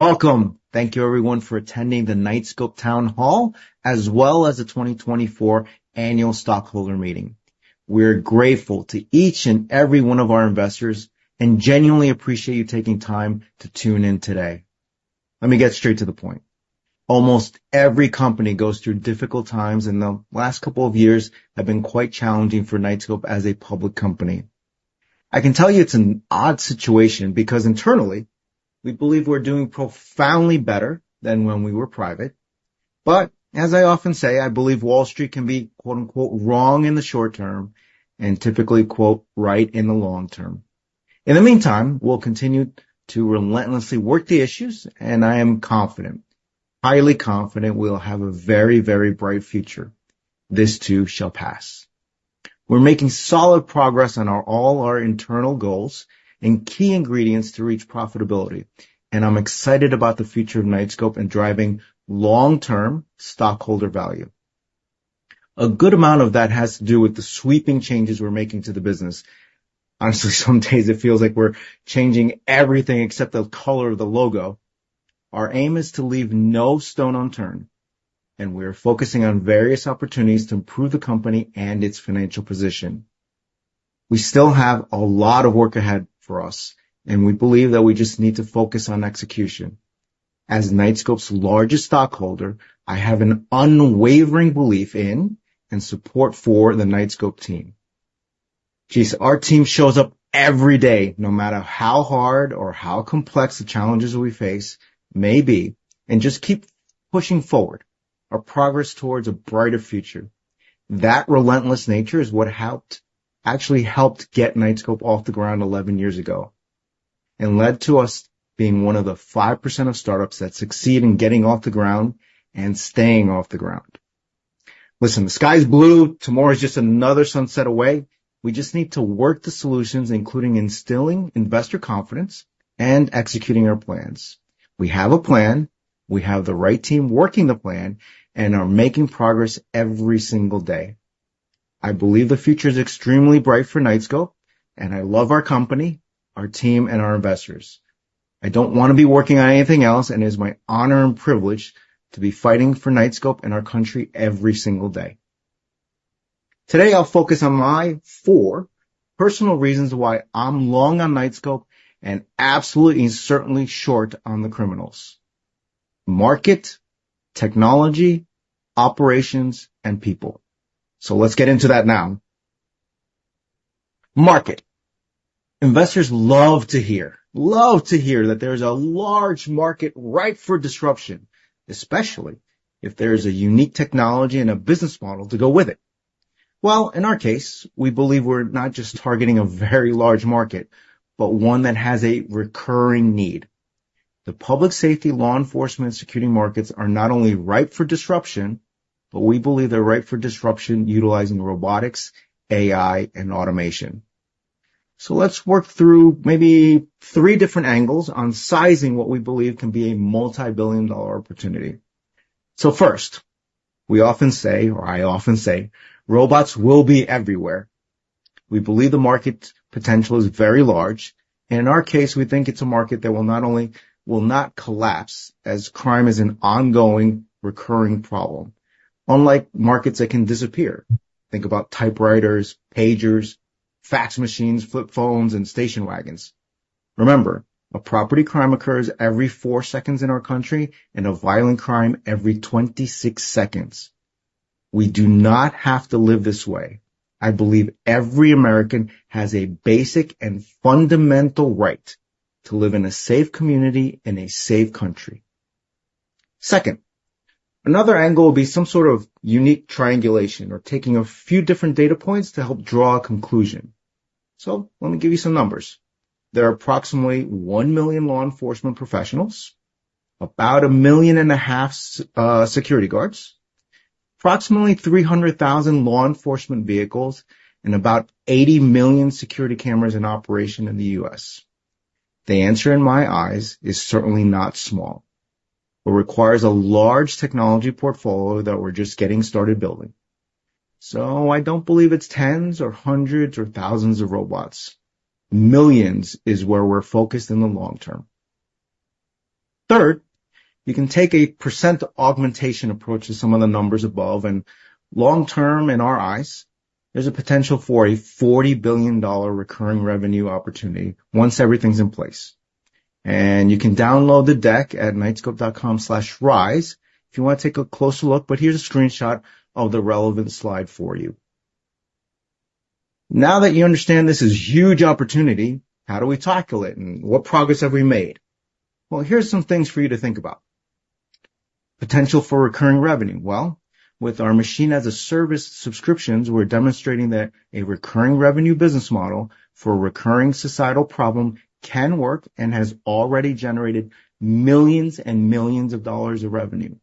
Welcome! Thank you everyone for attending the Knightscope Town Hall, as well as the 2024 Annual Stockholder Meeting. We're grateful to each and every one of our investors, and genuinely appreciate you taking time to tune in today. Let me get straight to the point. Almost every company goes through difficult times, and the last couple of years have been quite challenging for Knightscope as a public company. I can tell you it's an odd situation because internally, we believe we're doing profoundly better than when we were private. But as I often say, I believe Wall Street can be, quote, unquote, "wrong" in the short term, and typically, quote, "right" in the long term. In the meantime, we'll continue to relentlessly work the issues, and I am confident, highly confident, we'll have a very, very bright future. This too shall pass. We're making solid progress on our, all our internal goals and key ingredients to reach profitability, and I'm excited about the future of Knightscope and driving long-term stockholder value. A good amount of that has to do with the sweeping changes we're making to the business. Honestly, some days it feels like we're changing everything except the color of the logo. Our aim is to leave no stone unturned, and we're focusing on various opportunities to improve the company and its financial position. We still have a lot of work ahead for us, and we believe that we just need to focus on execution. As Knightscope's largest stockholder, I have an unwavering belief in and support for the Knightscope team. Geez, our team shows up every day, no matter how hard or how complex the challenges we face may be, and just keep pushing forward our progress towards a brighter future. That relentless nature is what helped, actually helped get Knightscope off the ground 11 years ago, and led to us being one of the 5% of startups that succeed in getting off the ground and staying off the ground. Listen, the sky is blue. Tomorrow is just another sunset away. We just need to work the solutions, including instilling investor confidence and executing our plans. We have a plan, we have the right team working the plan, and are making progress every single day. I believe the future is extremely bright for Knightscope, and I love our company, our team, and our investors. I don't wanna be working on anything else, and it is my honor and privilege to be fighting for Knightscope and our country every single day. Today, I'll focus on my four personal reasons why I'm long on Knightscope and absolutely and certainly short on the criminals: market, technology, operations, and people. Let's get into that now. Market. Investors love to hear, love to hear that there's a large market ripe for disruption, especially if there's a unique technology and a business model to go with it. Well, in our case, we believe we're not just targeting a very large market, but one that has a recurring need. The public safety, law enforcement, security markets are not only ripe for disruption, but we believe they're ripe for disruption utilizing robotics, AI, and automation. So let's work through maybe 3 different angles on sizing what we believe can be a multi-billion-dollar opportunity. So first, we often say, or I often say, "Robots will be everywhere." We believe the market potential is very large, and in our case, we think it's a market that will not only... will not collapse, as crime is an ongoing, recurring problem, unlike markets that can disappear. Think about typewriters, pagers, fax machines, flip phones, and station wagons. Remember, a property crime occurs every 4 seconds in our country, and a violent crime every 26 seconds. We do not have to live this way. I believe every American has a basic and fundamental right to live in a safe community, in a safe country. Second, another angle will be some sort of unique triangulation or taking a few different data points to help draw a conclusion. So let me give you some numbers. There are approximately 1 million law enforcement professionals, about 1.5 million security guards, approximately 300,000 law enforcement vehicles, and about 80 million security cameras in operation in the US. The answer, in my eyes, is certainly not small. It requires a large technology portfolio that we're just getting started building. So I don't believe it's tens or hundreds or thousands of robots. Millions is where we're focused in the long term. Third, you can take a percent augmentation approach to some of the numbers above, and long term, in our eyes, there's a potential for a $40 billion recurring revenue opportunity once everything's in place. And you can download the deck at knightscope.com/rise if you wanna take a closer look, but here's a screenshot of the relevant slide for you. Now that you understand this is huge opportunity, how do we tackle it, and what progress have we made? Well, here's some things for you to think about. Potential for recurring revenue. Well, with our machine-as-a-service subscriptions, we're demonstrating that a recurring revenue business model for a recurring societal problem can work and has already generated millions and millions of dollars of revenue.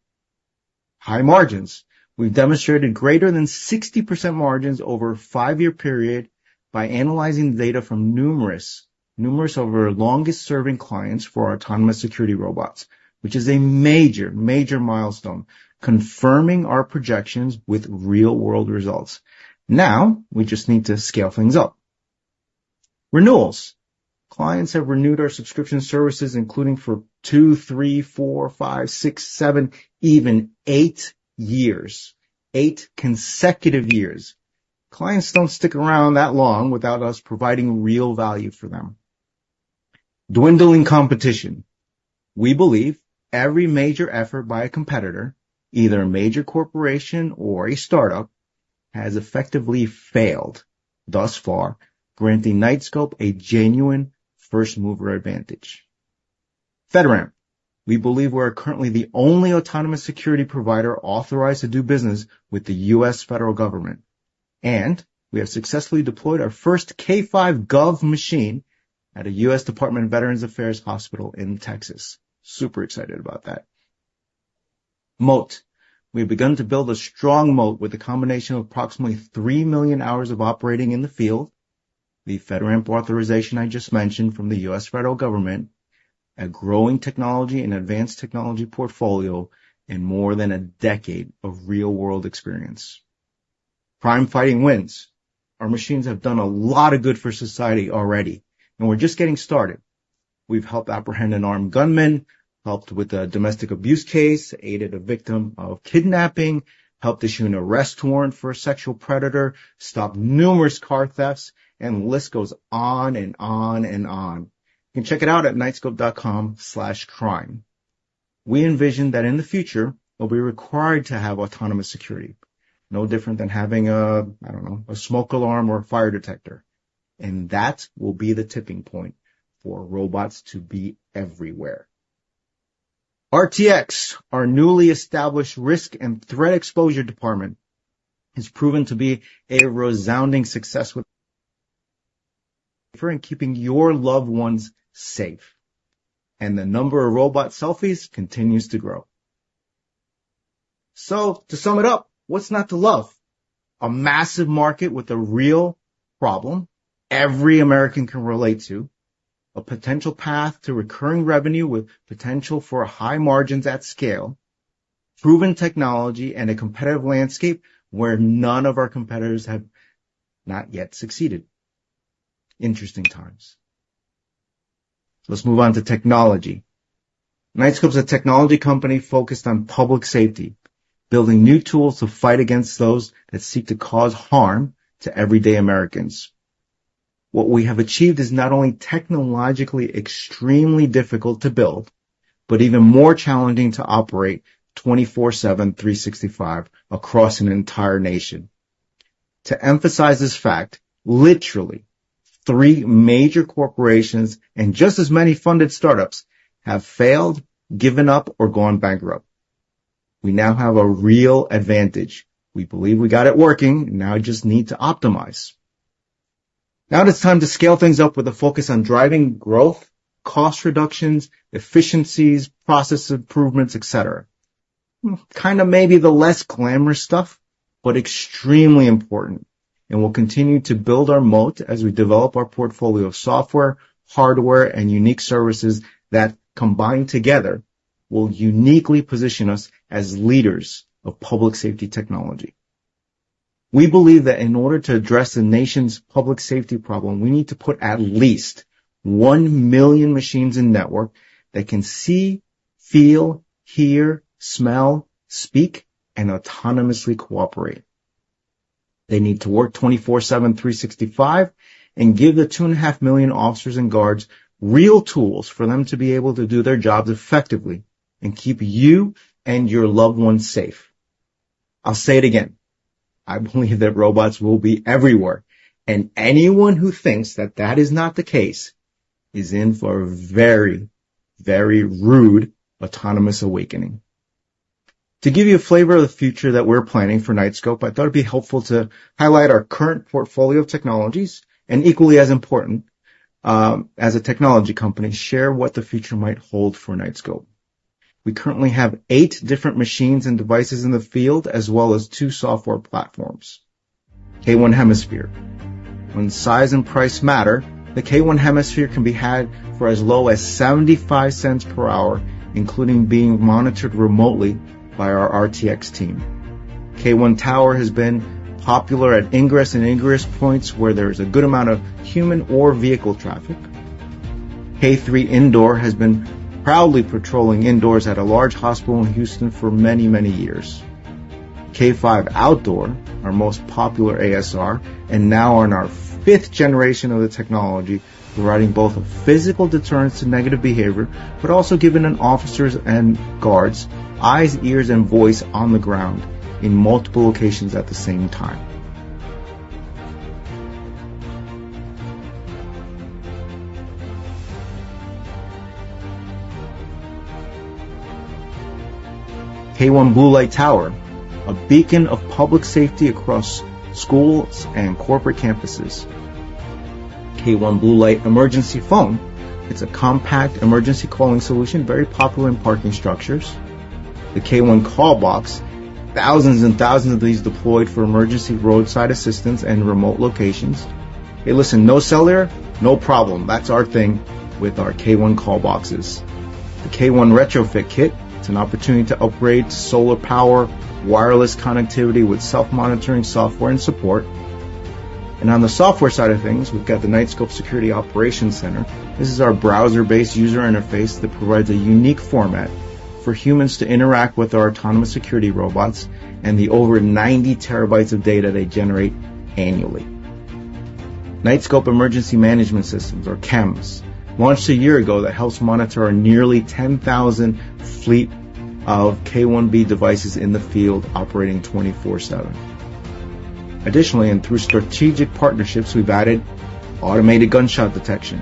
High margins. We've demonstrated greater than 60% margins over a 5-year period by analyzing data from numerous, numerous of our longest-serving clients for our autonomous security robots, which is a major, major milestone, confirming our projections with real-world results. Now, we just need to scale things up.... Renewals. Clients have renewed our subscription services, including for 2, 3, 4, 5, 6, 7, even 8 years, 8 consecutive years. Clients don't stick around that long without us providing real value for them. Dwindling competition. We believe every major effort by a competitor, either a major corporation or a startup, has effectively failed thus far, granting Knightscope a genuine first-mover advantage. FedRAMP. We believe we are currently the only autonomous security provider authorized to do business with the U.S. federal government, and we have successfully deployed our first K5 Gov machine at a U.S. Department of Veterans Affairs hospital in Texas. Super excited about that. Moat. We've begun to build a strong moat with a combination of approximately 3 million hours of operating in the field, the FedRAMP authorization I just mentioned from the U.S. federal government, a growing technology and advanced technology portfolio, and more than a decade of real-world experience. Crime fighting wins. Our machines have done a lot of good for society already, and we're just getting started. We've helped apprehend an armed gunman, helped with a domestic abuse case, aided a victim of kidnapping, helped issue an arrest warrant for a sexual predator, stopped numerous car thefts, and the list goes on and on and on. You can check it out at Knightscope.com/crime. We envision that in the future, we'll be required to have autonomous security, no different than having a, I don't know, a smoke alarm or a fire detector, and that will be the tipping point for robots to be everywhere. RTX, our newly established risk and threat exposure department, has proven to be a resounding success with keeping your loved ones safe, and the number of robot selfies continues to grow. So to sum it up, what's not to love? A massive market with a real problem every American can relate to, a potential path to recurring revenue with potential for high margins at scale, proven technology, and a competitive landscape where none of our competitors have not yet succeeded. Interesting times. Let's move on to technology. Knightscope is a technology company focused on public safety, building new tools to fight against those that seek to cause harm to everyday Americans. What we have achieved is not only technologically extremely difficult to build, but even more challenging to operate 24/7, 365, across an entire nation. To emphasize this fact, literally 3 major corporations and just as many funded startups have failed, given up, or gone bankrupt. We now have a real advantage. We believe we got it working. Now we just need to optimize. Now it's time to scale things up with a focus on driving growth, cost reductions, efficiencies, process improvements, et cetera. Kind of maybe the less glamorous stuff, but extremely important. And we'll continue to build our moat as we develop our portfolio of software, hardware, and unique services that, combined together, will uniquely position us as leaders of public safety technology. We believe that in order to address the nation's public safety problem, we need to put at least 1 million machines in network that can see, feel, hear, smell, speak, and autonomously cooperate. They need to work 24/7, 365, and give the 2.5 million officers and guards real tools for them to be able to do their jobs effectively and keep you and your loved ones safe. I'll say it again: I believe that robots will be everywhere, and anyone who thinks that that is not the case is in for a very, very rude, autonomous awakening. To give you a flavor of the future that we're planning for Knightscope, I thought it'd be helpful to highlight our current portfolio of technologies and equally as important, as a technology company, share what the future might hold for Knightscope. We currently have 8 different machines and devices in the field, as well as two software platforms. K1 Hemisphere. When size and price matter, the K1 Hemisphere can be had for as low as $0.75 per hour, including being monitored remotely by our RTX team. K1 Tower has been popular at ingress and egress points where there is a good amount of human or vehicle traffic. K3 Indoor has been proudly patrolling indoors at a large hospital in Houston for many, many years. K5 Outdoor, our most popular ASR, and now on our fifth generation of the technology, providing both a physical deterrence to negative behavior, but also giving officers and guards eyes, ears, and voice on the ground in multiple locations at the same time. K1 Blue Light Tower, a beacon of public safety across schools and corporate campuses. K1 Blue Light Emergency Phone. It's a compact emergency calling solution, very popular in parking structures. The K1 Call Box. Thousands and thousands of these deployed for emergency roadside assistance and remote locations. Hey, listen, no cellular, no problem. That's our thing with our K1 Call Boxes. The K1 Retrofit Kit, it's an opportunity to upgrade solar power, wireless connectivity with self-monitoring software and support. On the software side of things, we've got the Knightscope Security Operations Center. This is our browser-based user interface that provides a unique format for humans to interact with our autonomous security robots and the over 90 terabytes of data they generate annually. Knightscope Emergency Management Systems, or KEMS, launched a year ago, that helps monitor our nearly 10,000 fleet of K1B devices in the field, operating 24/7. Additionally, and through strategic partnerships, we've added automated gunshot detection.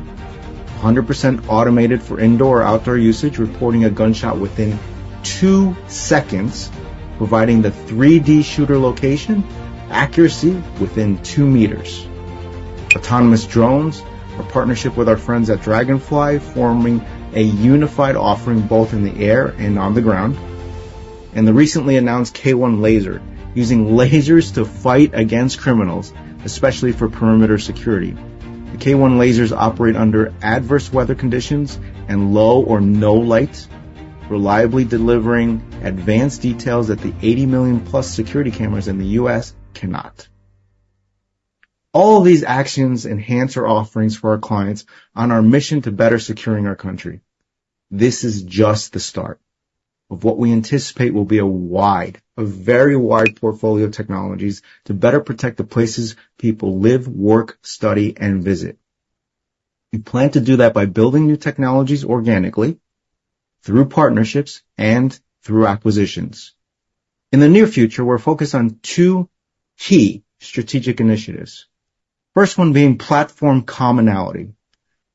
100% automated for indoor or outdoor usage, reporting a gunshot within 2 seconds, providing the 3D shooter location accuracy within 2 meters. Autonomous drones: a partnership with our friends at Draganfly, forming a unified offering both in the air and on the ground. The recently announced K1 Laser, using lasers to fight against criminals, especially for perimeter security. The K1 lasers operate under adverse weather conditions and low or no light, reliably delivering advanced details that the 80 million-plus security cameras in the U.S. cannot. All of these actions enhance our offerings for our clients on our mission to better securing our country. This is just the start of what we anticipate will be a wide, a very wide portfolio of technologies to better protect the places people live, work, study, and visit. We plan to do that by building new technologies organically, through partnerships, and through acquisitions. In the near future, we're focused on two key strategic initiatives. First one being platform commonality.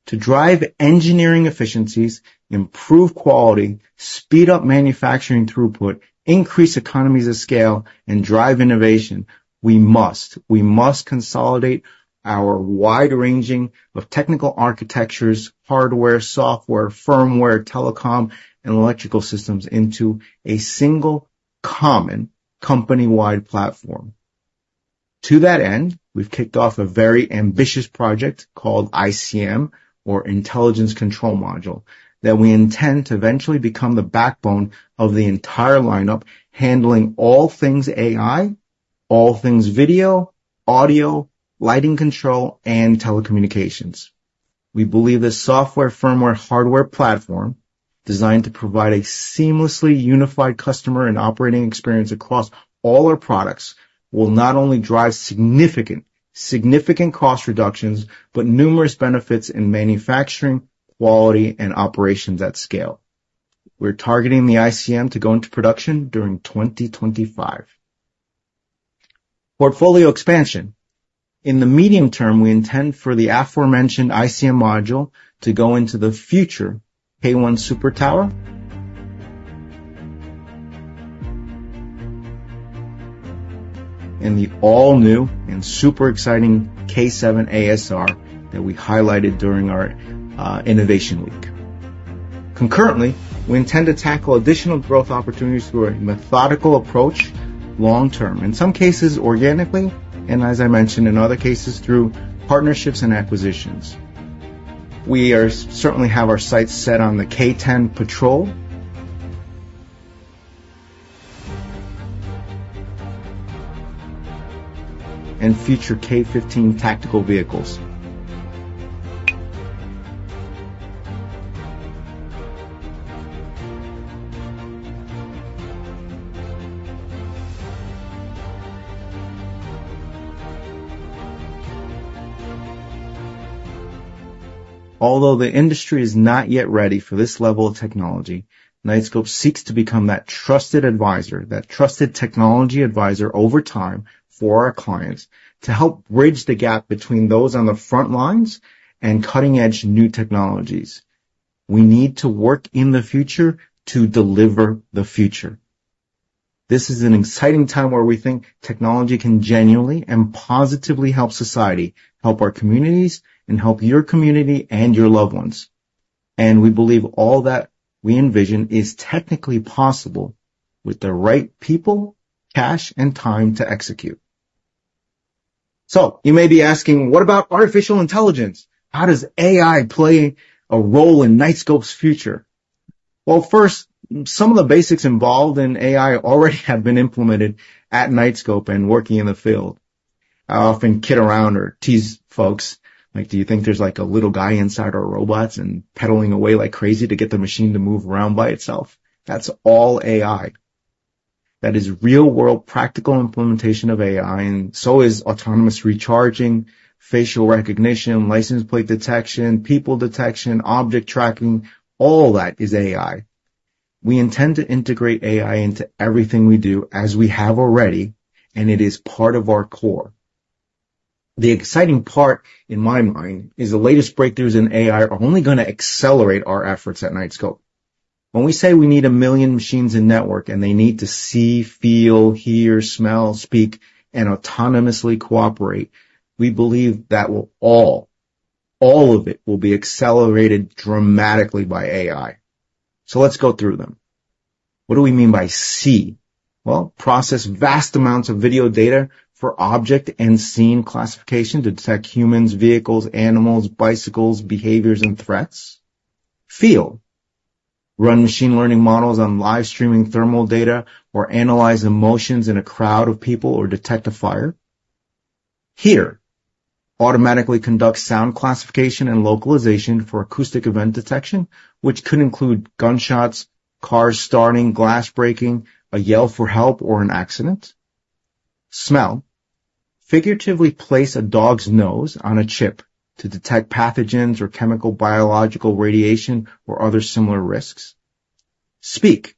To drive engineering efficiencies, improve quality, speed up manufacturing throughput, increase economies of scale, and drive innovation, we must consolidate our wide range of technical architectures, hardware, software, firmware, telecom, and electrical systems into a single, common, company-wide platform. To that end, we've kicked off a very ambitious project called ICM, or Intelligence Control Module, that we intend to eventually become the backbone of the entire lineup, handling all things AI, all things video, audio, lighting control, and telecommunications. We believe this software, firmware, hardware platform, designed to provide a seamlessly unified customer and operating experience across all our products, will not only drive significant cost reductions, but numerous benefits in manufacturing, quality, and operations at scale. We're targeting the ICM to go into production during 2025. Portfolio expansion. In the medium term, we intend for the aforementioned ICM module to go into the future K1 Super Tower. In the all-new and super exciting K7 ASR that we highlighted during our innovation week. Concurrently, we intend to tackle additional growth opportunities through a methodical approach, long term, in some cases, organically, and as I mentioned, in other cases, through partnerships and acquisitions. We certainly have our sights set on the K10 Patrol and future K15 tactical vehicles. Although the industry is not yet ready for this level of technology, Knightscope seeks to become that trusted advisor, that trusted technology advisor over time for our clients to help bridge the gap between those on the front lines and cutting-edge new technologies. We need to work in the future to deliver the future. This is an exciting time where we think technology can genuinely and positively help society, help our communities, and help your community and your loved ones. We believe all that we envision is technically possible with the right people, cash, and time to execute. You may be asking: What about artificial intelligence? How does AI play a role in Knightscope's future? Well, first, some of the basics involved in AI already have been implemented at Knightscope and working in the field. I often kid around or tease folks, like: "Do you think there's, like, a little guy inside our robots and pedaling away like crazy to get the machine to move around by itself?" That's all AI. That is real-world, practical implementation of AI, and so is autonomous recharging, facial recognition, license plate detection, people detection, object tracking. All that is AI. We intend to integrate AI into everything we do, as we have already, and it is part of our core. The exciting part, in my mind, is the latest breakthroughs in AI are only gonna accelerate our efforts at Knightscope. When we say we need 1 million machines in network, and they need to see, feel, hear, smell, speak, and autonomously cooperate, we believe that will all, all of it, will be accelerated dramatically by AI. So let's go through them. What do we mean by see? Well, process vast amounts of video data for object and scene classification to detect humans, vehicles, animals, bicycles, behaviors, and threats. Feel.... Run machine learning models on live streaming thermal data or analyze emotions in a crowd of people, or detect a fire. Hear, automatically conduct sound classification and localization for acoustic event detection, which could include gunshots, cars starting, glass breaking, a yell for help, or an accident. Smell, figuratively place a dog's nose on a chip to detect pathogens or chemical, biological, radiation, or other similar risks. Speak,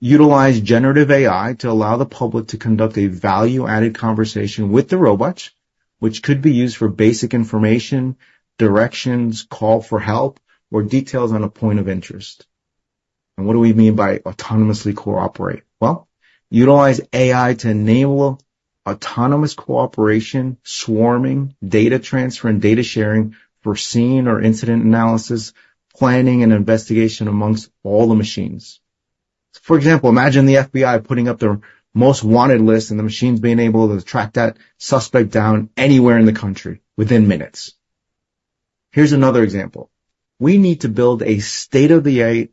utilize generative AI to allow the public to conduct a value-added conversation with the robots, which could be used for basic information, directions, call for help, or details on a point of interest. And what do we mean by autonomously cooperate? Well, utilize AI to enable autonomous cooperation, swarming, data transfer, and data sharing for scene or incident analysis, planning, and investigation amongst all the machines. For example, imagine the FBI putting up their most wanted list and the machines being able to track that suspect down anywhere in the country within minutes. Here's another example: We need to build a state-of-the-art,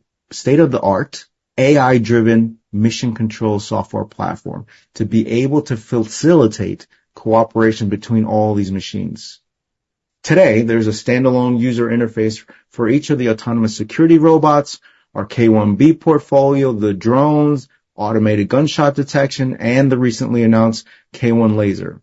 AI-driven mission control software platform to be able to facilitate cooperation between all these machines. Today, there's a standalone user interface for each of the autonomous security robots, our K1B portfolio, the drones, Automated Gunshot Detection, and the recently announced K1 Laser.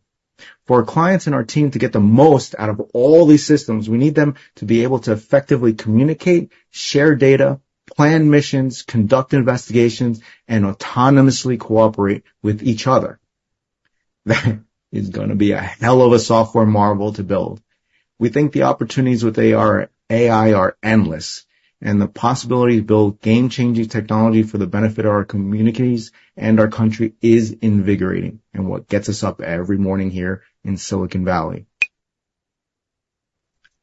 For our clients and our team to get the most out of all these systems, we need them to be able to effectively communicate, share data, plan missions, conduct investigations, and autonomously cooperate with each other. That is gonna be a hell of a software marvel to build. We think the opportunities with our AI are endless, and the possibility to build game-changing technology for the benefit of our communities and our country is invigorating, and what gets us up every morning here in Silicon Valley.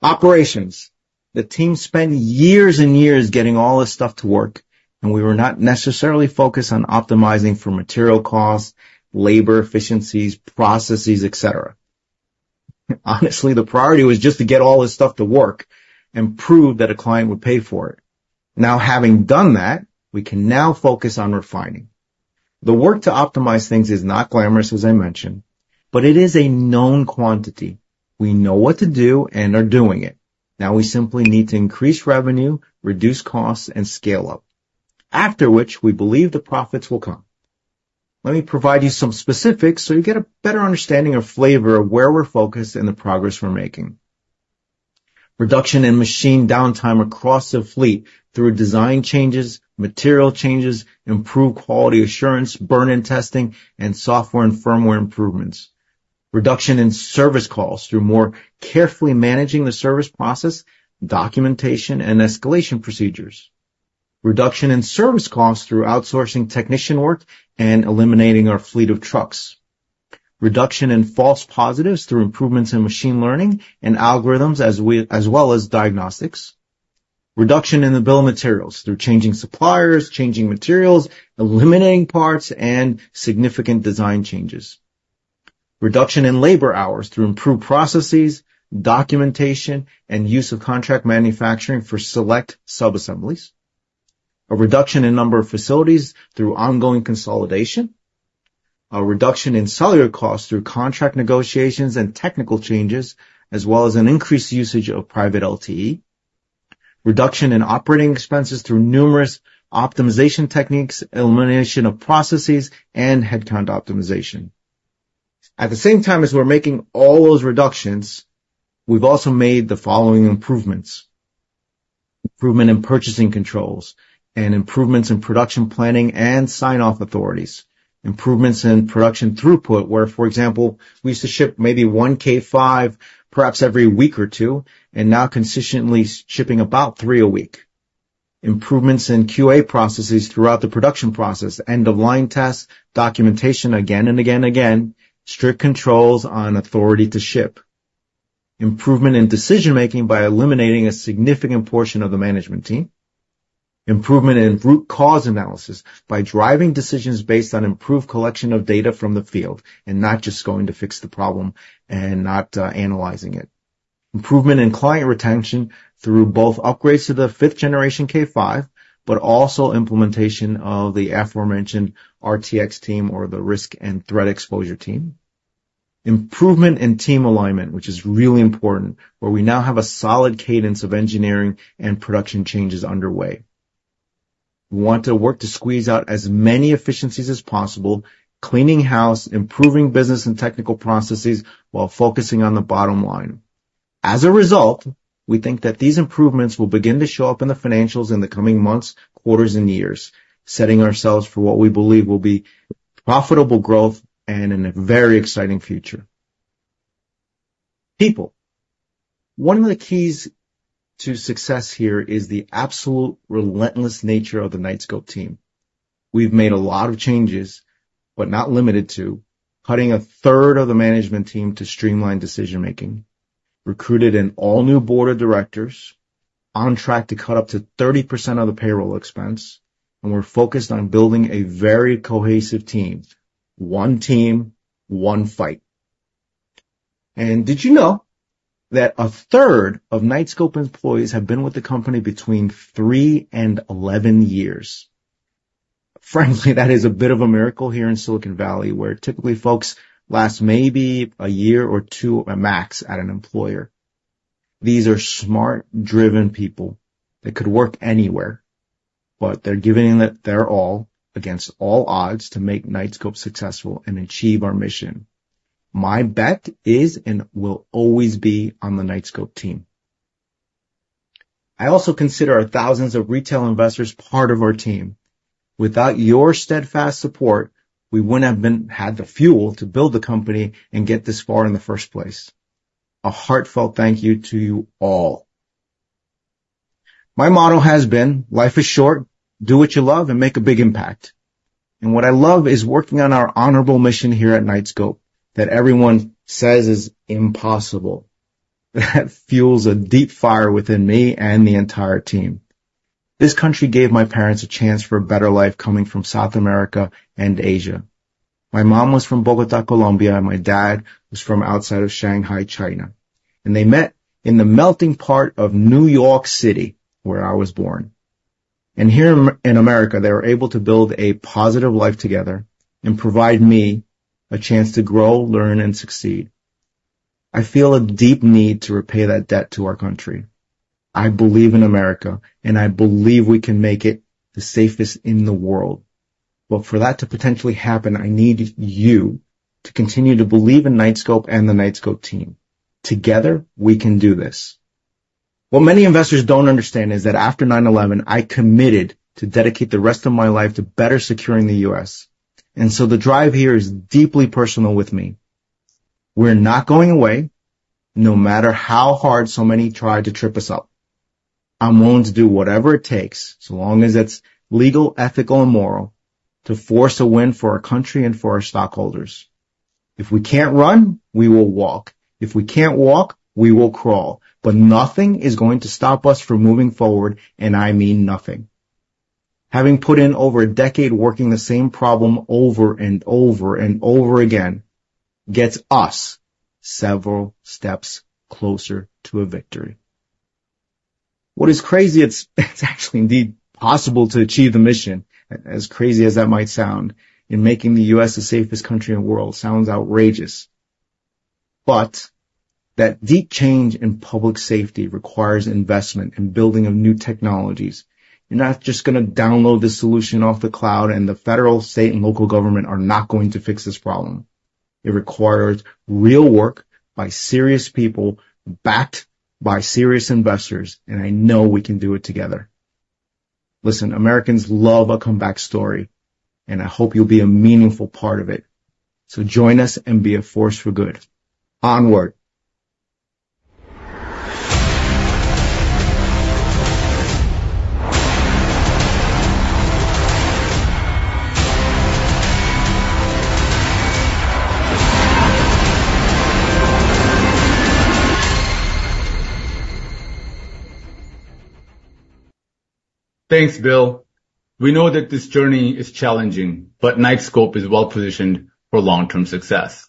Operations. The team spent years and years getting all this stuff to work, and we were not necessarily focused on optimizing for material costs, labor efficiencies, processes, et cetera. Honestly, the priority was just to get all this stuff to work and prove that a client would pay for it. Now, having done that, we can now focus on refining. The work to optimize things is not glamorous, as I mentioned, but it is a known quantity. We know what to do and are doing it. Now we simply need to increase revenue, reduce costs, and scale up, after which we believe the profits will come. Let me provide you some specifics so you get a better understanding or flavor of where we're focused and the progress we're making. Reduction in machine downtime across the fleet through design changes, material changes, improved quality assurance, burn-in testing, and software and firmware improvements. Reduction in service calls through more carefully managing the service process, documentation, and escalation procedures. Reduction in service costs through outsourcing technician work and eliminating our fleet of trucks. Reduction in false positives through improvements in machine learning and algorithms, as well as diagnostics. Reduction in the Bill of Materials through changing suppliers, changing materials, eliminating parts, and significant design changes. Reduction in labor hours through improved processes, documentation, and use of contract manufacturing for select subassemblies. A reduction in number of facilities through ongoing consolidation. A reduction in cellular costs through contract negotiations and technical changes, as well as an increased usage of Private LTE. Reduction in operating expenses through numerous optimization techniques, elimination of processes, and headcount optimization. At the same time, as we're making all those reductions, we've also made the following improvements. Improvement in purchasing controls and improvements in production planning and sign-off authorities. Improvements in production throughput, where, for example, we used to ship maybe one K5, perhaps every week or two, and now consistently shipping about three a week. Improvements in QA processes throughout the production process, end-of-line tests, documentation again and again and again. Strict controls on authority to ship. Improvement in decision-making by eliminating a significant portion of the management team. Improvement in root cause analysis by driving decisions based on improved collection of data from the field, and not just going to fix the problem and not analyzing it. Improvement in client retention through both upgrades to the 5th generation K5, but also implementation of the aforementioned RTX team or the Risk and Threat Exposure team. Improvement in team alignment, which is really important, where we now have a solid cadence of engineering and production changes underway. We want to work to squeeze out as many efficiencies as possible, cleaning house, improving business and technical processes while focusing on the bottom line. As a result, we think that these improvements will begin to show up in the financials in the coming months, quarters, and years, setting ourselves for what we believe will be profitable growth and in a very exciting future. People. One of the keys to success here is the absolute relentless nature of the Knightscope team. We've made a lot of changes, but not limited to cutting a third of the management team to streamline decision-making, recruited an all-new board of directors, on track to cut up to 30% of the payroll expense, and we're focused on building a very cohesive team. One team, one fight.... And did you know that a third of Knightscope employees have been with the company between 3 and 11 years? Frankly, that is a bit of a miracle here in Silicon Valley, where typically folks last maybe a year or two at max at an employer. These are smart, driven people that could work anywhere, but they're giving it their all, against all odds, to make Knightscope successful and achieve our mission. My bet is and will always be on the Knightscope team. I also consider our thousands of retail investors part of our team. Without your steadfast support, we wouldn't have had the fuel to build the company and get this far in the first place. A heartfelt thank you to you all. My motto has been: Life is short, do what you love, and make a big impact. What I love is working on our honorable mission here at Knightscope, that everyone says is impossible. That fuels a deep fire within me and the entire team. This country gave my parents a chance for a better life coming from South America and Asia. My mom was from Bogotá, Colombia, and my dad was from outside of Shanghai, China, and they met in the melting pot of New York City, where I was born. Here in America, they were able to build a positive life together and provide me a chance to grow, learn, and succeed. I feel a deep need to repay that debt to our country. I believe in America, and I believe we can make it the safest in the world. But for that to potentially happen, I need you to continue to believe in Knightscope and the Knightscope team. Together, we can do this. What many investors don't understand is that after 9/11, I committed to dedicate the rest of my life to better securing the U.S., and so the drive here is deeply personal with me. We're not going away, no matter how hard so many try to trip us up. I'm willing to do whatever it takes, so long as it's legal, ethical, and moral, to force a win for our country and for our stockholders. If we can't run, we will walk. If we can't walk, we will crawl, but nothing is going to stop us from moving forward, and I mean nothing. Having put in over a decade working the same problem over and over and over again, gets us several steps closer to a victory. What is crazy, it's actually indeed possible to achieve the mission, as crazy as that might sound, in making the U.S. the safest country in the world. Sounds outrageous. But that deep change in public safety requires investment and building of new technologies. You're not just gonna download the solution off the cloud, and the federal, state, and local government are not going to fix this problem. It requires real work by serious people, backed by serious investors, and I know we can do it together. Listen, Americans love a comeback story, and I hope you'll be a meaningful part of it. So join us and be a force for good. Onward! Thanks, Bill. We know that this journey is challenging, but Knightscope is well positioned for long-term success.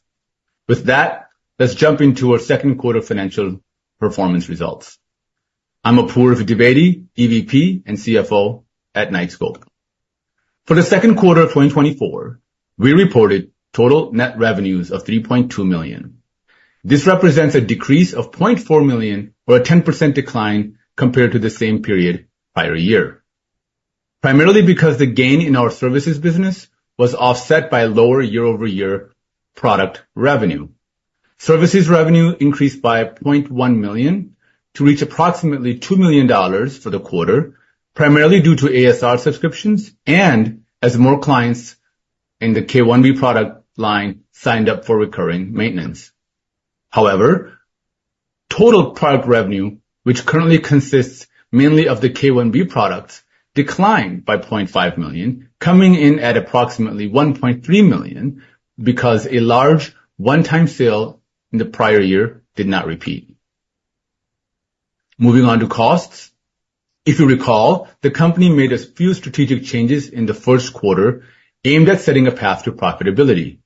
With that, let's jump into our Q2 financial performance results. I'm Apoorv Dwivedi, EVP and CFO at Knightscope. For the Q2 of 2024, we reported total net revenues of $3.2 million. This represents a decrease of $0.4 million or a 10% decline compared to the same period prior year. Primarily because the gain in our services business was offset by lower year-over-year product revenue. Services revenue increased by $0.1 million to reach approximately $2 million for the quarter, primarily due to ASR subscriptions and as more clients in the K1B product line signed up for recurring maintenance. However, total product revenue, which currently consists mainly of the K1B products, declined by $0.5 million, coming in at approximately $1.3 million, because a large one-time sale in the prior year did not repeat. Moving on to costs. If you recall, the company made a few strategic changes in the Q1, aimed at setting a path to profitability.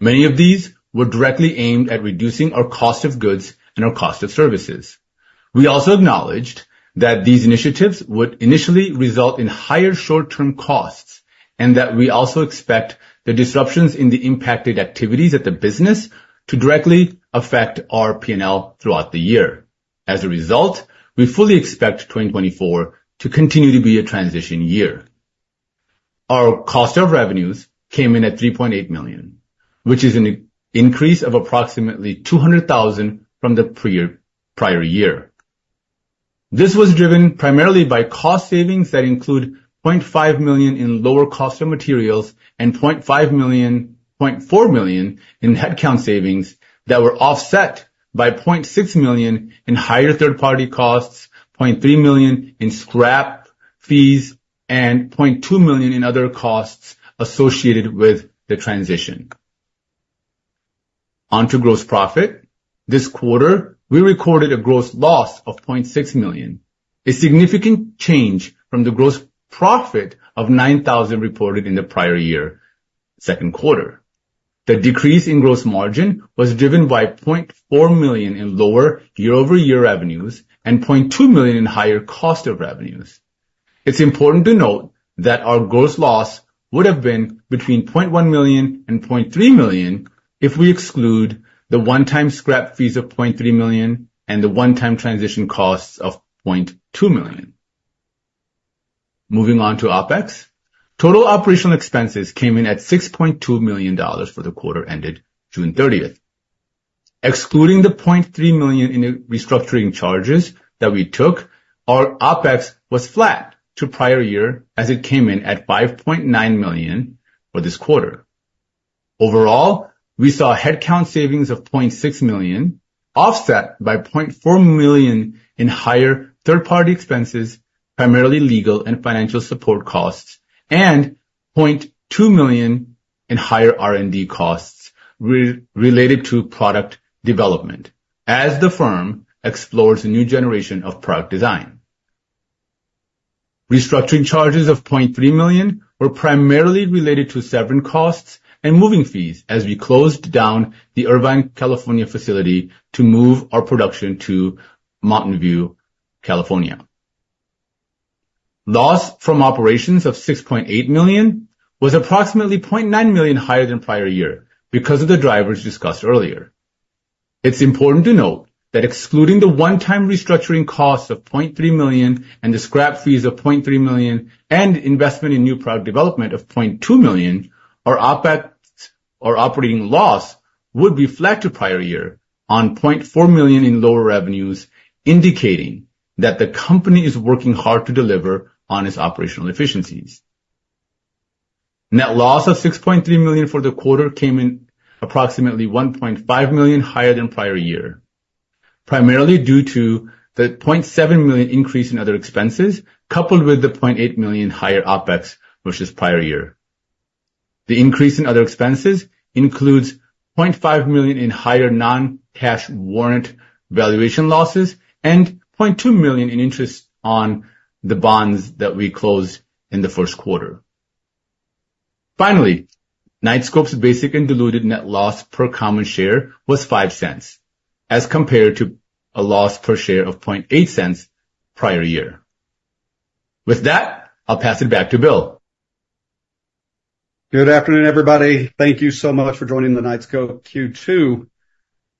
Many of these were directly aimed at reducing our cost of goods and our cost of services. We also acknowledged that these initiatives would initially result in higher short-term costs, and that we also expect the disruptions in the impacted activities of the business to directly affect our PNL throughout the year. As a result, we fully expect 2024 to continue to be a transition year. Our cost of revenues came in at $3.8 million, which is an increase of approximately $200,000 from the prior year. This was driven primarily by cost savings that include $0.5 million in lower cost of materials and $0.5 million-- $0.4 million in headcount savings that were offset by $0.6 million in higher third-party costs, $0.3 million in scrap fees, and $0.2 million in other costs associated with the transition. On to gross profit. This quarter, we recorded a gross loss of $0.6 million. A significant change from the gross profit of $9,000 reported in the prior year, Q2. The decrease in gross margin was driven by $0.4 million in lower year-over-year revenues and $0.2 million in higher cost of revenues. It's important to note that our gross loss would have been between $0.1 million and $0.3 million if we exclude the one-time scrap fees of $0.3 million and the one-time transition costs of $0.2 million. Moving on to OpEx. Total operational expenses came in at $6.2 million for the quarter ended June 30th. Excluding the $0.3 million in restructuring charges that we took, our OpEx was flat to prior year as it came in at $5.9 million for this quarter. Overall, we saw a headcount savings of $0.6 million, offset by $0.4 million in higher third-party expenses, primarily legal and financial support costs, and $0.2 million in higher R&D costs related to product development as the firm explores a new generation of product design. Restructuring charges of $0.3 million were primarily related to severance costs and moving fees as we closed down the Irvine, California, facility to move our production to Mountain View, California. Loss from operations of $6.8 million was approximately $0.9 million higher than prior year because of the drivers discussed earlier. It's important to note that excluding the one-time restructuring costs of $0.3 million and the scrap fees of $0.3 million and investment in new product development of $0.2 million, our OpEx or operating loss would be flat to prior year on $0.4 million in lower revenues, indicating that the company is working hard to deliver on its operational efficiencies. Net loss of $6.3 million for the quarter came in approximately $1.5 million higher than prior year, primarily due to the $0.7 million increase in other expenses, coupled with the $0.8 million higher OpEx versus prior year. The increase in other expenses includes $0.5 million in higher non-cash warrant valuation losses and $0.2 million in interest on the bonds that we closed in the Q1. Finally, Knightscope's basic and diluted net loss per common share was $0.05, as compared to a loss per share of $0.08 prior year. With that, I'll pass it back to Bill. Good afternoon, everybody. Thank you so much for joining the Knightscope Q2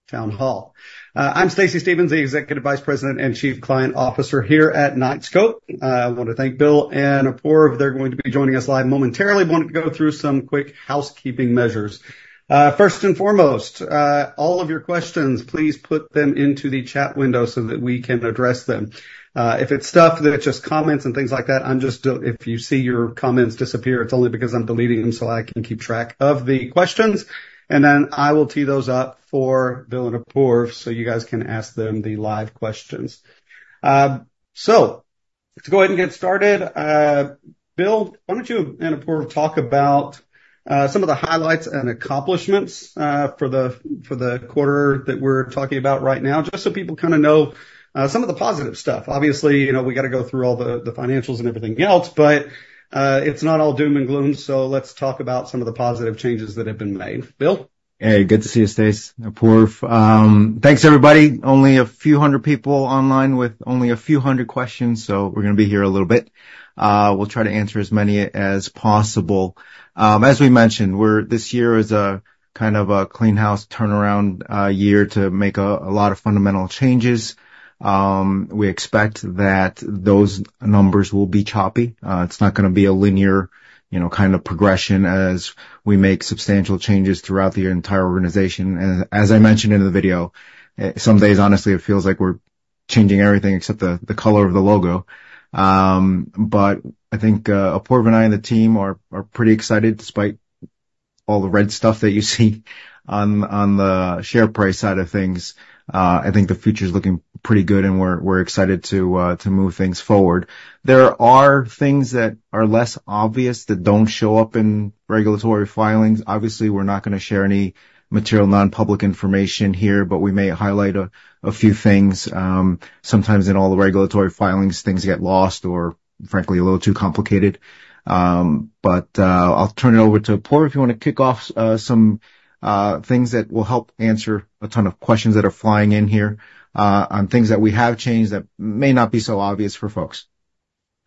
Town Hall. I'm Stacy Stephens, the Executive Vice President and Chief Client Officer here at Knightscope. I want to thank Bill and Apoorv, they're going to be joining us live momentarily. I wanted to go through some quick housekeeping measures. First and foremost, all of your questions, please put them into the chat window so that we can address them. If it's stuff that it's just comments and things like that, I'm just... If you see your comments disappear, it's only because I'm deleting them so I can keep track of the questions, and then I will tee those up for Bill and Apoorv so you guys can ask them the live questions. So let's go ahead and get started. Bill, why don't you and Apoorv talk about some of the highlights and accomplishments for the quarter that we're talking about right now, just so people kinda know some of the positive stuff. Obviously, you know, we gotta go through all the financials and everything else, but it's not all doom and gloom. So let's talk about some of the positive changes that have been made. Bill? Hey, good to see you, Stace. Apoorv. Thanks, everybody. Only a few hundred people online with only a few hundred questions, so we're gonna be here a little bit. We'll try to answer as many as possible. As we mentioned, we're—this year is a kind of a clean house turnaround year to make a lot of fundamental changes. We expect that those numbers will be choppy. It's not gonna be a linear, you know, kind of progression as we make substantial changes throughout the entire organization. And as I mentioned in the video, some days, honestly, it feels like we're changing everything except the color of the logo. But I think Apoorv and I, and the team are pretty excited despite all the red stuff that you see on the share price side of things. I think the future is looking pretty good, and we're, we're excited to to move things forward. There are things that are less obvious that don't show up in regulatory filings. Obviously, we're not gonna share any material, non-public information here, but we may highlight a few things. Sometimes in all the regulatory filings, things get lost or frankly, a little too complicated. But I'll turn it over to Apoorv, if you wanna kick off some things that will help answer a ton of questions that are flying in here on things that we have changed that may not be so obvious for folks.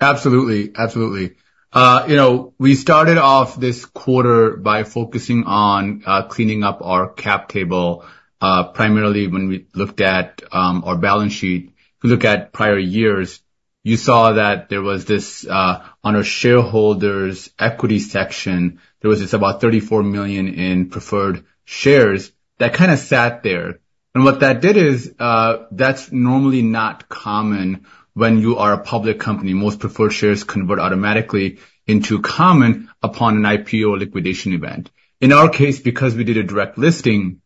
Absolutely. Absolutely. You know, we started off this quarter by focusing on cleaning up our cap table. Primarily, when we looked at our balance sheet, if you look at prior years, you saw that there was this on our shareholders' equity section, there was just about $34 million in preferred shares that kinda sat there. And what that did is, that's normally not common when you are a public company. Most preferred shares convert automatically into common upon an IPO or liquidation event. In our case, because we did a direct listing,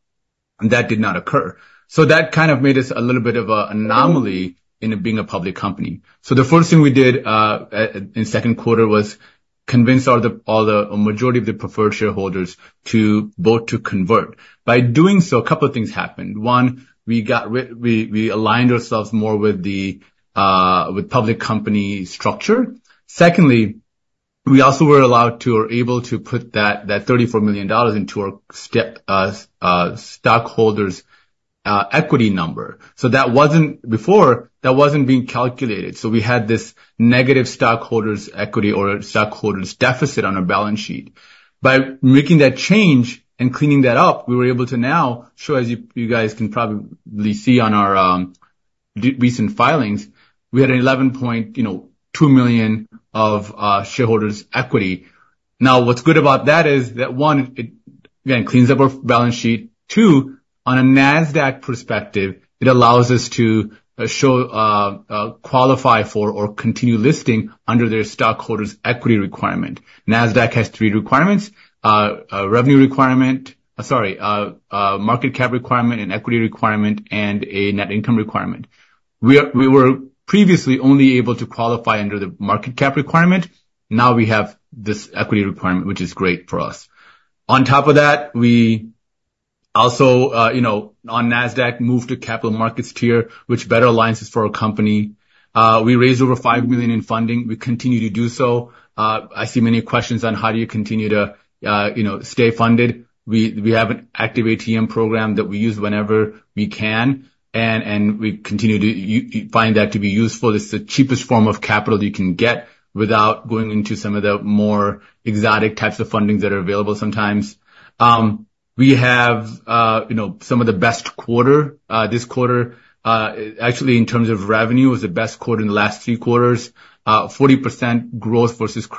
that did not occur. So that kind of made us a little bit of a anomaly in it being a public company. So the first thing we did in Q2 was convince all the majority of the preferred shareholders to vote to convert. By doing so, a couple of things happened. One, we aligned ourselves more with the public company structure. Secondly, we also were allowed to, or able to put that $34 million into our stockholders' equity number. So that wasn't, before, that wasn't being calculated, so we had this negative stockholders' equity or stockholders' deficit on our balance sheet. By making that change and cleaning that up, we were able to now show, as you guys can probably see on our recent filings, we had $11.2 million, you know, of shareholders' equity. Now, what's good about that is that, one, it, again, cleans up our balance sheet. Two, on a NASDAQ perspective, it allows us to show qualify for or continue listing under their stockholders' equity requirement. NASDAQ has three requirements: a market cap requirement, an equity requirement, and a net income requirement. We were previously only able to qualify under the market cap requirement, now we have this equity requirement, which is great for us. On top of that, we also, you know, on NASDAQ, moved to capital markets tier, which better aligns us for our company. We raised over $5 million in funding. We continue to do so. I see many questions on how do you continue to, you know, stay funded. We have an active ATM program that we use whenever we can, and we continue to find that to be useful. It's the cheapest form of capital you can get without going into some of the more exotic types of fundings that are available sometimes. We have, you know, some of the best quarter, this quarter, actually, in terms of revenue, it was the best quarter in the last three quarters, 40% growth versus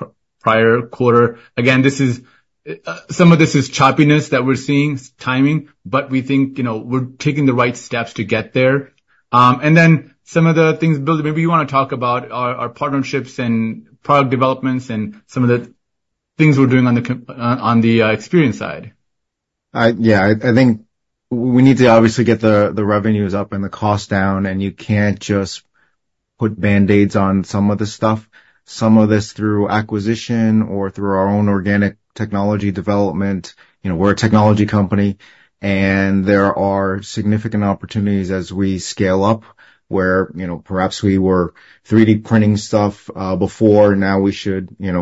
prior quarter. Again, this is, some of this is choppiness that we're seeing, timing, but we think, you know, we're taking the right steps to get there. And then some of the things, Bill, maybe you want to talk about our, our partnerships and product developments and some of the things we're doing on the experience side. Yeah, I think we need to obviously get the revenues up and the costs down, and you can't just put band-aids on some of this stuff. Some of this through acquisition or through our own organic technology development. You know, we're a technology company, and there are significant opportunities as we scale up, where, you know, perhaps we were 3D printing stuff before, now we should, you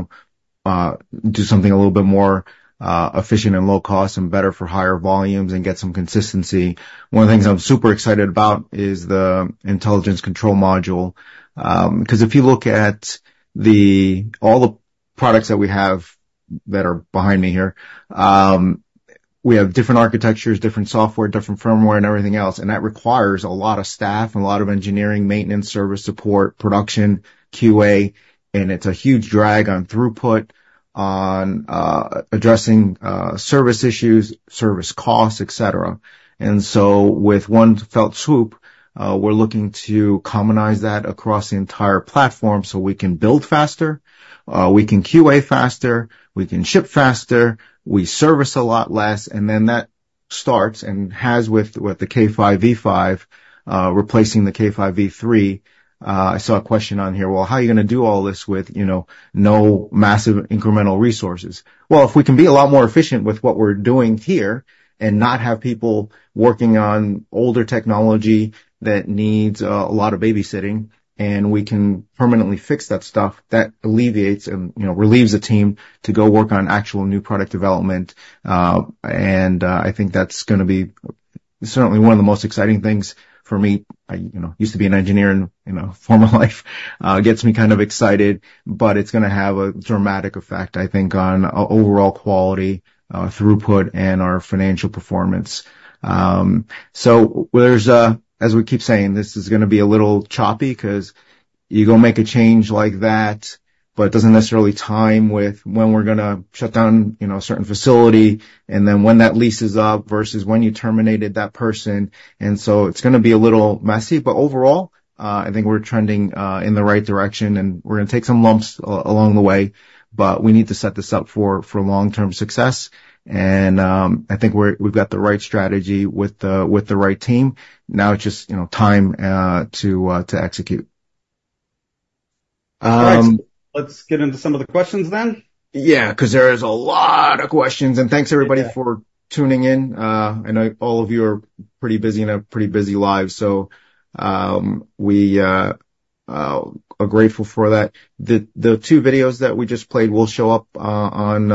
know, do something a little bit more efficient and low cost and better for higher volumes and get some consistency. One of the things I'm super excited about is the Intelligence Control Module. Because if you look at all the products that we have, that are behind me here, we have different architectures, different software, different firmware, and everything else, and that requires a lot of staff and a lot of engineering, maintenance, service support, production, QA, and it's a huge drag on throughput, on addressing service issues, service costs, et cetera. And so with one fell swoop, we're looking to commonize that across the entire platform so we can build faster, we can QA faster, we can ship faster, we service a lot less, and then that starts and has with the K5 V5 replacing the K5 V3. I saw a question on here, well, how are you gonna do all this with, you know, no massive incremental resources? Well, if we can be a lot more efficient with what we're doing here and not have people working on older technology that needs a lot of babysitting, and we can permanently fix that stuff, that alleviates and, you know, relieves the team to go work on actual new product development. I think that's gonna be certainly one of the most exciting things for me. I, you know, used to be an engineer in, you know, former life, gets me kind of excited, but it's gonna have a dramatic effect, I think, on overall quality, throughput, and our financial performance. So there's a... As we keep saying, this is gonna be a little choppy, 'cause you go make a change like that, but it doesn't necessarily time with when we're gonna shut down, you know, a certain facility, and then when that lease is up versus when you terminated that person. And so it's gonna be a little messy, but overall, I think we're trending in the right direction, and we're gonna take some lumps along the way, but we need to set this up for long-term success, and I think we've got the right strategy with the right team. Now it's just, you know, time to execute. Let's get into some of the questions then. Yeah, 'cause there is a lot of questions, and thanks, everybody, for tuning in. I know all of you are pretty busy and have pretty busy lives, so we are grateful for that. The two videos that we just played will show up on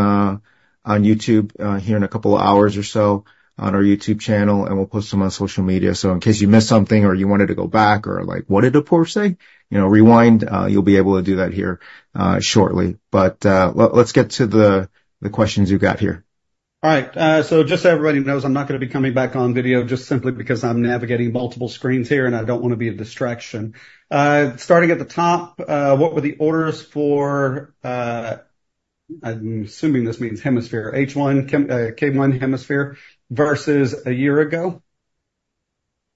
YouTube here in a couple of hours or so, on our YouTube channel, and we'll post them on social media. So in case you missed something, or you wanted to go back, or like, "What did Apoorv say?" You know, rewind, you'll be able to do that here shortly. But let's get to the questions you've got here. All right, so just so everybody knows, I'm not gonna be coming back on video just simply because I'm navigating multiple screens here, and I don't want to be a distraction. Starting at the top, what were the orders for, I'm assuming this means Hemisphere, H1, K- K1 Hemisphere, versus a year ago?...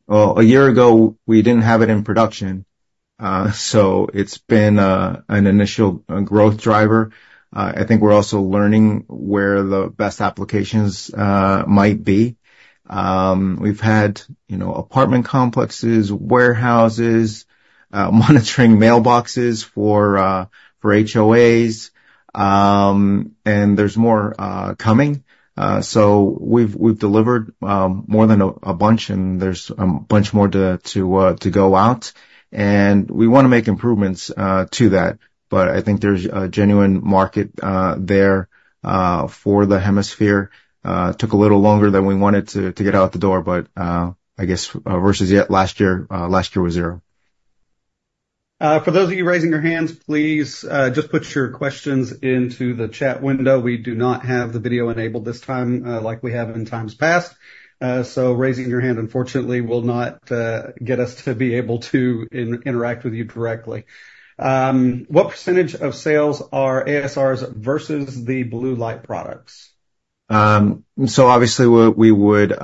Well, a year ago, we didn't have it in production, so it's been an initial growth driver. I think we're also learning where the best applications might be. We've had, you know, apartment complexes, warehouses, monitoring mailboxes for HOAs, and there's more coming. So we've delivered more than a bunch, and there's a bunch more to go out, and we wanna make improvements to that, but I think there's a genuine market there for the hemisphere. Took a little longer than we wanted to get out the door, but I guess versus yet last year, last year was zero. For those of you raising your hands, please, just put your questions into the chat window. We do not have the video enabled this time, like we have in times past. So raising your hand, unfortunately, will not get us to be able to interact with you directly. What percentage of sales are ASRs versus the blue light products? So obviously, we would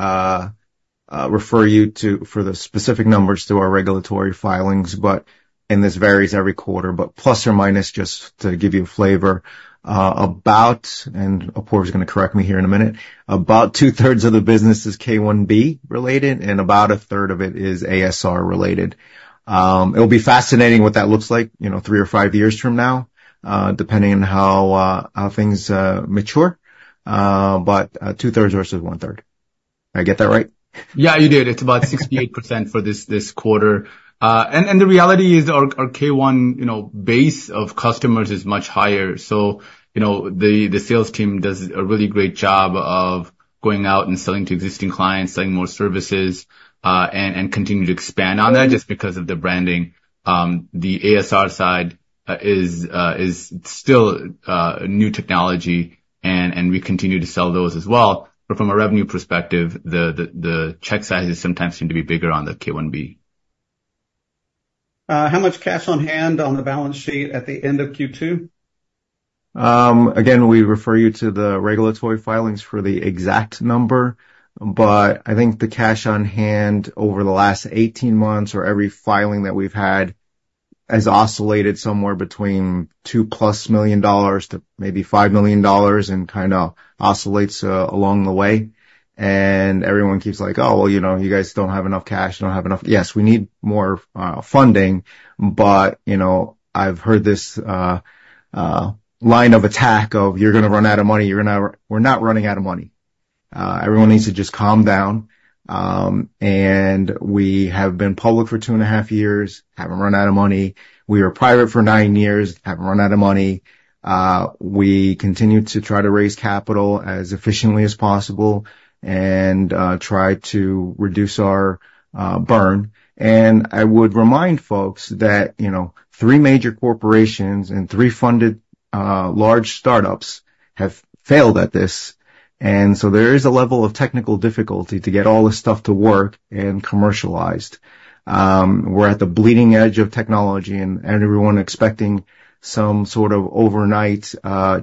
refer you to for the specific numbers to our regulatory filings, but and this varies every quarter, but plus or minus, just to give you a flavor, about. And Apoorv is gonna correct me here in a minute. About two-thirds of the business is K1B related, and about a third of it is ASR related. It'll be fascinating what that looks like, you know, three or five years from now, depending on how things mature, but two-thirds versus one-third. Did I get that right? Yeah, you did. It's about 68% for this quarter. And the reality is our K1, you know, base of customers is much higher. So, you know, the sales team does a really great job of going out and selling to existing clients, selling more services, and continue to expand on that just because of the branding. The ASR side is still a new technology, and we continue to sell those as well, but from a revenue perspective, the check sizes sometimes seem to be bigger on the K1B. How much cash on hand on the balance sheet at the end of Q2? Again, we refer you to the regulatory filings for the exact number, but I think the cash on hand over the last 18 months or every filing that we've had, has oscillated somewhere between $2+ million to maybe $5 million and kinda oscillates along the way. And everyone keeps like, "Oh, well, you know, you guys don't have enough cash. You don't have enough..." Yes, we need more funding, but, you know, I've heard this line of attack of, "You're gonna run out of money. You're gonna run..." We're not running out of money. Everyone needs to just calm down. And we have been public for 2.5 years, haven't run out of money. We were private for 9 years, haven't run out of money. We continue to try to raise capital as efficiently as possible and try to reduce our burn. And I would remind folks that, you know, 3 major corporations and 3 funded large startups have failed at this. And so there is a level of technical difficulty to get all this stuff to work and commercialized. We're at the bleeding edge of technology, and everyone expecting some sort of overnight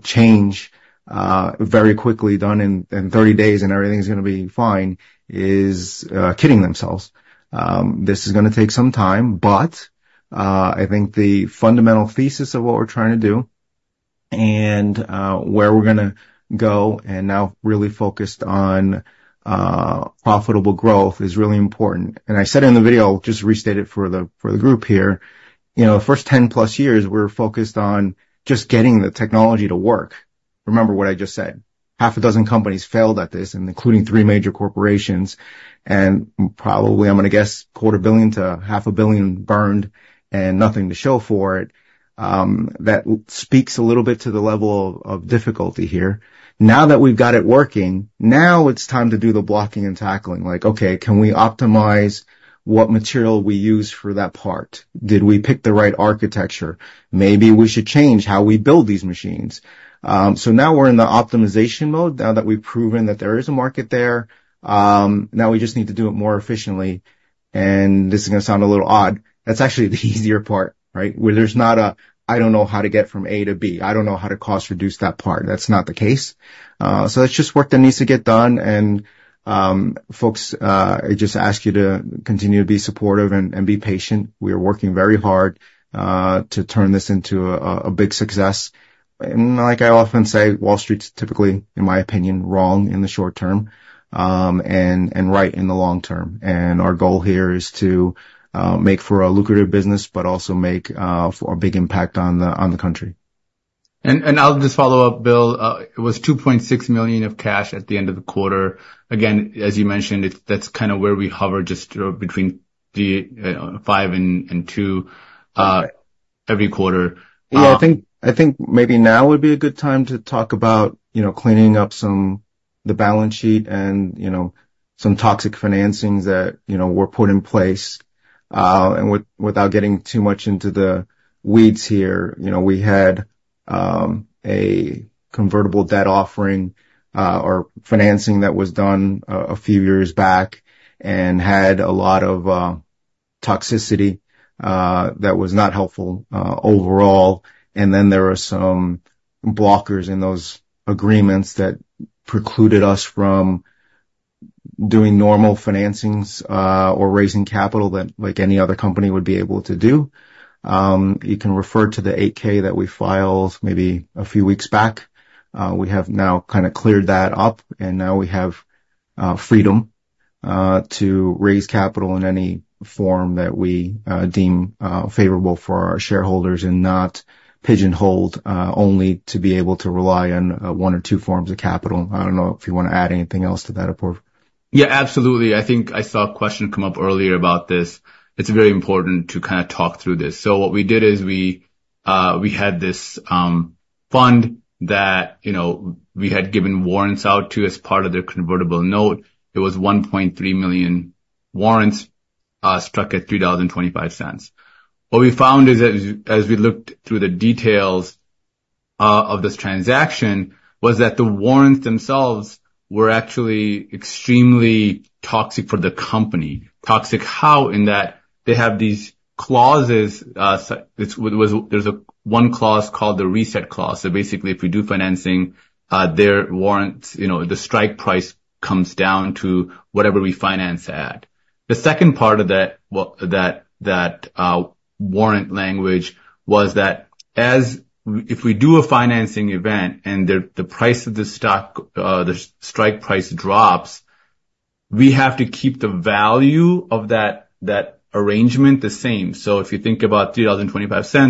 change very quickly done in 30 days, and everything's gonna be fine is kidding themselves. This is gonna take some time, but I think the fundamental thesis of what we're trying to do and where we're gonna go, and now really focused on profitable growth is really important. And I said it in the video, I'll just restate it for the group here. You know, the first 10 plus years, we're focused on just getting the technology to work. Remember what I just said. Half a dozen companies failed at this, and including three major corporations, and probably, I'm gonna guess, $250 million-$500 million burned and nothing to show for it. That speaks a little bit to the level of, of difficulty here. Now that we've got it working, now it's time to do the blocking and tackling. Like, okay, can we optimize what material we use for that part? Did we pick the right architecture? Maybe we should change how we build these machines. So now we're in the optimization mode, now that we've proven that there is a market there. Now we just need to do it more efficiently. And this is gonna sound a little odd. That's actually the easier part, right? Where there's not a, "I don't know how to get from A to B. I don't know how to cost reduce that part." That's not the case. So that's just work that needs to get done. And, folks, I just ask you to continue to be supportive and be patient. We are working very hard to turn this into a big success. And like I often say, Wall Street's typically, in my opinion, wrong in the short term and right in the long term. And our goal here is to make for a lucrative business, but also make for a big impact on the country. And I'll just follow up, Bill. It was $2.6 million of cash at the end of the quarter. Again, as you mentioned, it's, that's kind of where we hover, just between the $5 million and $2 million every quarter. Yeah, I think, I think maybe now would be a good time to talk about, you know, cleaning up some, the balance sheet and, you know, some toxic financings that, you know, were put in place. And without getting too much into the weeds here, you know, we had a convertible debt offering or financing that was done a few years back and had a lot of toxicity that was not helpful overall. And then there were some blockers in those agreements that precluded us from doing normal financings or raising capital that, like any other company, would be able to do. You can refer to the 8-K that we filed maybe a few weeks back. We have now kind of cleared that up, and now we have freedom to raise capital in any form that we deem favorable for our shareholders and not pigeonholed only to be able to rely on one or two forms of capital. I don't know if you want to add anything else to that, Apoorv. Yeah, absolutely. I think I saw a question come up earlier about this. It's very important to kind of talk through this. So what we did is we had this fund that, you know, we had given warrants out to as part of their convertible note. It was 1.3 million warrants struck at $3.25. What we found is that as we looked through the details of this transaction, was that the warrants themselves were actually extremely toxic for the company. Toxic how? In that they have these clauses. There's one clause called the reset clause. So basically, if we do financing, their warrants, you know, the strike price comes down to whatever we finance at. The second part of that warrant language was that as... If we do a financing event and the price of the stock, the strike price drops, we have to keep the value of that arrangement the same. So if you think about $3.25,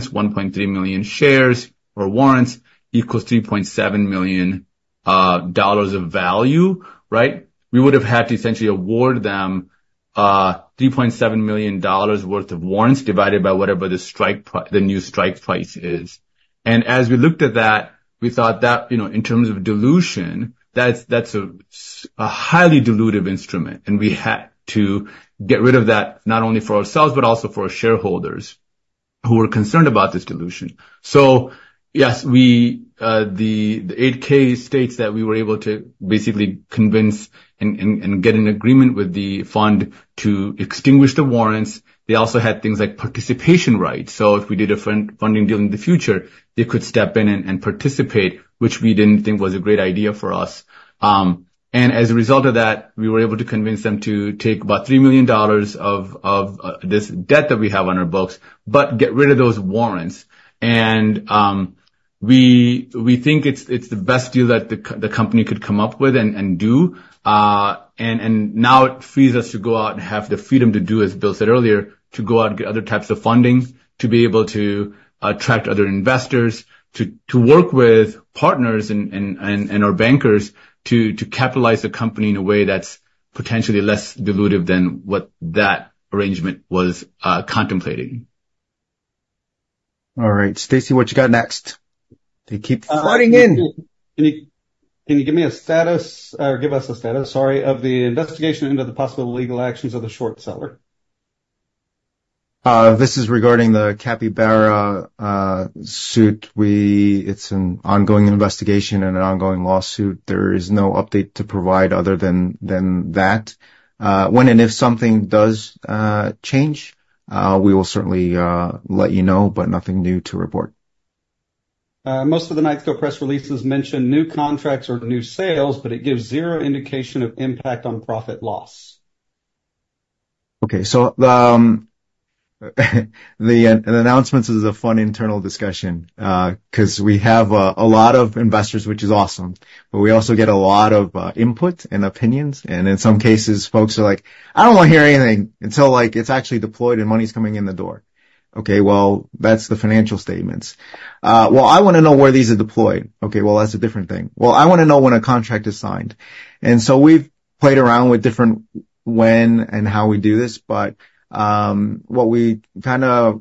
1.3 million shares or warrants equals $3.7 million of value, right? We would have had to essentially award them $3.7 million worth of warrants, divided by whatever the new strike price is. And as we looked at that, we thought that, you know, in terms of dilution, that's a highly dilutive instrument, and we had to get rid of that, not only for ourselves, but also for our shareholders who were concerned about this dilution. So yes, the 8- K states that we were able to basically convince and get an agreement with the fund to extinguish the warrants. They also had things like participation rights. So if we did a funding deal in the future, they could step in and participate, which we didn't think was a great idea for us. And as a result of that, we were able to convince them to take about $3 million of this debt that we have on our books, but get rid of those warrants. And we think it's the best deal that the company could come up with and do. Now it frees us to go out and have the freedom to do, as Bill said earlier, to go out and get other types of funding, to be able to attract other investors, to work with partners and our bankers to capitalize the company in a way that's potentially less dilutive than what that arrangement was contemplating. All right, Stacy, what you got next? They keep flooding in. Can you give us a status, sorry, of the investigation into the possible legal actions of the short seller? This is regarding the Capybara suit. It's an ongoing investigation and an ongoing lawsuit. There is no update to provide other than that. When and if something does change, we will certainly let you know, but nothing new to report. Most of the Knightscope press releases mention new contracts or new sales, but it gives zero indication of impact on profit loss. Okay. So, the announcements is a fun internal discussion, 'cause we have a lot of investors, which is awesome, but we also get a lot of input and opinions, and in some cases, folks are like: I don't want to hear anything until, like, it's actually deployed and money's coming in the door. Okay, well, that's the financial statements. Well, I wanna know where these are deployed. Okay, well, that's a different thing. Well, I wanna know when a contract is signed. So we've played around with different when and how we do this, but what we kinda...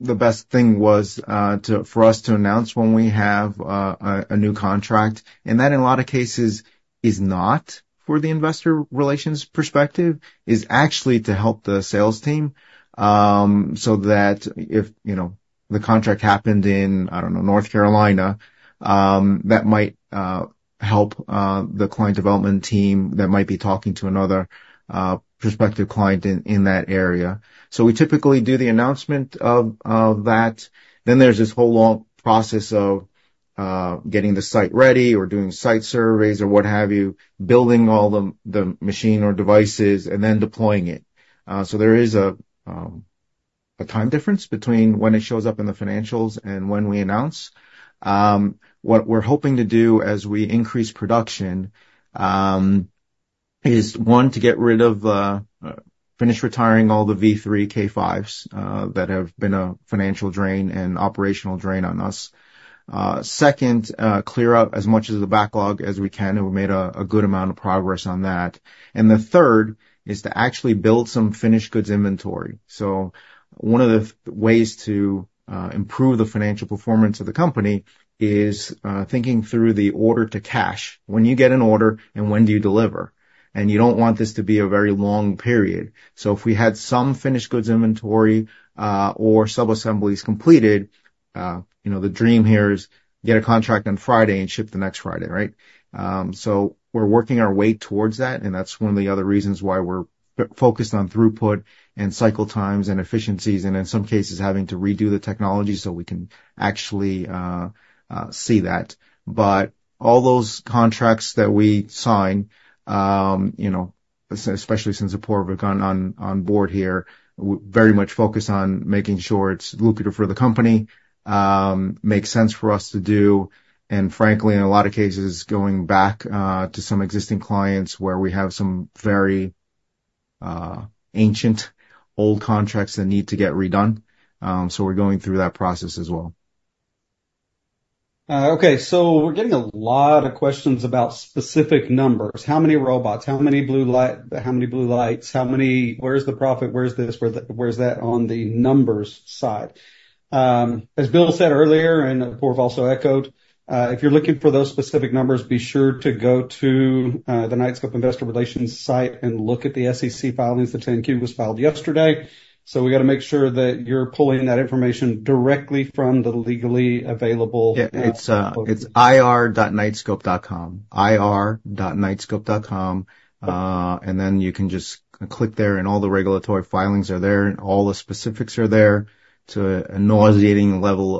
The best thing was for us to announce when we have a new contract, and that, in a lot of cases, is not for the investor relations perspective, is actually to help the sales team. So that if, you know, the contract happened in, I don't know, North Carolina, that might help the client development team that might be talking to another prospective client in that area. So we typically do the announcement of that. Then there's this whole long process of getting the site ready or doing site surveys or what have you, building all the machine or devices, and then deploying it. So there is a time difference between when it shows up in the financials and when we announce. What we're hoping to do as we increase production is, one, to get rid of, finish retiring all the V3 K5s that have been a financial drain and operational drain on us. Second, clear out as much of the backlog as we can, and we made a good amount of progress on that. And the third is to actually build some finished goods inventory. So one of the ways to improve the financial performance of the company is thinking through the order to cash. When you get an order and when do you deliver? And you don't want this to be a very long period. So if we had some finished goods inventory, or sub-assemblies completed, you know, the dream here is get a contract on Friday and ship the next Friday, right? So we're working our way towards that, and that's one of the other reasons why we're focused on throughput and cycle times and efficiencies, and in some cases, having to redo the technology so we can actually see that. But all those contracts that we sign, you know, especially since Apoorv got on board here, we're very much focused on making sure it's lucrative for the company, makes sense for us to do, and frankly, in a lot of cases, going back to some existing clients where we have some very ancient old contracts that need to get redone. So we're going through that process as well. Okay, so we're getting a lot of questions about specific numbers. How many robots? How many blue light—how many blue lights? How many—Where's the profit? Where's this? Where's that on the numbers side? As Bill said earlier, and Apoorv also echoed, if you're looking for those specific numbers, be sure to go to the Knightscope investor relations site and look at the SEC filings. The 10-Q was filed yesterday, so we got to make sure that you're pulling that information directly from the legally available- Yeah, it's ir.knightscope.com, ir.knightscope.com, and then you can just click there, and all the regulatory filings are there, and all the specifics are there to a nauseating level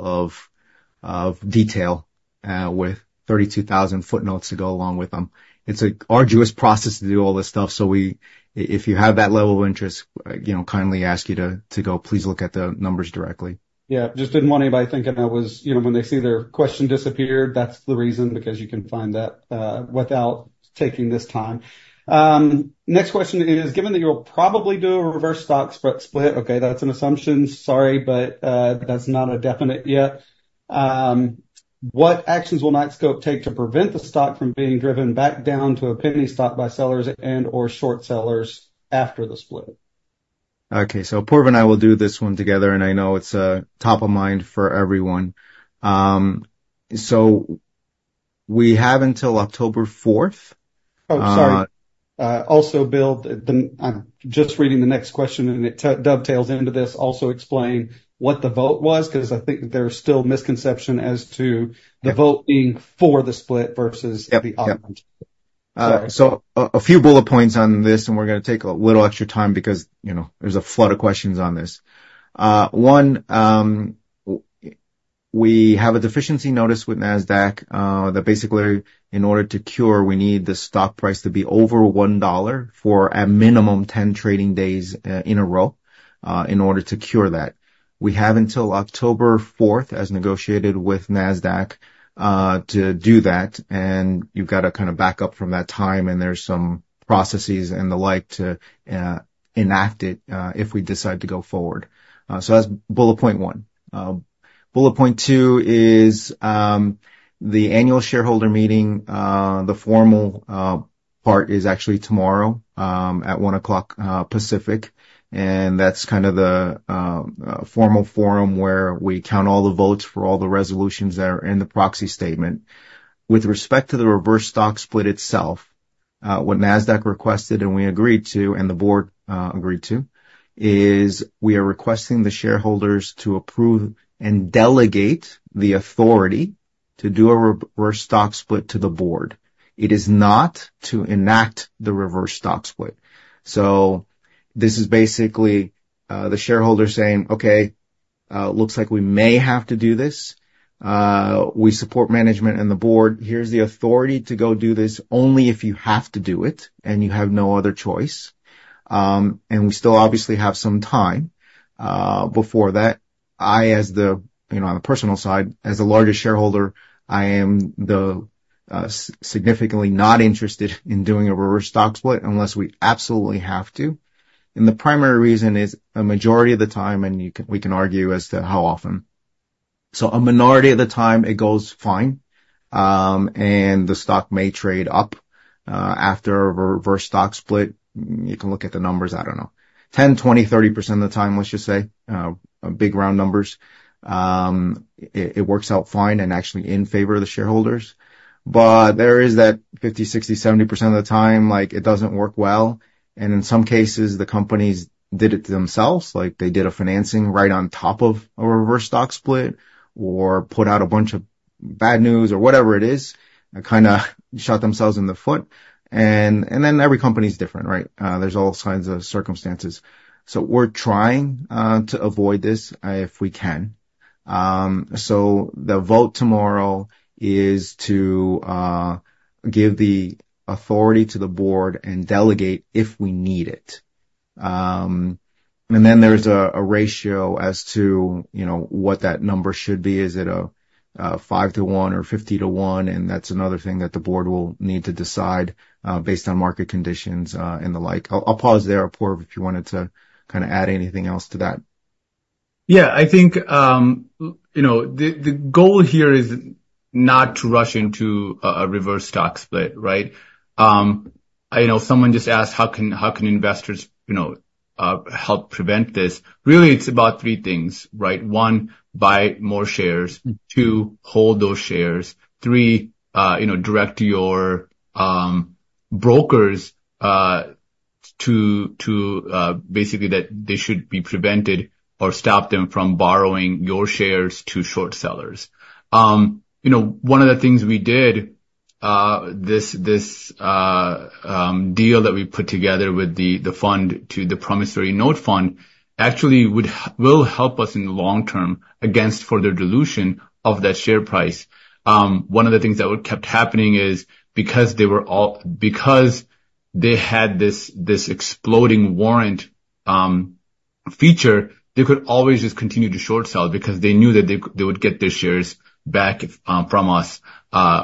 of detail, with 32,000 footnotes to go along with them. It's an arduous process to do all this stuff, so, if you have that level of interest, you know, kindly ask you to go, please look at the numbers directly. Yeah. Just didn't want anybody thinking I was... You know, when they see their question disappeared, that's the reason, because you can find that, without taking this time. Next question is, given that you'll probably do a reverse stock split, okay, that's an assumption. Sorry, but, that's not a definite yet. What actions will Knightscope take to prevent the stock from being driven back down to a penny stock by sellers and or short sellers after the split? Okay, so Apoorv and I will do this one together, and I know it's top of mind for everyone. So we have until October fourth. Oh, sorry. Also, Bill, just reading the next question, and it dovetails into this. Also explain what the vote was, 'cause I think there's still misconception as to the vote being for the split versus the opposite. Yep. Yep. Sorry. So a few bullet points on this, and we're gonna take a little extra time because, you know, there's a flood of questions on this. One, we have a deficiency notice with NASDAQ, that basically, in order to cure, we need the stock price to be over $1 for a minimum 10 trading days, in a row, in order to cure that. We have until October fourth, as negotiated with NASDAQ, to do that, and you've got to kind of back up from that time, and there's some processes and the like to, enact it, if we decide to go forward. So that's bullet point one. Bullet point two is, the annual shareholder meeting, the formal part is actually tomorrow, at 1:00 P.M. Pacific, and that's kind of the formal forum where we count all the votes for all the resolutions that are in the proxy statement. With respect to the reverse stock split itself, what NASDAQ requested, and we agreed to, and the board agreed to, is we are requesting the shareholders to approve and delegate the authority to do a reverse stock split to the board. It is not to enact the reverse stock split. So this is basically, the shareholder saying, "Okay, looks like we may have to do this. We support management and the board. Here's the authority to go do this only if you have to do it and you have no other choice." And we still obviously have some time before that. I, as the... You know, on the personal side, as the largest shareholder, I am the significantly not interested in doing a Reverse Stock Split unless we absolutely have to. And the primary reason is, a majority of the time, and you can, we can argue as to how often. So a minority of the time, it goes fine, and the stock may trade up after a Reverse Stock Split. You can look at the numbers, I don't know, 10, 20, 30% of the time, let's just say, big round numbers. It works out fine and actually in favor of the shareholders. But there is that 50%-70% of the time, like, it doesn't work well, and in some cases, the companies did it to themselves. Like they did a financing right on top of a reverse stock split or put out a bunch of bad news or whatever it is, and kind of shot themselves in the foot. And then every company is different, right? There's all kinds of circumstances. So we're trying to avoid this, if we can. So the vote tomorrow is to give the authority to the board and delegate if we need it. And then there's a ratio as to, you know, what that number should be. Is it a 5-to-1 or 50-to-1? And that's another thing that the board will need to decide, based on market conditions, and the like. I'll pause there, Apoorv, if you wanted to kind of add anything else to that. Yeah, I think, you know, the goal here is not to rush into a Reverse Stock Split, right? I know someone just asked: How can investors, you know, help prevent this? Really, it's about three things, right? One, buy more shares. Two, hold those shares. Three, you know, direct your brokers to basically that they should be prevented or stop them from borrowing your shares to short sellers. You know, one of the things we did, this deal that we put together with the fund to the promissory note fund, actually will help us in the long term against further dilution of that share price. One of the things that would kept happening is, because they had this exploding warrant,... feature, they could always just continue to short sell because they knew that they would get their shares back from us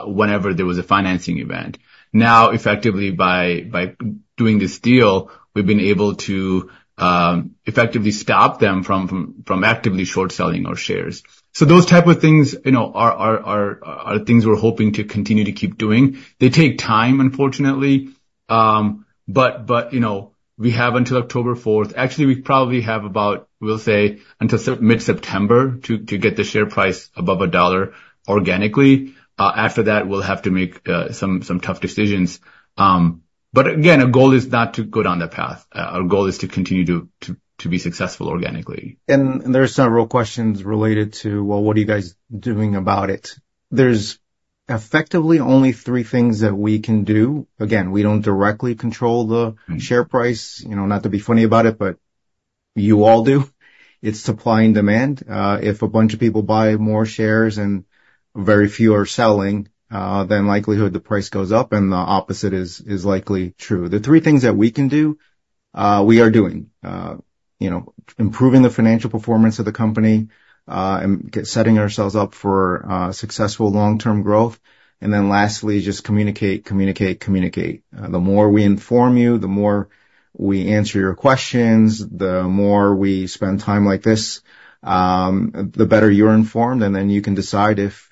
whenever there was a financing event. Now, effectively, by doing this deal, we've been able to effectively stop them from actively short selling our shares. So those type of things, you know, are things we're hoping to continue to keep doing. They take time, unfortunately. But you know, we have until October fourth. Actually, we probably have about, we'll say, until mid-September, to get the share price above $1 organically. After that, we'll have to make some tough decisions. But again, our goal is not to go down that path. Our goal is to continue to be successful organically. There are several questions related to, well, what are you guys doing about it? There's effectively only three things that we can do. Again, we don't directly control the share price. You know, not to be funny about it, but you all do. It's supply and demand. If a bunch of people buy more shares and very few are selling, then likelihood the price goes up, and the opposite is likely true. The three things that we can do, we are doing. You know, improving the financial performance of the company, and setting ourselves up for successful long-term growth. And then lastly, just communicate, communicate, communicate. The more we inform you, the more we answer your questions, the more we spend time like this, the better you're informed, and then you can decide if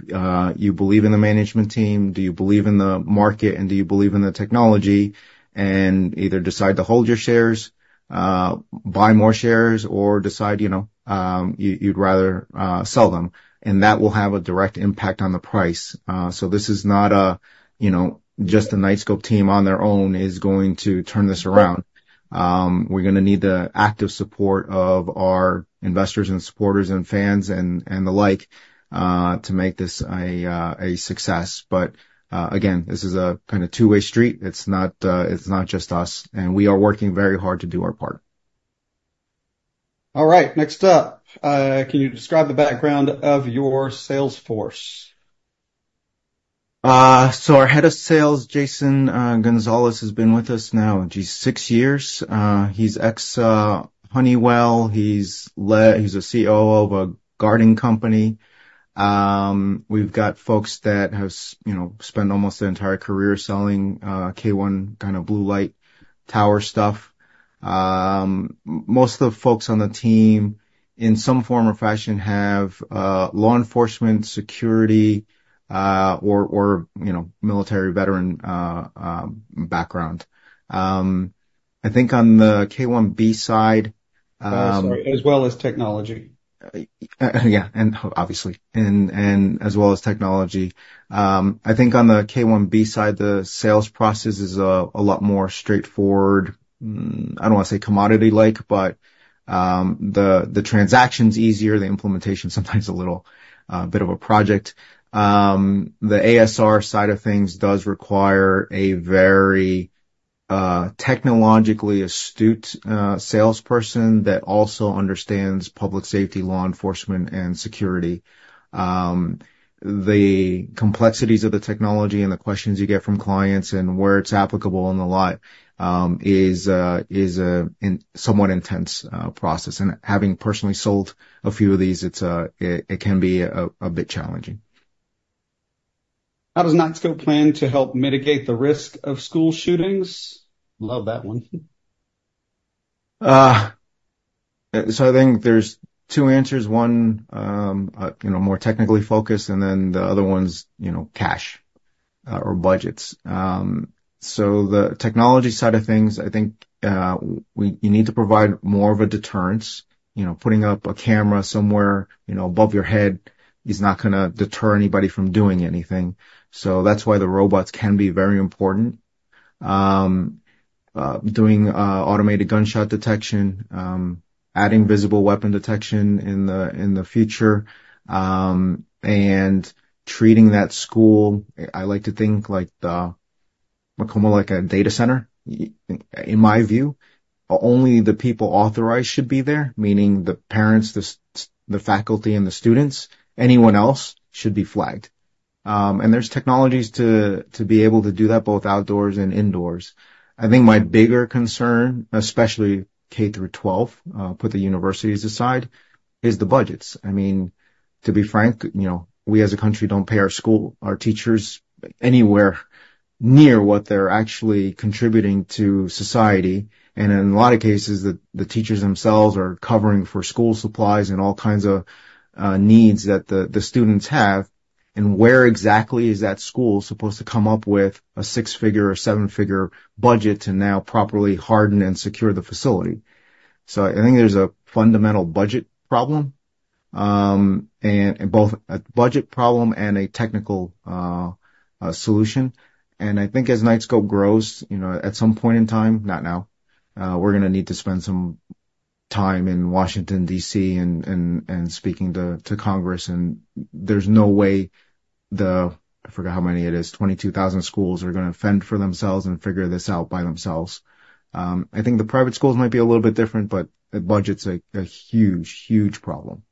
you believe in the management team, do you believe in the market, and do you believe in the technology, and either decide to hold your shares, buy more shares, or decide, you know, you, you'd rather sell them, and that will have a direct impact on the price. So this is not a, you know, just the Knightscope team on their own is going to turn this around. We're gonna need the active support of our investors and supporters and fans and, and the like, to make this a, a success. But, again, this is a kind of two-way street. It's not, it's not just us, and we are working very hard to do our part. All right, next up, can you describe the background of your sales force? So our head of sales, Jason Gonzalez, has been with us now, geez, six years. He's ex, Honeywell. He's a CEO of a guarding company. We've got folks that have you know, spent almost their entire career selling, K1, kind of, blue light tower stuff. Most of the folks on the team, in some form or fashion, have, law enforcement, security, or, you know, military veteran, background. I think on the K1B side, Sorry, as well as technology. Yeah, and obviously. And as well as technology. I think on the K1B side, the sales process is a lot more straightforward. I don't want to say commodity-like, but the transaction's easier, the implementation's sometimes a little bit of a project. The ASR side of things does require a very technologically astute salesperson that also understands public safety, law enforcement, and security. The complexities of the technology and the questions you get from clients and where it's applicable and the like is somewhat intense process, and having personally sold a few of these, it can be a bit challenging. How does Knightscope plan to help mitigate the risk of school shootings? Love that one. So I think there's two answers. One, you know, more technically focused, and then the other one's, you know, cash or budgets. So the technology side of things, I think, you need to provide more of a deterrence. You know, putting up a camera somewhere, you know, above your head is not gonna deter anybody from doing anything. So that's why the robots can be very important. Doing Automated Gunshot Detection, adding visible weapon detection in the future, and treating that school, I like to think, like, the more like a data center. In my view, only the people authorized should be there, meaning the parents, the faculty, and the students. Anyone else should be flagged. And there's technologies to be able to do that, both outdoors and indoors. I think my bigger concern, especially K through 12, put the universities aside, is the budgets. I mean, to be frank, you know, we, as a country, don't pay our school, our teachers anywhere near what they're actually contributing to society, and in a lot of cases, the, the teachers themselves are covering for school supplies and all kinds of needs that the, the students have. And where exactly is that school supposed to come up with a six-figure or seven-figure budget to now properly harden and secure the facility? So I think there's a fundamental budget problem, and both a budget problem and a technical solution. I think as Knightscope grows, you know, at some point in time, not now, we're gonna need to spend some time in Washington, D.C., and speaking to Congress, and there's no way the... I forgot how many it is, 22,000 schools are gonna fend for themselves and figure this out by themselves. I think the private schools might be a little bit different, but the budget's a huge, huge problem. ...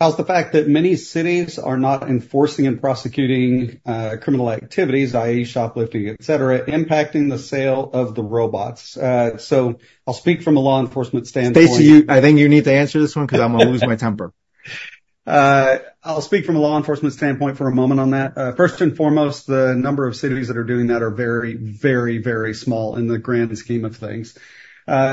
How's the fact that many cities are not enforcing and prosecuting, uh, criminal activities, i.e., shoplifting, et cetera, impacting the sale of the robots? I'll speak from a law enforcement standpoint. Stacy, you, I think you need to answer this one, 'cause I'm gonna lose my temper. I'll speak from a law enforcement standpoint for a moment on that. First and foremost, the number of cities that are doing that are very, very, very small in the grand scheme of things.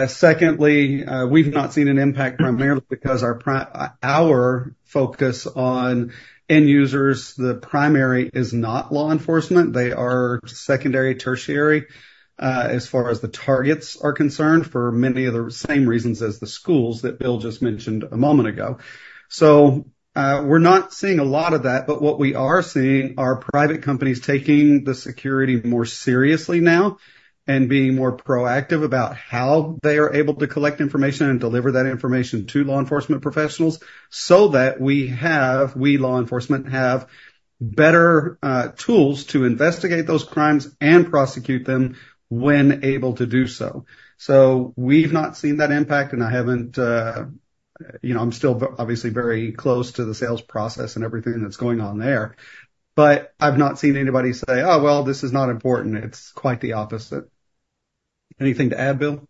Secondly, we've not seen an impact primarily because our focus on end users, the primary is not law enforcement. They are secondary, tertiary, as far as the targets are concerned, for many of the same reasons as the schools that Bill just mentioned a moment ago. So, we're not seeing a lot of that, but what we are seeing are private companies taking the security more seriously now, and being more proactive about how they are able to collect information and deliver that information to law enforcement professionals, so that we have, we law enforcement, have better, tools to investigate those crimes and prosecute them when able to do so. So we've not seen that impact, and I haven't, you know, I'm still obviously very close to the sales process and everything that's going on there, but I've not seen anybody say, "Oh, well, this is not important." It's quite the opposite. Anything to add, Bill?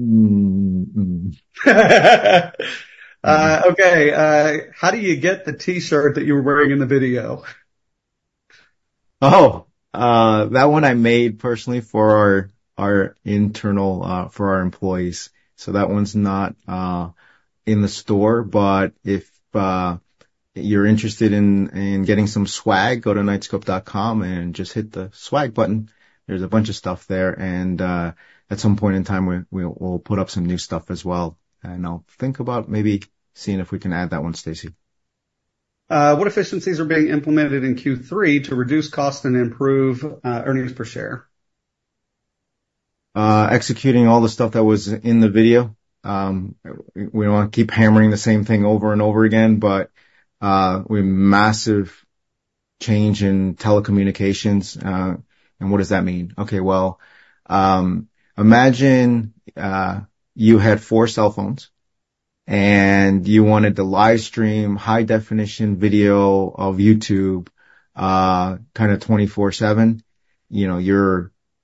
Mm, mm. Okay, how do you get the T-shirt that you were wearing in the video? Oh, that one I made personally for our, our internal, for our employees. So that one's not in the store, but if you're interested in, in getting some swag, go to knightscope.com, and just hit the swag button. There's a bunch of stuff there, and at some point in time, we, we'll, we'll put up some new stuff as well. And I'll think about maybe seeing if we can add that one, Stacy. What efficiencies are being implemented in Q3 to reduce cost and improve earnings per share? Executing all the stuff that was in the video. We don't want to keep hammering the same thing over and over again, but we had a massive change in telecommunications. What does that mean? Okay, well, imagine you had 4 cell phones, and you wanted to live stream high-definition video of YouTube kind of 24/7. You know,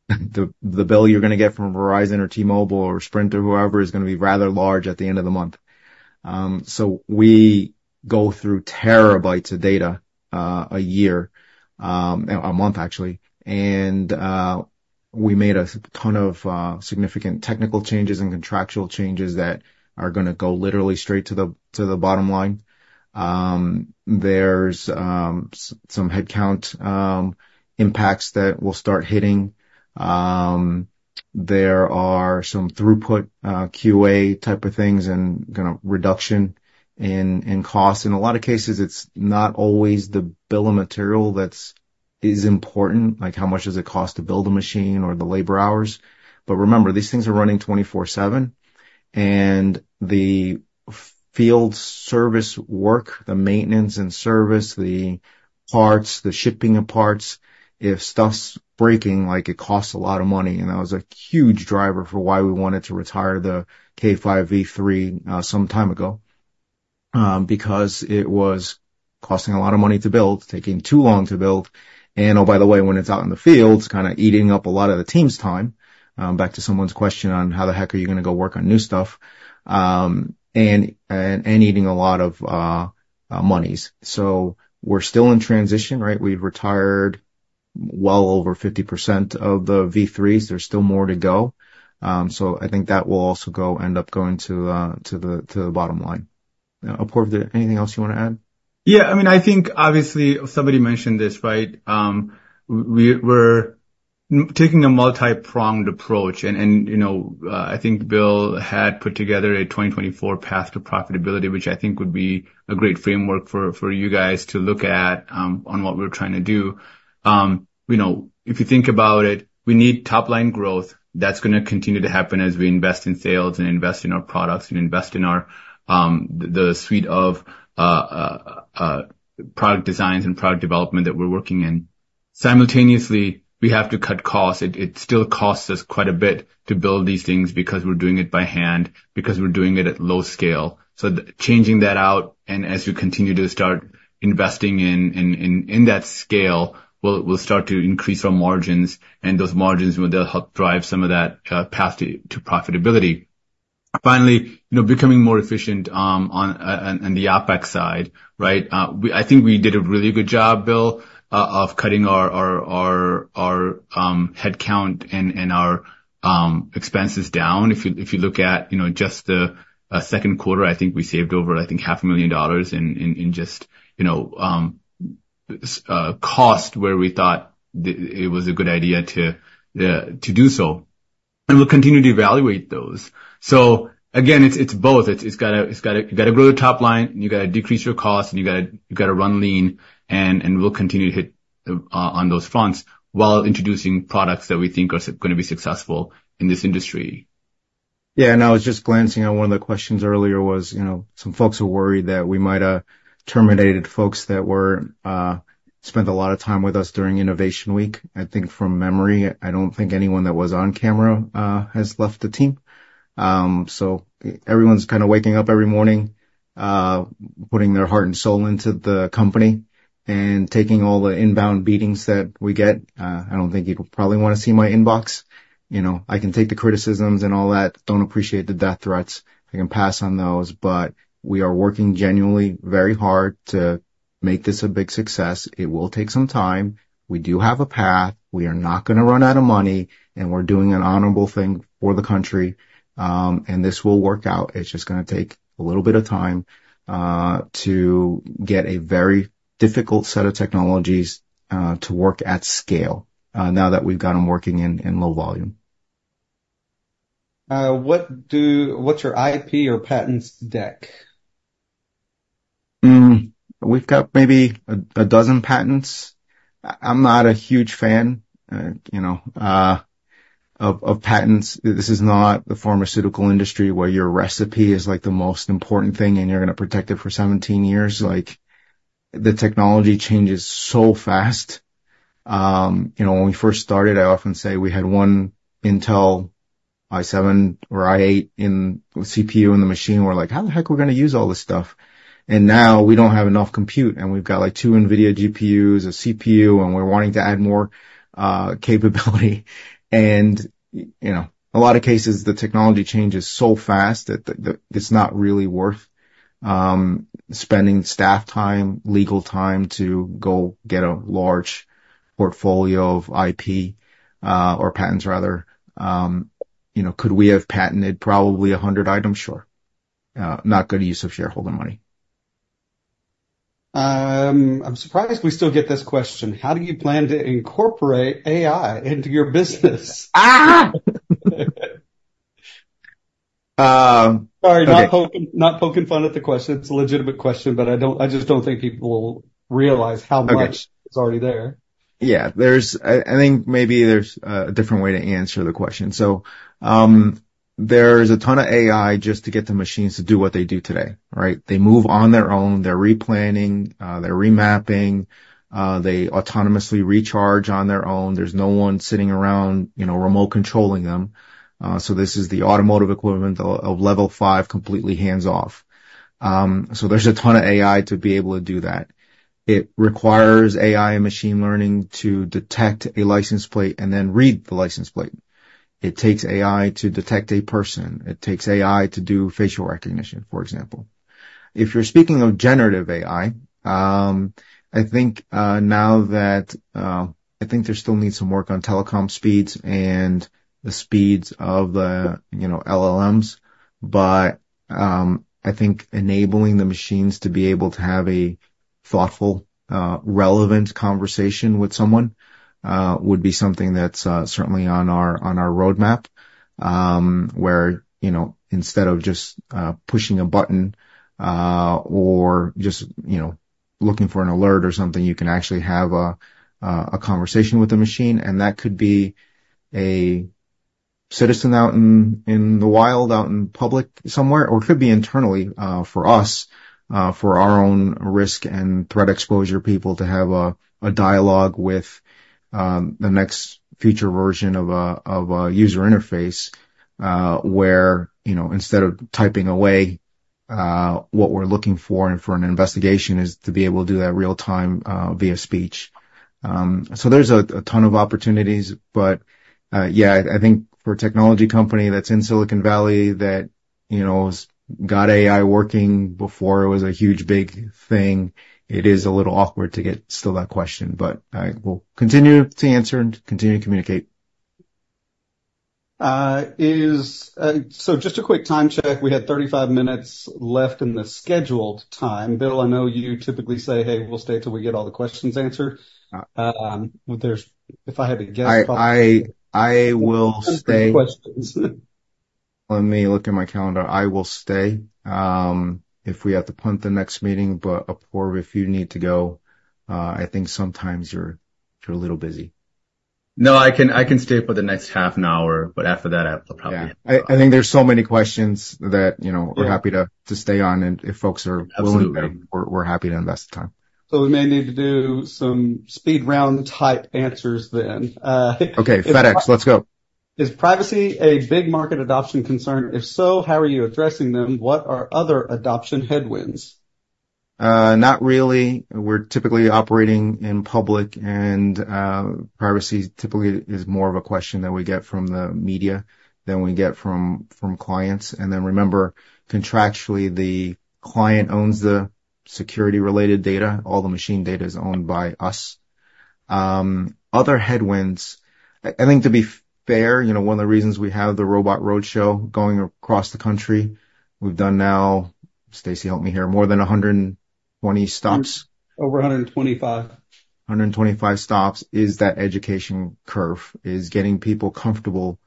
the bill you're gonna get from Verizon or T-Mobile or Sprint or whoever is gonna be rather large at the end of the month. So we go through terabytes of data a month, actually. We made a ton of significant technical changes and contractual changes that are gonna go literally straight to the bottom line. There's some headcount impacts that will start hitting. There are some throughput, QA type of things and, you know, reduction in cost. In a lot of cases, it's not always the bill of material that's important, like how much does it cost to build a machine or the labor hours? But remember, these things are running 24/7, and the field service work, the maintenance and service, the parts, the shipping of parts, if stuff's breaking, like, it costs a lot of money. And that was a huge driver for why we wanted to retire the K5V3, some time ago, because it was costing a lot of money to build, taking too long to build, and, oh, by the way, when it's out in the field, it's kind of eating up a lot of the team's time. Back to someone's question on how the heck are you gonna go work on new stuff, and eating a lot of monies. So we're still in transition, right? We've retired well over 50% of the V3s. There's still more to go. So I think that will also end up going to the bottom line. Apoorv, is there anything else you want to add? Yeah, I mean, I think obviously, somebody mentioned this, right? We're taking a multi-pronged approach and, you know, I think Bill had put together a 2024 path to profitability, which I think would be a great framework for you guys to look at on what we're trying to do. You know, if you think about it, we need top-line growth. That's gonna continue to happen as we invest in sales and invest in our products and invest in our the suite of product designs and product development that we're working in. Simultaneously, we have to cut costs. It still costs us quite a bit to build these things because we're doing it by hand, because we're doing it at low scale. So changing that out, and as we continue to start investing in that scale, we'll start to increase our margins, and those margins, well, they'll help drive some of that path to profitability. Finally, you know, becoming more efficient on the OpEx side, right? I think we did a really good job, Bill, of cutting our headcount and our expenses down. If you look at, you know, just the Q2, I think we saved over $500,000 in just, you know, cost, where we thought it was a good idea to do so, and we'll continue to evaluate those. So again, it's both. It's gotta, you gotta grow the top line, and you gotta decrease your cost, and you gotta run lean, and we'll continue to hit on those fronts while introducing products that we think are gonna be successful in this industry. Yeah, and I was just glancing at one of the questions earlier. You know, some folks are worried that we might have terminated folks that were spent a lot of time with us during Innovation Week. I think from memory, I don't think anyone that was on camera has left the team. So everyone's kind of waking up every morning, putting their heart and soul into the company and taking all the inbound beatings that we get. I don't think you'd probably want to see my inbox. You know, I can take the criticisms and all that. Don't appreciate the death threats. I can pass on those, but we are working genuinely very hard to make this a big success. It will take some time. We do have a path. We are not gonna run out of money, and we're doing an honorable thing for the country, and this will work out. It's just gonna take a little bit of time, to get a very difficult set of technologies, to work at scale, now that we've got them working in low volume. What's your IP or patents deck? We've got maybe a dozen patents. I'm not a huge fan, you know, of patents. This is not the pharmaceutical industry, where your recipe is, like, the most important thing, and you're gonna protect it for 17 years. Like, the technology changes so fast. You know, when we first started, I often say we had 1 Intel i7 or i8 CPU in the machine, we're like: "How the heck are we gonna use all this stuff?" And now we don't have enough compute, and we've got, like, 2 NVIDIA GPUs, a CPU, and we're wanting to add more capability. And, you know, a lot of cases, the technology changes so fast that it's not really worth spending staff time, legal time to go get a large portfolio of IP, or patents rather. You know, could we have patented probably 100 items? Sure. Not good use of shareholder money. I'm surprised we still get this question: How do you plan to incorporate AI into your business? Ah! Okay. Sorry, not poking, not poking fun at the question. It's a legitimate question, but I don't-- I just don't think people will realize how much- Okay. it's already there. Yeah. There's... I think maybe there's a different way to answer the question. So, there's a ton of AI just to get the machines to do what they do today, right? They move on their own, they're replanning, they're remapping, they autonomously recharge on their own. There's no one sitting around, you know, remote controlling them. So this is the automotive equivalent of level five, completely hands-off. So there's a ton of AI to be able to do that. It requires AI and machine learning to detect a license plate and then read the license plate. It takes AI to detect a person. It takes AI to do facial recognition, for example. If you're speaking of generative AI, I think now that... I think there still needs some work on telecom speeds and the speeds of the, you know, LLMs. But, I think enabling the machines to be able to have a thoughtful, relevant conversation with someone, would be something that's, certainly on our, on our roadmap. Where, you know, instead of just pushing a button or just, you know, looking for an alert or something, you can actually have a conversation with the machine, and that could be a citizen out in the wild, out in public somewhere, or it could be internally, for us, for our own Risk and Threat Exposure people to have a dialogue with the next future version of a user interface, where, you know, instead of typing away what we're looking for, and for an investigation, is to be able to do that real time via speech. So there's a ton of opportunities, but yeah, I think for a technology company that's in Silicon Valley that, you know, has got AI working before it was a huge, big thing, it is a little awkward to get still that question, but I will continue to answer and continue to communicate. Just a quick time check. We had 35 minutes left in the scheduled time. Bill, I know you typically say, "Hey, we'll stay till we get all the questions answered." But there's, if I had to guess- I will stay. Questions. Let me look at my calendar. I will stay, if we have to punt the next meeting, but Apoorv, if you need to go, I think sometimes you're a little busy. No, I can, I can stay for the next half an hour, but after that, I'll probably- Yeah. I think there's so many questions that, you know- Yeah We're happy to stay on, and if folks are- Absolutely. We're happy to invest the time. We may need to do some speed round type answers then. Okay, FedEx, let's go. Is privacy a big market adoption concern? If so, how are you addressing them? What are other adoption headwinds? Not really. We're typically operating in public, and privacy typically is more of a question that we get from the media than we get from clients. And then, remember, contractually, the client owns the security-related data. All the machine data is owned by us. Other headwinds, I think to be fair, you know, one of the reasons we have the robot roadshow going across the country, we've done now, Stacy, help me here, more than 120 stops. Over 125. 125 stops is that education curve getting people comfortable.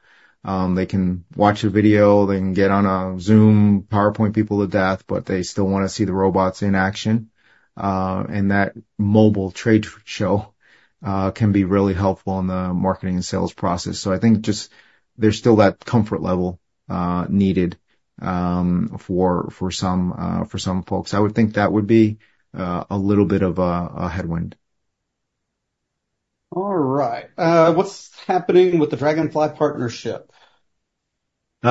They can watch a video, they can get on a Zoom, PowerPoint people to death, but they still wanna see the robots in action. And that mobile trade show can be really helpful in the marketing and sales process. So I think just there's still that comfort level needed for some folks. I would think that would be a little bit of a headwind.... All right. What's happening with the Draganfly partnership? So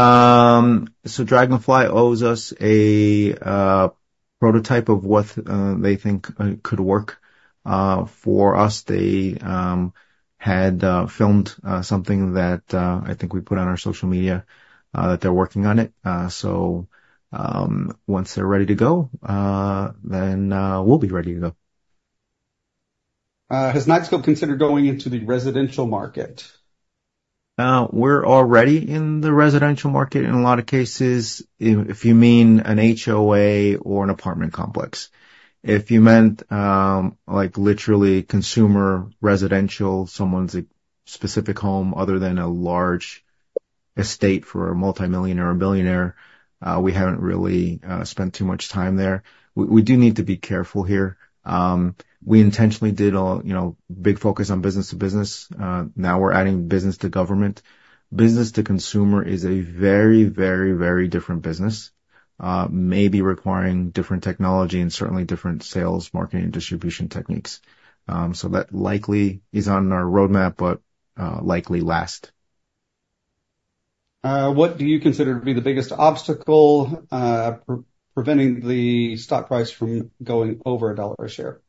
Draganfly owes us a prototype of what they think could work. For us, they had filmed something that I think we put on our social media that they're working on it. So, once they're ready to go, then we'll be ready to go. Has Knightscope considered going into the residential market? We're already in the residential market in a lot of cases. If you mean an HOA or an apartment complex. If you meant, like, literally consumer residential, someone's specific home other than a large estate for a multimillionaire or billionaire, we haven't really spent too much time there. We do need to be careful here. We intentionally did a, you know, big focus on business to business. Now we're adding business to government. Business to consumer is a very, very, very different business, maybe requiring different technology and certainly different sales, marketing, and distribution techniques. So that likely is on our roadmap, but likely last. What do you consider to be the biggest obstacle preventing the stock price from going over $1 per share?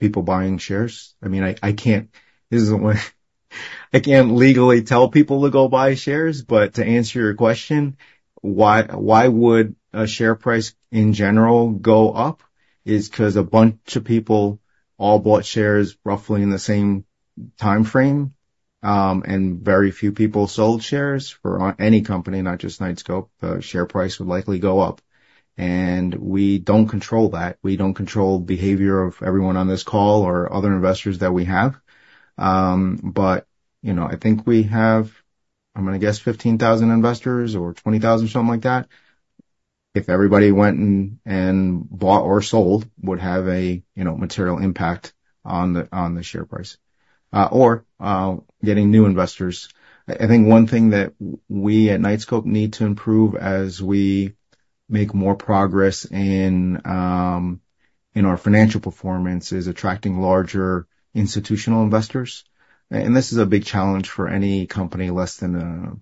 People buying shares. I mean, I can't, this is the way I can't legally tell people to go buy shares, but to answer your question, why would a share price in general go up? 'Cause a bunch of people all bought shares roughly in the same timeframe, and very few people sold shares for on any company, not just Knightscope, the share price would likely go up. And we don't control that. We don't control behavior of everyone on this call or other investors that we have. But, you know, I think we have, I'm gonna guess, 15,000 investors or 20,000, something like that. If everybody went and bought or sold, would have a, you know, material impact on the share price, or getting new investors. I think one thing that we at Knightscope need to improve as we make more progress in our financial performance is attracting larger institutional investors. This is a big challenge for any company less than a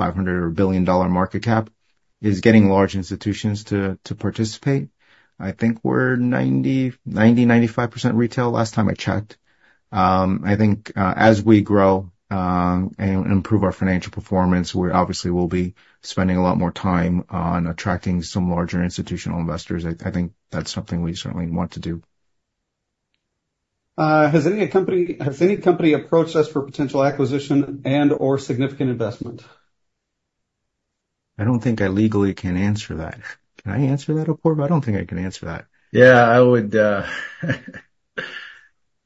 $500 million or billion dollar market cap: getting large institutions to participate. I think we're 95% retail last time I checked. I think as we grow and improve our financial performance, we obviously will be spending a lot more time on attracting some larger institutional investors. I think that's something we certainly want to do. Has any company approached us for potential acquisition and/or significant investment? I don't think I legally can answer that. Can I answer that, Apoorv? I don't think I can answer that. Yeah, I would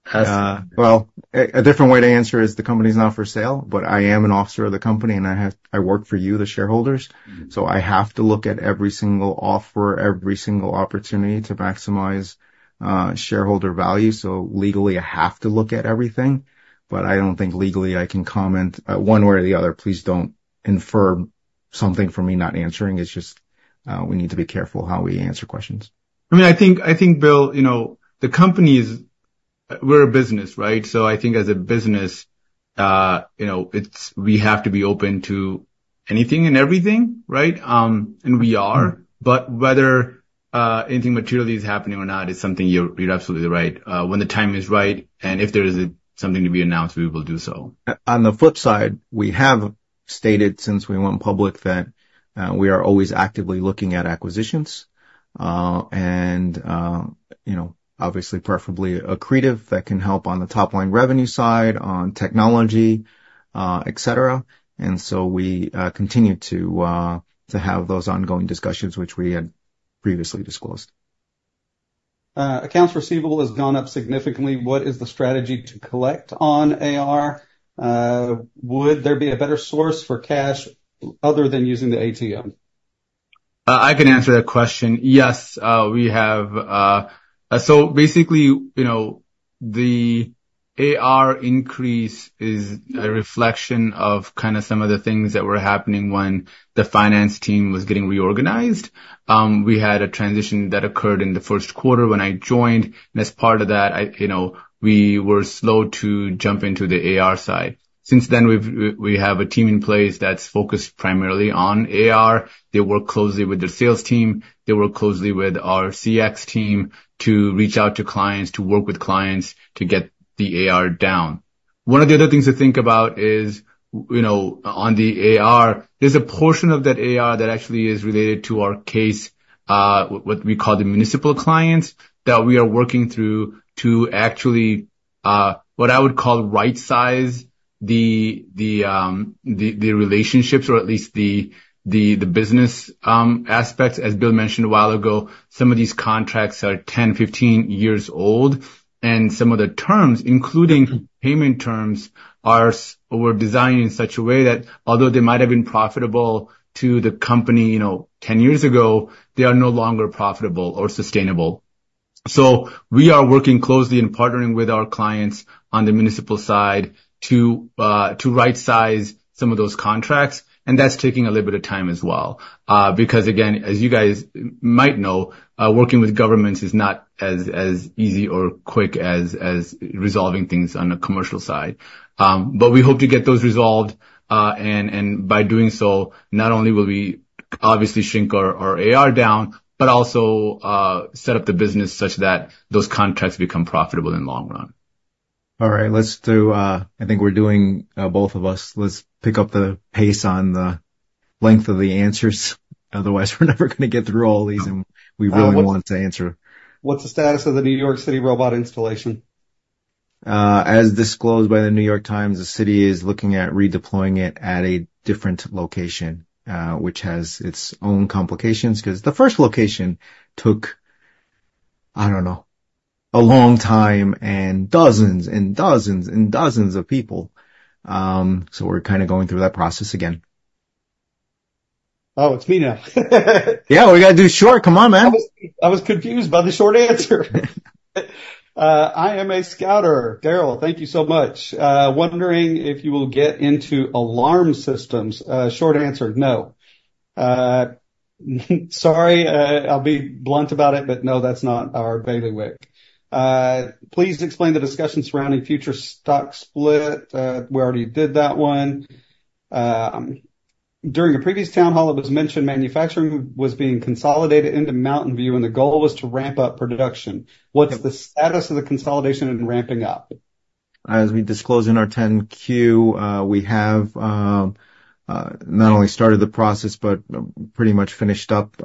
ask- Well, a different way to answer is the company's not for sale, but I am an officer of the company, and I work for you, the shareholders. So I have to look at every single offer, every single opportunity to maximize shareholder value. So legally, I have to look at everything, but I don't think legally I can comment one way or the other. Please don't infer something from me not answering. It's just, we need to be careful how we answer questions. I mean, I think, Bill, you know, the company is... We're a business, right? So I think as a business, you know, we have to be open to anything and everything, right? And we are. But whether anything materially is happening or not is something you're absolutely right. When the time is right, and if there is something to be announced, we will do so. On the flip side, we have stated since we went public, that we are always actively looking at acquisitions, and you know, obviously preferably accretive, that can help on the top line revenue side, on technology, et cetera. And so we continue to have those ongoing discussions, which we had previously disclosed. Accounts receivable has gone up significantly. What is the strategy to collect on AR? Would there be a better source for cash other than using the ATM? I can answer that question. Yes, we have... So basically, you know, the AR increase is a reflection of kind of some of the things that were happening when the finance team was getting reorganized. We had a transition that occurred in the Q1 when I joined, and as part of that, I, you know, we were slow to jump into the AR side. Since then, we've, we have a team in place that's focused primarily on AR. They work closely with the sales team. They work closely with our CX team to reach out to clients, to work with clients, to get the AR down. One of the other things to think about is, you know, on the AR, there's a portion of that AR that actually is related to our case, what we call the municipal clients, that we are working through to actually, what I would call Rightsize the relationships or at least the business aspects. As Bill mentioned a while ago, some of these contracts are 10, 15 years old, and some of the terms, including payment terms, are, were designed in such a way that although they might have been profitable to the company, you know, 10 years ago, they are no longer profitable or sustainable. So we are working closely and partnering with our clients on the municipal side to right-size some of those contracts, and that's taking a little bit of time as well. Because again, as you guys might know, working with governments is not as easy or quick as resolving things on the commercial side. But we hope to get those resolved, and by doing so, not only will we obviously shrink our AR down, but also set up the business such that those contracts become profitable in the long run. All right, let's do. I think we're doing both of us. Let's pick up the pace on the length of the answers. Otherwise, we're never gonna get through all these, and we really want to answer. What's the status of the New York City robot installation? As disclosed by the New York Times, the city is looking at redeploying it at a different location, which has its own complications, 'cause the first location took, I don't know, a long time and dozens and dozens and dozens of people. So we're kind of going through that process again. Oh, it's me now. Yeah, we gotta do short. Come on, man. I was confused by the short answer. I am a scouter. Daryl, thank you so much. Wondering if you will get into alarm systems. Short answer, no. Sorry, I'll be blunt about it, but no, that's not our bailiwick. Please explain the discussion surrounding future stock split. We already did that one. During a previous town hall, it was mentioned manufacturing was being consolidated into Mountain View, and the goal was to ramp up production. What's the status of the consolidation and ramping up? As we disclosed in our 10-Q, we have not only started the process but pretty much finished up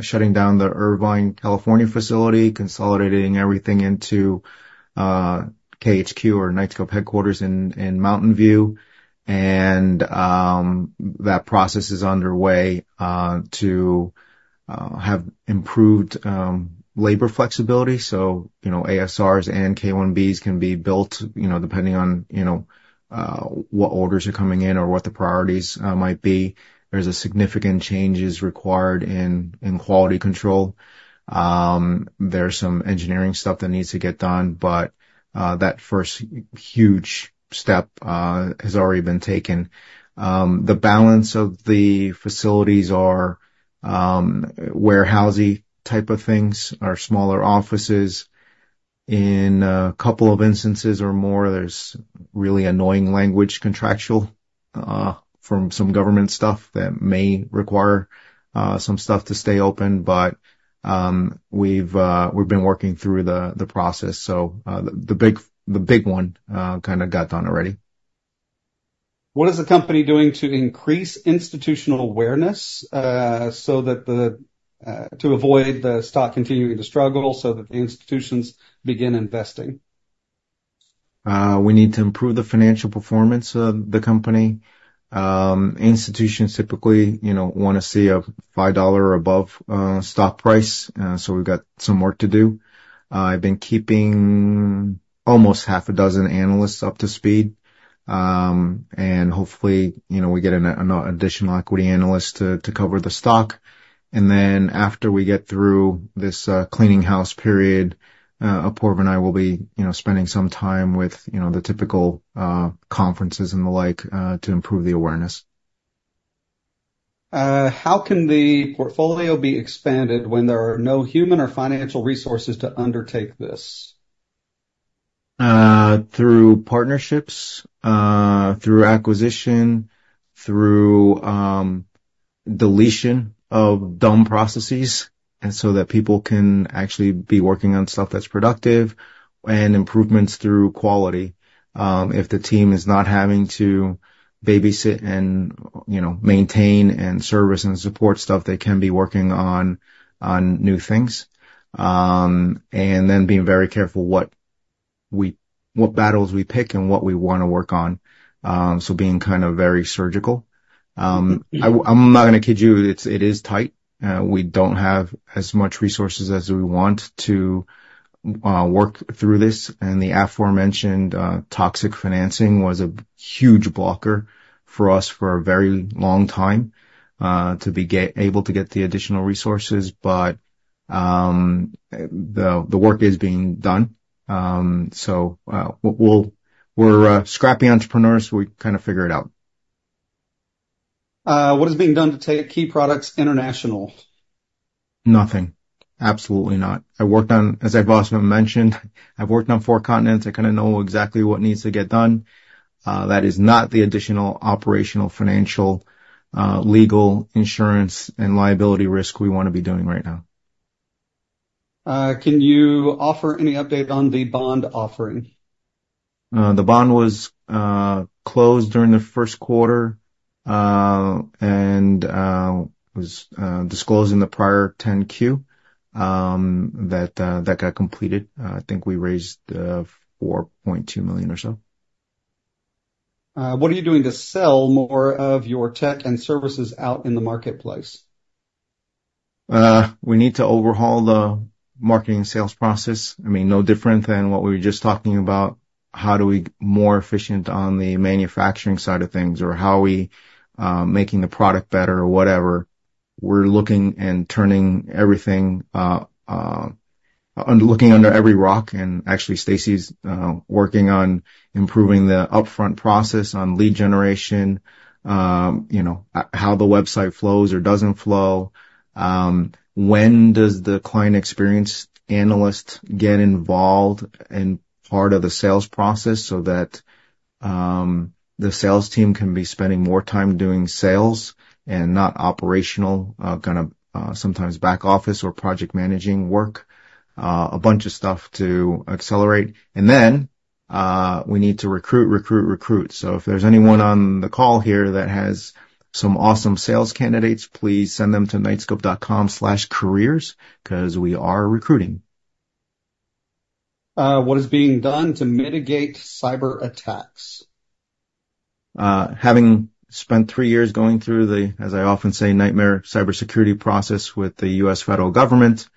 shutting down the Irvine, California, facility, consolidating everything into KHQ or Knightscope headquarters in Mountain View. And that process is underway to have improved labor flexibility. So, you know, ASRs and K1Bs can be built, you know, depending on, you know, what orders are coming in or what the priorities might be. There's a significant changes required in quality control. There's some engineering stuff that needs to get done, but that first huge step has already been taken. The balance of the facilities are warehousey type of things or smaller offices. In a couple of instances or more, there's really annoying language, contractual, from some government stuff that may require some stuff to stay open, but we've been working through the process. So, the big one kind of got done already. What is the company doing to increase institutional awareness, to avoid the stock continuing to struggle so that the institutions begin investing? We need to improve the financial performance of the company. Institutions, typically, you know, wanna see a $5 above stock price, so we've got some work to do. I've been keeping almost half a dozen analysts up to speed, and hopefully, you know, we get an additional equity analyst to cover the stock. Then after we get through this cleaning house period, Apoorv and I will be, you know, spending some time with, you know, the typical conferences and the like to improve the awareness. How can the portfolio be expanded when there are no human or financial resources to undertake this? Through partnerships, through acquisition, through deletion of dumb processes, and so that people can actually be working on stuff that's productive, and improvements through quality. If the team is not having to babysit and, you know, maintain and service and support stuff, they can be working on new things. And then being very careful what battles we pick and what we wanna work on, so being kind of very surgical. I'm not gonna kid you, it's, it is tight. We don't have as much resources as we want to work through this, and the aforementioned toxic financing was a huge blocker for us for a very long time, to be able to get the additional resources. But the work is being done. So, we're scrappy entrepreneurs, we kind of figure it out. What is being done to take key products international? Nothing. Absolutely not. As I've also mentioned, I've worked on four continents. I kind of know exactly what needs to get done. That is not the additional operational, financial, legal, insurance, and liability risk we wanna be doing right now. Can you offer any update on the bond offering? The bond was closed during the Q1 and was disclosed in the prior 10-Q. That got completed. I think we raised $4.2 million or so. What are you doing to sell more of your tech and services out in the marketplace? We need to overhaul the marketing sales process. I mean, no different than what we were just talking about. How do we more efficient on the manufacturing side of things, or how we making the product better or whatever. We're looking and turning everything, looking under every rock, and actually, Stacy's working on improving the upfront process on lead generation, you know, how the website flows or doesn't flow. When does the client experience analyst get involved in part of the sales process so that the sales team can be spending more time doing sales and not operational kind of sometimes back office or project managing work, a bunch of stuff to accelerate. And then we need to recruit, recruit, recruit. If there's anyone on the call here that has some awesome sales candidates, please send them to knightscope.com/careers, 'cause we are recruiting. What is being done to mitigate cyberattacks? Having spent three years going through the, as I often say, nightmare cybersecurity process with the U.S. federal government,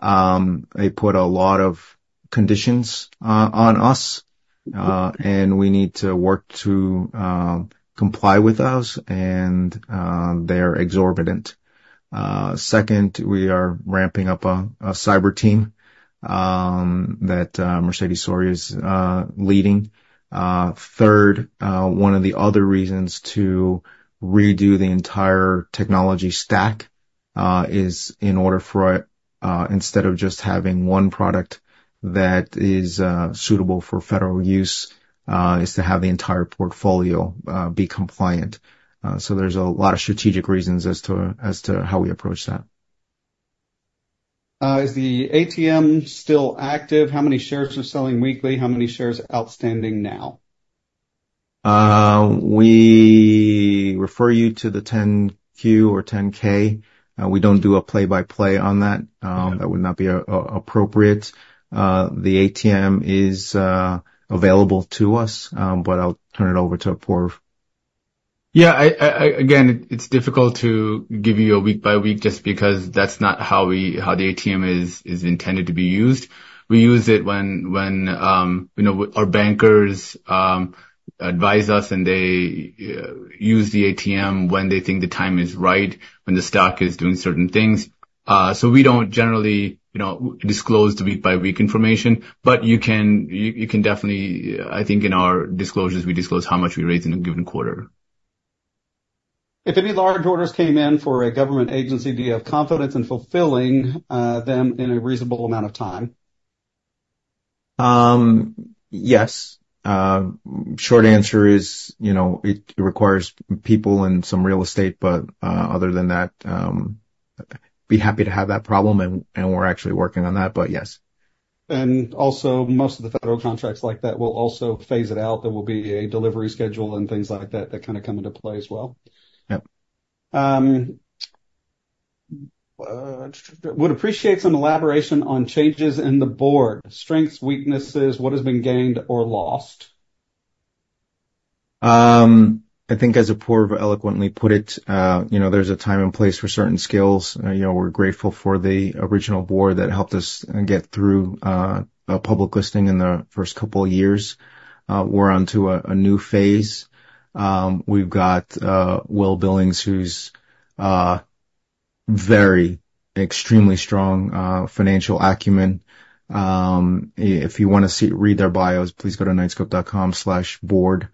they put a lot of conditions on us, and we need to work to comply with those, and they're exorbitant. Second, we are ramping up a cyber team that Mercedes Soria is leading. Third, one of the other reasons to redo the entire technology stack is in order for, instead of just having one product that is suitable for federal use, is to have the entire portfolio be compliant. So there's a lot of strategic reasons as to, as to how we approach that. Is the ATM still active? How many shares are selling weekly? How many shares are outstanding now? We refer you to the 10-Q or 10-K. We don't do a play-by-play on that. That would not be appropriate. The ATM is available to us, but I'll turn it over to Apoorv. Yeah, again, it's difficult to give you a week by week, just because that's not how the ATM is intended to be used. We use it when, you know, our bankers advise us, and they use the ATM when they think the time is right, when the stock is doing certain things. So we don't generally, you know, disclose the week by week information, but you can definitely... I think in our disclosures, we disclose how much we raise in a given quarter. If any large orders came in for a government agency, do you have confidence in fulfilling them in a reasonable amount of time? Yes. Short answer is, you know, it requires people and some real estate, but other than that, be happy to have that problem, and we're actually working on that, but yes. Also, most of the federal contracts like that will also phase it out. There will be a delivery schedule and things like that, that kind of come into play as well. Yep. Would appreciate some elaboration on changes in the board: strengths, weaknesses, what has been gained or lost? I think as Apoorv eloquently put it, you know, there's a time and place for certain skills, you know, we're grateful for the original board that helped us get through a public listing in the first couple of years. We're onto a new phase. We've got Will Billings, who's very extremely strong financial acumen. If you want to see, read their bios, please go to Knightscope.com/board.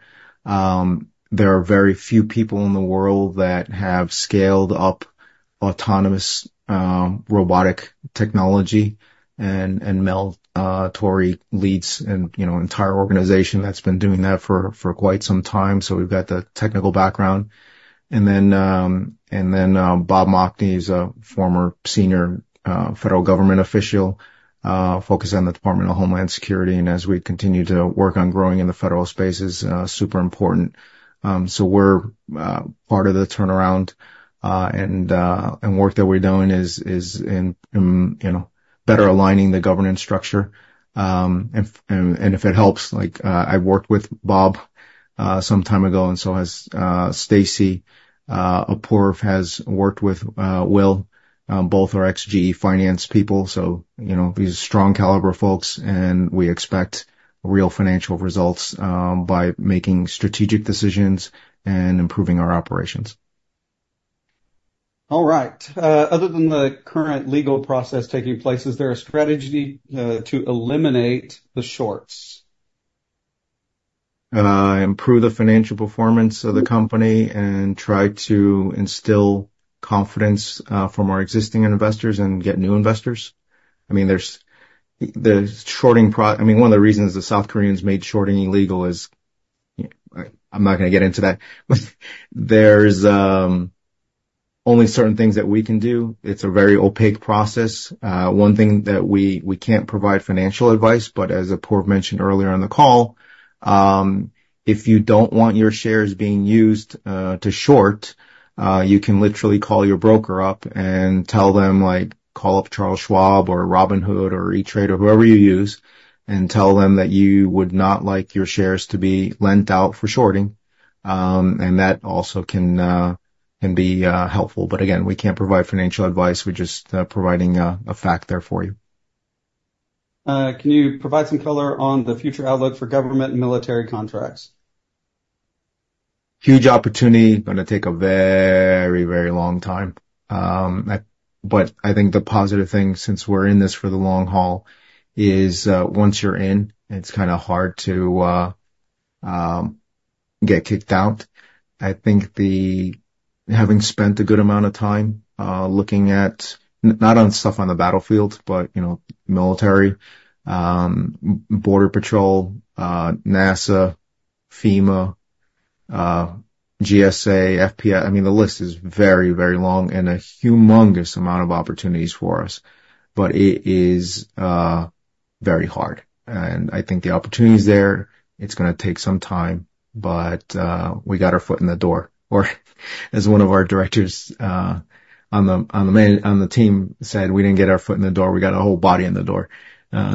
There are very few people in the world that have scaled up autonomous robotic technology and Mel Torrie leads and you know an entire organization that's been doing that for quite some time. So we've got the technical background. And then, Bob Mocny is a former senior federal government official focused on the Department of Homeland Security, and as we continue to work on growing in the federal space, is super important. So we're part of the turnaround and work that we're doing is in you know, better aligning the governance structure. And if it helps, like, I worked with Bob some time ago, and so has Stacy. Apoorv has worked with Will, both are ex-GE finance people. So, you know, these strong caliber folks, and we expect real financial results by making strategic decisions and improving our operations. All right. Other than the current legal process taking place, is there a strategy to eliminate the shorts? Improve the financial performance of the company and try to instill confidence from our existing investors and get new investors. I mean, one of the reasons the South Koreans made shorting illegal is... I'm not gonna get into that. There's only certain things that we can do. It's a very opaque process. One thing that we can't provide financial advice, but as Apoorv mentioned earlier in the call, if you don't want your shares being used to short, you can literally call your broker up and tell them, like, call up Charles Schwab or Robinhood or ETRADE or whoever you use, and tell them that you would not like your shares to be lent out for shorting. And that also can be helpful. But again, we can't provide financial advice, we're just providing a fact there for you. Can you provide some color on the future outlook for government and military contracts? Huge opportunity, gonna take a very, very long time. But I think the positive thing, since we're in this for the long haul, is, once you're in, it's kinda hard to get kicked out. I think the having spent a good amount of time looking at, not on stuff on the battlefield, but, you know, military, border patrol, NASA, FEMA, GSA, FPI, I mean, the list is very, very long and a humongous amount of opportunities for us. But it is very hard, and I think the opportunity is there. It's gonna take some time, but we got our foot in the door. Or as one of our directors on the team said, "We didn't get our foot in the door, we got our whole body in the door."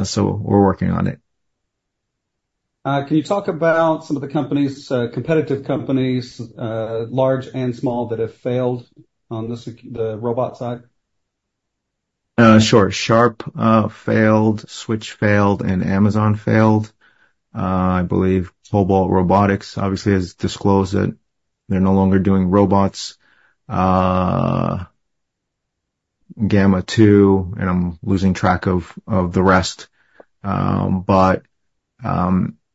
So we're working on it. Can you talk about some of the companies, competitive companies, large and small, that have failed on the robot side? Sure. Sharp failed, Switch failed, and Amazon failed. I believe Cobalt Robotics obviously has disclosed that they're no longer doing robots. Gamma 2, and I'm losing track of, of the rest. But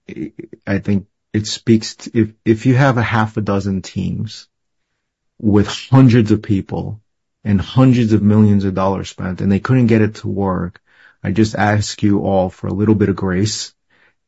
I think it speaks to... If you have 6 teams with hundreds of people and hundreds of millions of dollars spent, and they couldn't get it to work, I just ask you all for a little bit of grace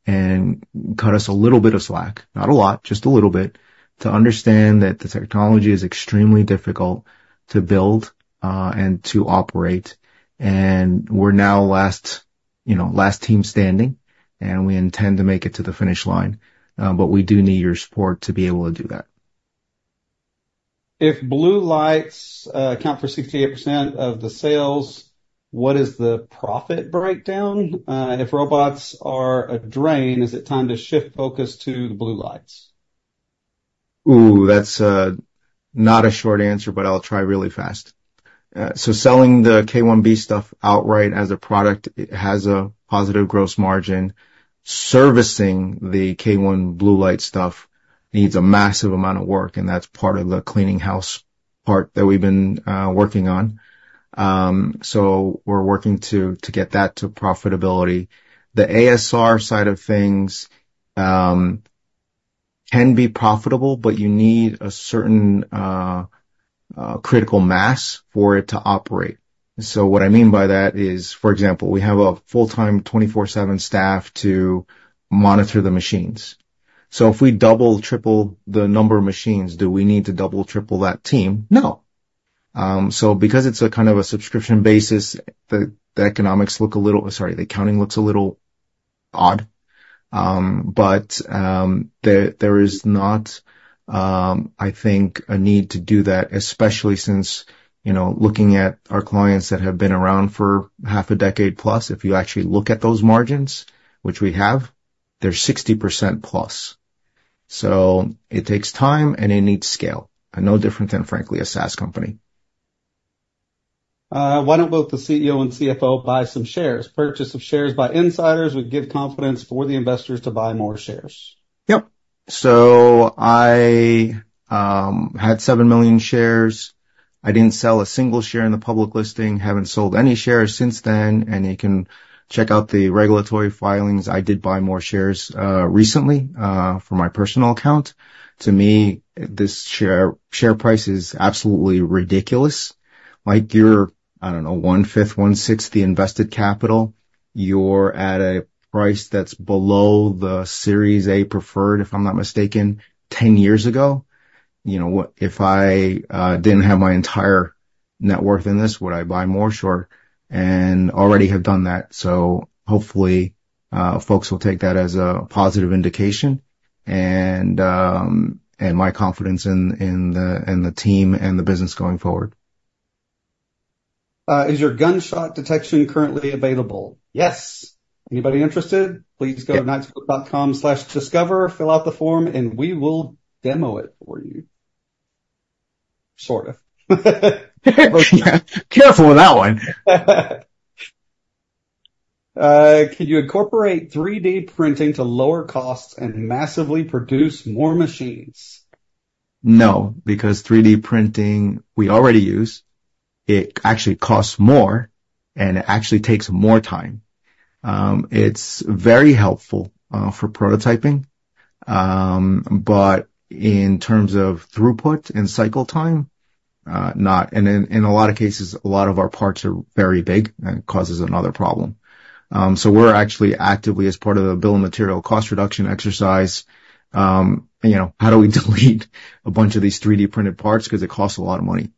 and cut us a little bit of slack, not a lot, just a little bit, to understand that the technology is extremely difficult to build and to operate. And we're now last, you know, last team standing, and we intend to make it to the finish line. But we do need your support to be able to do that. If blue lights account for 68% of the sales, what is the profit breakdown? And if robots are a drain, is it time to shift focus to the blue lights? Ooh, that's not a short answer, but I'll try really fast. So selling the K1B stuff outright as a product, it has a positive gross margin. Servicing the K1 blue light stuff needs a massive amount of work, and that's part of the cleaning house part that we've been working on. So we're working to get that to profitability. The ASR side of things can be profitable, but you need a certain critical mass for it to operate. So what I mean by that is, for example, we have a full-time 24/7 staff to monitor the machines. So if we double, triple the number of machines, do we need to double, triple that team? No. So because it's a kind of a subscription basis, the economics look a little... Sorry, the accounting looks a little odd. But there is not, I think, a need to do that, especially since, you know, looking at our clients that have been around for half a decade plus, if you actually look at those margins, which we have, they're 60%+. So it takes time, and it needs scale, and no different than, frankly, a SaaS company. Why don't both the CEO and CFO buy some shares? Purchase of shares by insiders would give confidence for the investors to buy more shares. Yep. So I had 7 million shares. I didn't sell a single share in the public listing, haven't sold any shares since then, and you can check out the regulatory filings. I did buy more shares recently from my personal account. To me, this share, share price is absolutely ridiculous. Like you're, I don't know, one-fifth, one-sixth the invested capital. You're at a price that's below the Series A preferred, if I'm not mistaken, 10 years ago. You know, what if I didn't have my entire net worth in this, would I buy more? Sure, and already have done that. So hopefully, folks will take that as a positive indication and, and my confidence in, in the, and the team and the business going forward. Is your gunshot detection currently available? Yes. Anybody interested? Please go to knightscope.com/discover, fill out the form, and we will demo it for you. Sort of. Careful with that one. Could you incorporate 3D printing to lower costs and massively produce more machines? No, because 3D printing, we already use, it actually costs more, and it actually takes more time. It's very helpful for prototyping, but in terms of throughput and cycle time, not. And in a lot of cases, a lot of our parts are very big and causes another problem. So we're actually actively, as part of the bill of materials cost reduction exercise, you know, how do we delete a bunch of these 3D printed parts? Because it costs a lot of money.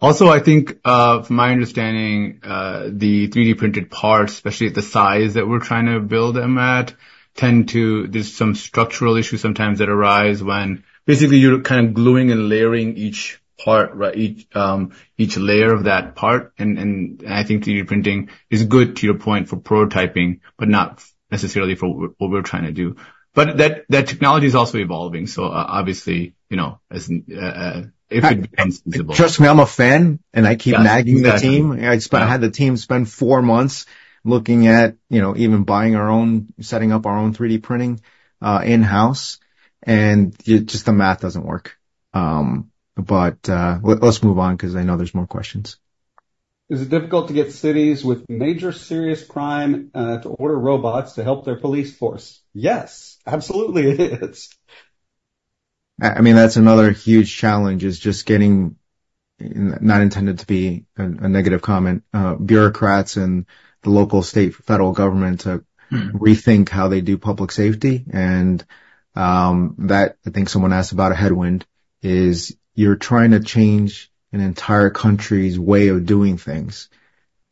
Also, I think, from my understanding, the 3D printed parts, especially at the size that we're trying to build them at, tend to... There's some structural issues sometimes that arise when basically you're kind of gluing and layering each part, right, each, each layer of that part. And, and I think 3D printing is good, to your point, for prototyping, but not necessarily for what we're trying to do.... But that, that technology is also evolving, so obviously, you know, as, if it becomes feasible. Trust me, I'm a fan, and I keep nagging the team. I spent, I had the team spend 4 months looking at, you know, even buying our own, setting up our own 3D printing in-house, and just the math doesn't work. But let's move on, 'cause I know there's more questions. Is it difficult to get cities with major serious crime, to order robots to help their police force? Yes, absolutely it is. I mean, that's another huge challenge, is just getting, not intended to be a negative comment, bureaucrats and the local, state, federal government to- Mm-hmm... rethink how they do public safety. And, that, I think someone asked about a headwind, is you're trying to change an entire country's way of doing things.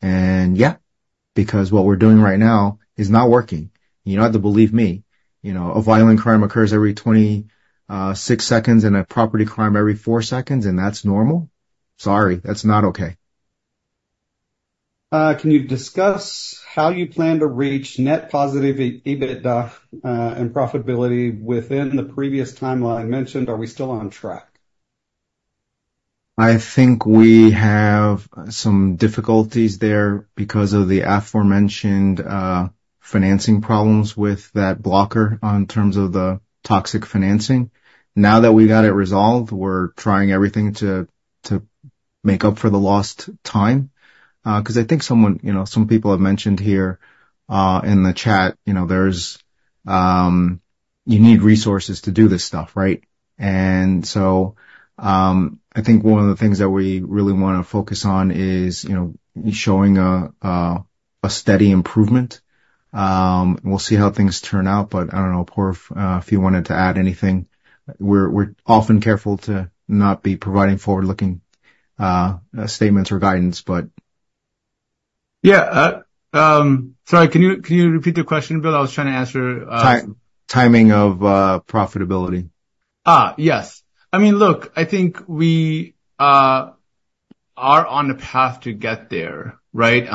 And, yeah, because what we're doing right now is not working. You don't have to believe me. You know, a violent crime occurs every 26 seconds and a property crime every 4 seconds, and that's normal? Sorry, that's not okay. Can you discuss how you plan to reach net positive EBITDA, and profitability within the previous timeline mentioned? Are we still on track? I think we have some difficulties there because of the aforementioned financing problems with that blocker on terms of the toxic financing. Now that we got it resolved, we're trying everything to make up for the lost time. Because I think someone, you know, some people have mentioned here in the chat, you know, there's... You need resources to do this stuff, right? And so, I think one of the things that we really wanna focus on is, you know, showing a steady improvement. We'll see how things turn out, but I don't know, Apoorv, if you wanted to add anything, we're often careful to not be providing forward-looking statements or guidance, but- Yeah, sorry, can you, can you repeat the question, Bill? I was trying to answer- Timing of profitability. Yes. I mean, look, I think we are on the path to get there, right?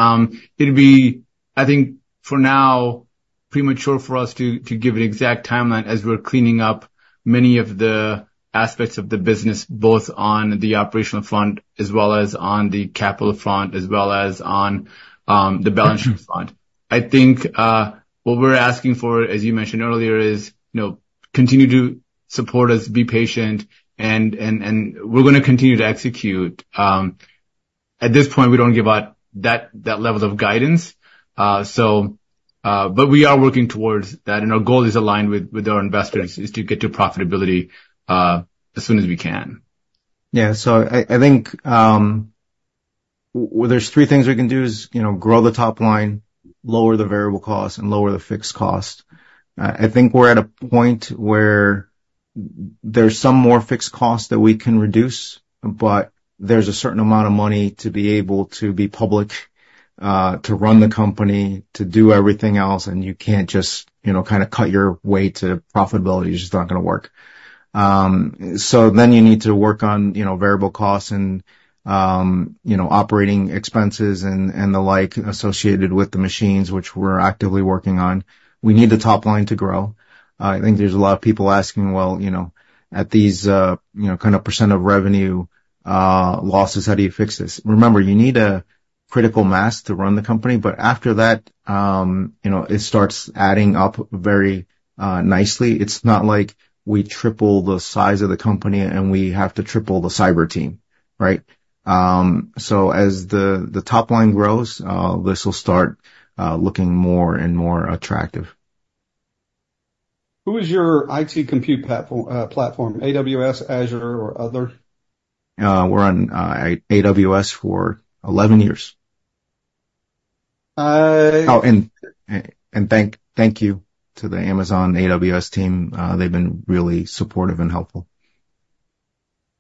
It'd be, I think, for now, premature for us to give an exact timeline as we're cleaning up many of the aspects of the business, both on the operational front, as well as on the capital front, as well as on the balance sheet front. I think what we're asking for, as you mentioned earlier, is, you know, continue to support us, be patient, and we're gonna continue to execute. At this point, we don't give out that level of guidance, so but we are working towards that, and our goal is aligned with our investors, is to get to profitability as soon as we can. Yeah. So I think, well, there's three things we can do is, you know, grow the top line, lower the variable cost, and lower the fixed cost. I think we're at a point where there's some more fixed costs that we can reduce, but there's a certain amount of money to be able to be public, to run the company, to do everything else, and you can't just, you know, kind of cut your way to profitability. It's just not gonna work. So then you need to work on, you know, variable costs and, you know, operating expenses and, and the like, associated with the machines, which we're actively working on. We need the top line to grow. I think there's a lot of people asking: Well, you know, at these, you know, kind of percent of revenue, losses, how do you fix this? Remember, you need a critical mass to run the company, but after that, you know, it starts adding up very, nicely. It's not like we triple the size of the company, and we have to triple the cyber team, right? So as the, the top line grows, this will start, looking more and more attractive. Who is your IT compute platform, AWS, Azure, or other? We're on AWS for 11 years. Uh- Oh, and thank you to the Amazon AWS team. They've been really supportive and helpful.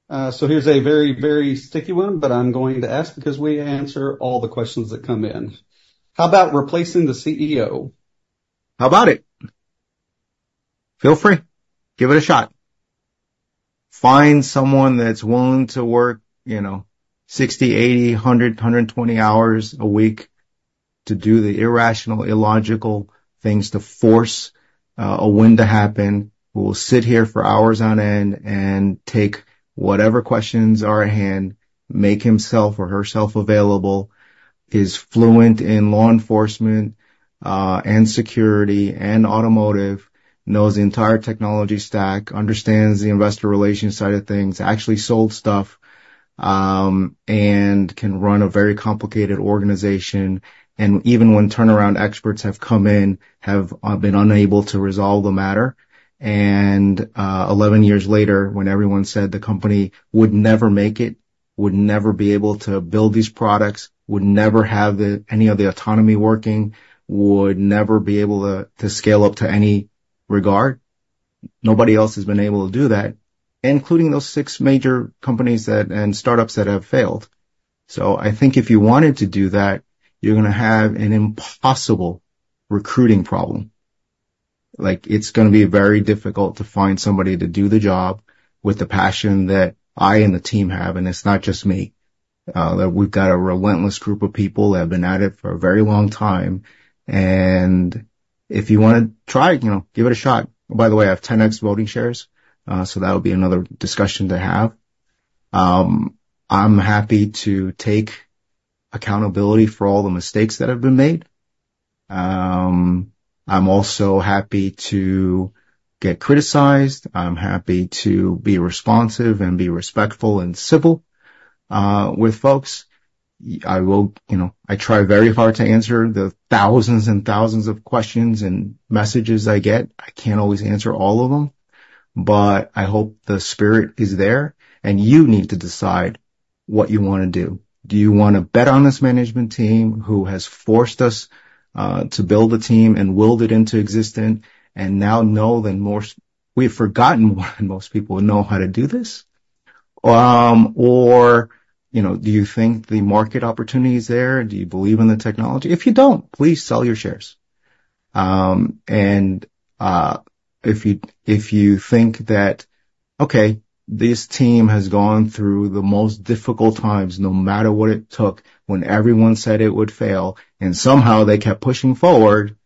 So, here's a very, very sticky one, but I'm going to ask, because we answer all the questions that come in. How about replacing the CEO? How about it? Feel free. Give it a shot. Find someone that's willing to work, you know, 60, 80, 100, 120 hours a week to do the irrational, illogical things, to force a win to happen, who will sit here for hours on end and take whatever questions are at hand, make himself or herself available, is fluent in law enforcement and security and automotive, knows the entire technology stack, understands the investor relations side of things, actually sold stuff, and can run a very complicated organization. And even when turnaround experts have come in, been unable to resolve the matter, and eleven years later, when everyone said the company would never make it, would never be able to build these products, would never have the, any of the autonomy working, would never be able to, to scale up to any regard. Nobody else has been able to do that, including those six major companies that, and startups that have failed. So I think if you wanted to do that, you're gonna have an impossible recruiting problem. Like, it's gonna be very difficult to find somebody to do the job with the passion that I and the team have, and it's not just me that we've got a relentless group of people that have been at it for a very long time, and if you wanna try, you know, give it a shot. By the way, I have 10X voting shares, so that'll be another discussion to have. I'm happy to take accountability for all the mistakes that have been made. I'm also happy to get criticized. I'm happy to be responsive and be respectful and civil with folks. You know, I try very hard to answer the thousands and thousands of questions and messages I get. I can't always answer all of them, but I hope the spirit is there, and you need to decide what you wanna do. Do you wanna bet on this management team, who has forced us to build a team and willed it into existence, and now know that most... We've forgotten why most people know how to do this? Or, you know, do you think the market opportunity is there? Do you believe in the technology? If you don't, please sell your shares. If you think that, okay, this team has gone through the most difficult times, no matter what it took, when everyone said it would fail, and somehow they kept pushing forward,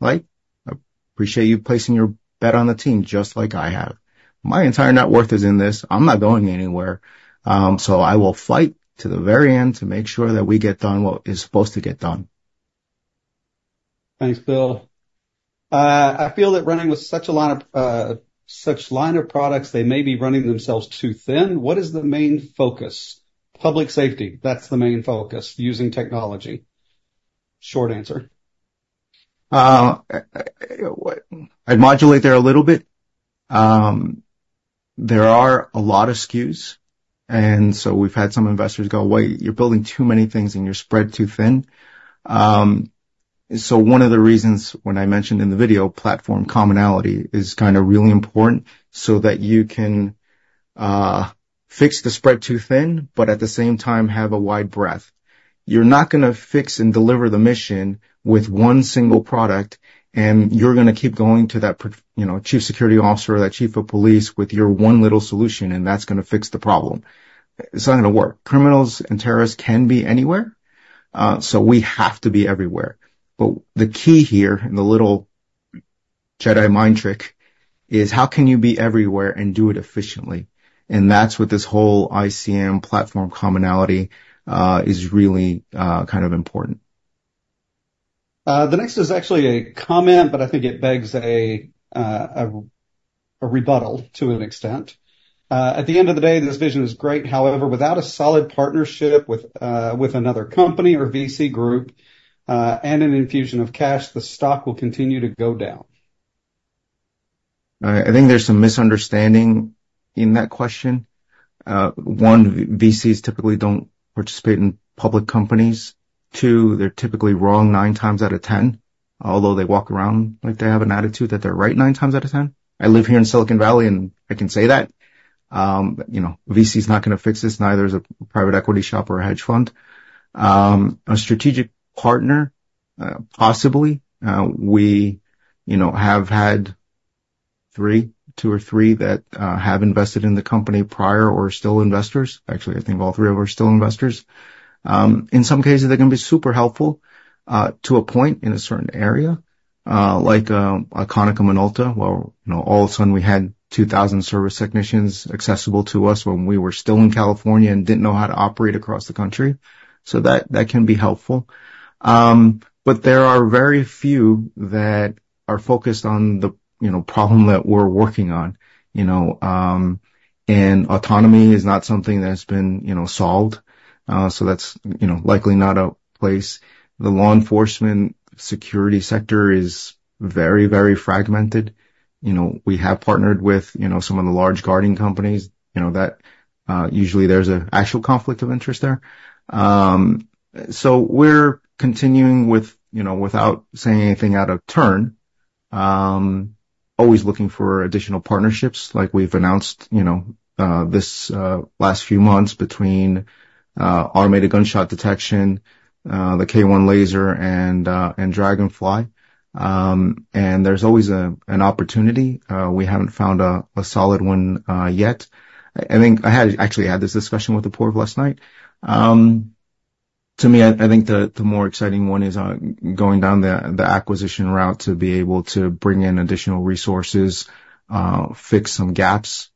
right? I appreciate you placing your bet on the team, just like I have. My entire net worth is in this. I'm not going anywhere, so I will fight to the very end to make sure that we get done what is supposed to get done. Thanks, Bill. I feel that running with such a line of products, they may be running themselves too thin. What is the main focus? Public safety, that's the main focus, using technology. Short answer. I'd modulate there a little bit. There are a lot of SKUs, and so we've had some investors go: "Wait, you're building too many things, and you're spread too thin." So one of the reasons, when I mentioned in the video, platform commonality is kinda really important, so that you can, fix the spread too thin, but at the same time, have a wide breadth. You're not gonna fix and deliver the mission with one single product, and you're gonna keep going to that you know, chief security officer or that chief of police with your one little solution, and that's gonna fix the problem. It's not gonna work. Criminals and terrorists can be anywhere, so we have to be everywhere. But the key here, and the little Jedi mind trick, is: how can you be everywhere and do it efficiently? That's what this whole ICM platform commonality is really kind of important. The next is actually a comment, but I think it begs a rebuttal to an extent. At the end of the day, this vision is great. However, without a solid partnership with another company or VC group, and an infusion of cash, the stock will continue to go down. I think there's some misunderstanding in that question. One, VCs typically don't participate in public companies. Two, they're typically wrong 9 times out of 10, although they walk around like they have an attitude that they're right 9 times out of 10. I live here in Silicon Valley, and I can say that, you know, VC is not gonna fix this, neither is a private equity shop or a hedge fund. A strategic partner, possibly. We, you know, have had 3, 2 or 3, that have invested in the company prior or are still investors. Actually, I think all 3 of them are still investors. In some cases, they can be super helpful, to a point in a certain area, like, Konica Minolta, where, you know, all of a sudden we had 2,000 service technicians accessible to us when we were still in California and didn't know how to operate across the country. So that, that can be helpful. But there are very few that are focused on the, you know, problem that we're working on, you know, and autonomy is not something that's been, you know, solved. So that's, you know, likely not a place. The law enforcement security sector is very, very fragmented. You know, we have partnered with, you know, some of the large guarding companies, you know, that, usually there's an actual conflict of interest there. So we're continuing with, you know, without saying anything out of turn, always looking for additional partnerships like we've announced, you know, this last few months between automated gunshot detection, the K1 Laser and Draganfly. And there's always an opportunity. We haven't found a solid one yet. I think I had... Actually, I had this discussion with the board last night. To me, I think the more exciting one is going down the acquisition route to be able to bring in additional resources, fix some gaps,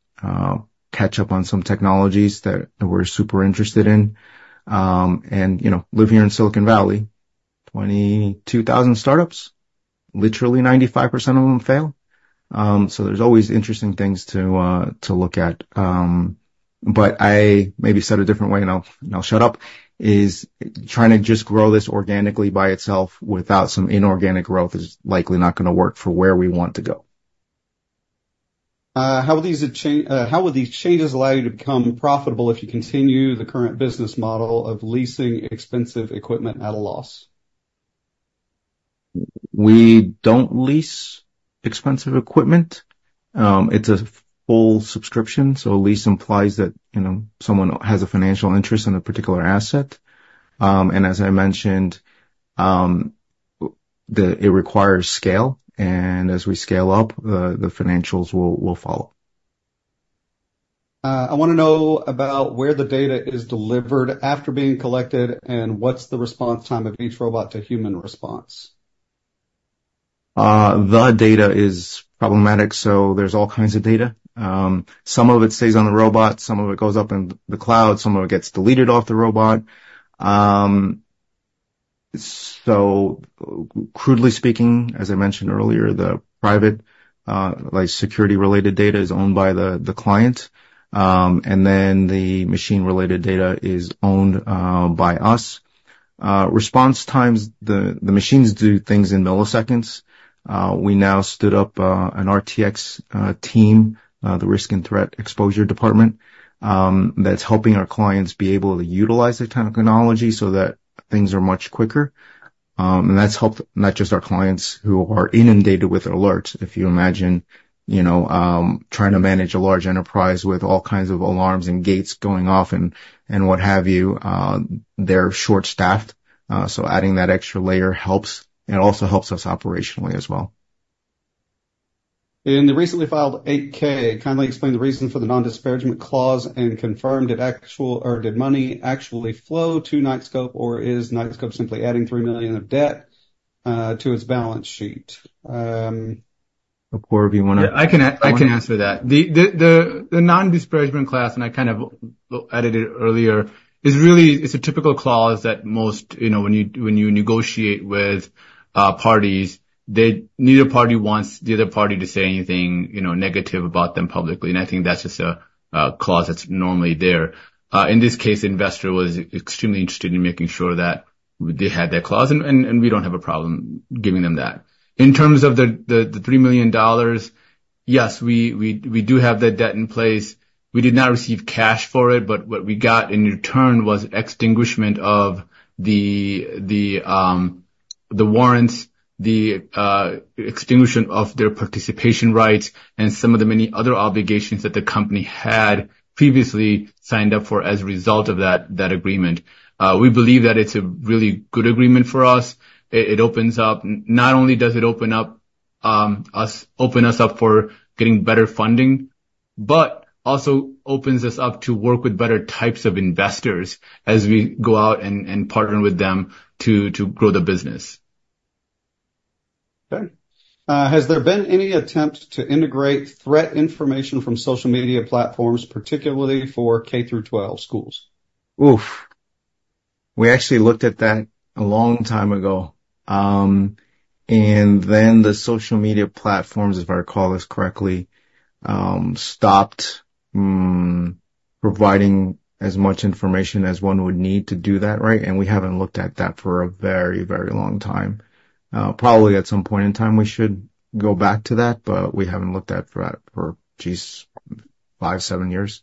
catch up on some technologies that we're super interested in. And, you know, live here in Silicon Valley, 22,000 startups, literally 95% of them fail. So there's always interesting things to look at. But maybe said a different way, and I'll shut up, is trying to just grow this organically by itself without some inorganic growth is likely not gonna work for where we want to go. How will these changes allow you to become profitable if you continue the current business model of leasing expensive equipment at a loss? We don't lease expensive equipment. It's a full subscription, so a lease implies that, you know, someone has a financial interest in a particular asset. And as I mentioned, it requires scale, and as we scale up, the financials will follow.... I wanna know about where the data is delivered after being collected, and what's the response time of each robot to human response? The data is problematic, so there's all kinds of data. Some of it stays on the robot, some of it goes up in the cloud, some of it gets deleted off the robot. So crudely speaking, as I mentioned earlier, the private, like, security-related data is owned by the client, and then the machine-related data is owned by us. Response times, the machines do things in milliseconds. We now stood up an RTX team, the Risk and Threat Exposure department, that's helping our clients be able to utilize their technology so that things are much quicker. And that's helped not just our clients who are inundated with alerts. If you imagine, you know, trying to manage a large enterprise with all kinds of alarms and gates going off and what have you, they're short-staffed, so adding that extra layer helps, and it also helps us operationally as well. In the recently filed 8-K, kindly explain the reason for the non-disparagement clause and confirm, did money actually flow to Knightscope, or is Knightscope simply adding $3 million of debt to its balance sheet? Apoorv, do you wanna- Yeah, I can, I can answer that. The non-disparagement clause, and I kind of edited earlier, is really—it's a typical clause that most. You know, when you, when you negotiate with parties, neither party wants the other party to say anything, you know, negative about them publicly, and I think that's just a clause that's normally there. In this case, the investor was extremely interested in making sure that they had that clause, and we don't have a problem giving them that. In terms of the $3 million, yes, we do have that debt in place. We did not receive cash for it, but what we got in return was extinguishment of the warrants, extinguishment of their participation rights and some of the many other obligations that the company had previously signed up for as a result of that agreement. We believe that it's a really good agreement for us. It opens up. Not only does it open us up for getting better funding, but also opens us up to work with better types of investors as we go out and partner with them to grow the business. Okay. Has there been any attempt to integrate threat information from social media platforms, particularly for K through 12 schools? Oof! We actually looked at that a long time ago. And then the social media platforms, if I recall this correctly, stopped providing as much information as one would need to do that, right? And we haven't looked at that for a very, very long time. Probably at some point in time, we should go back to that, but we haven't looked at threat for, geez, 5-7 years.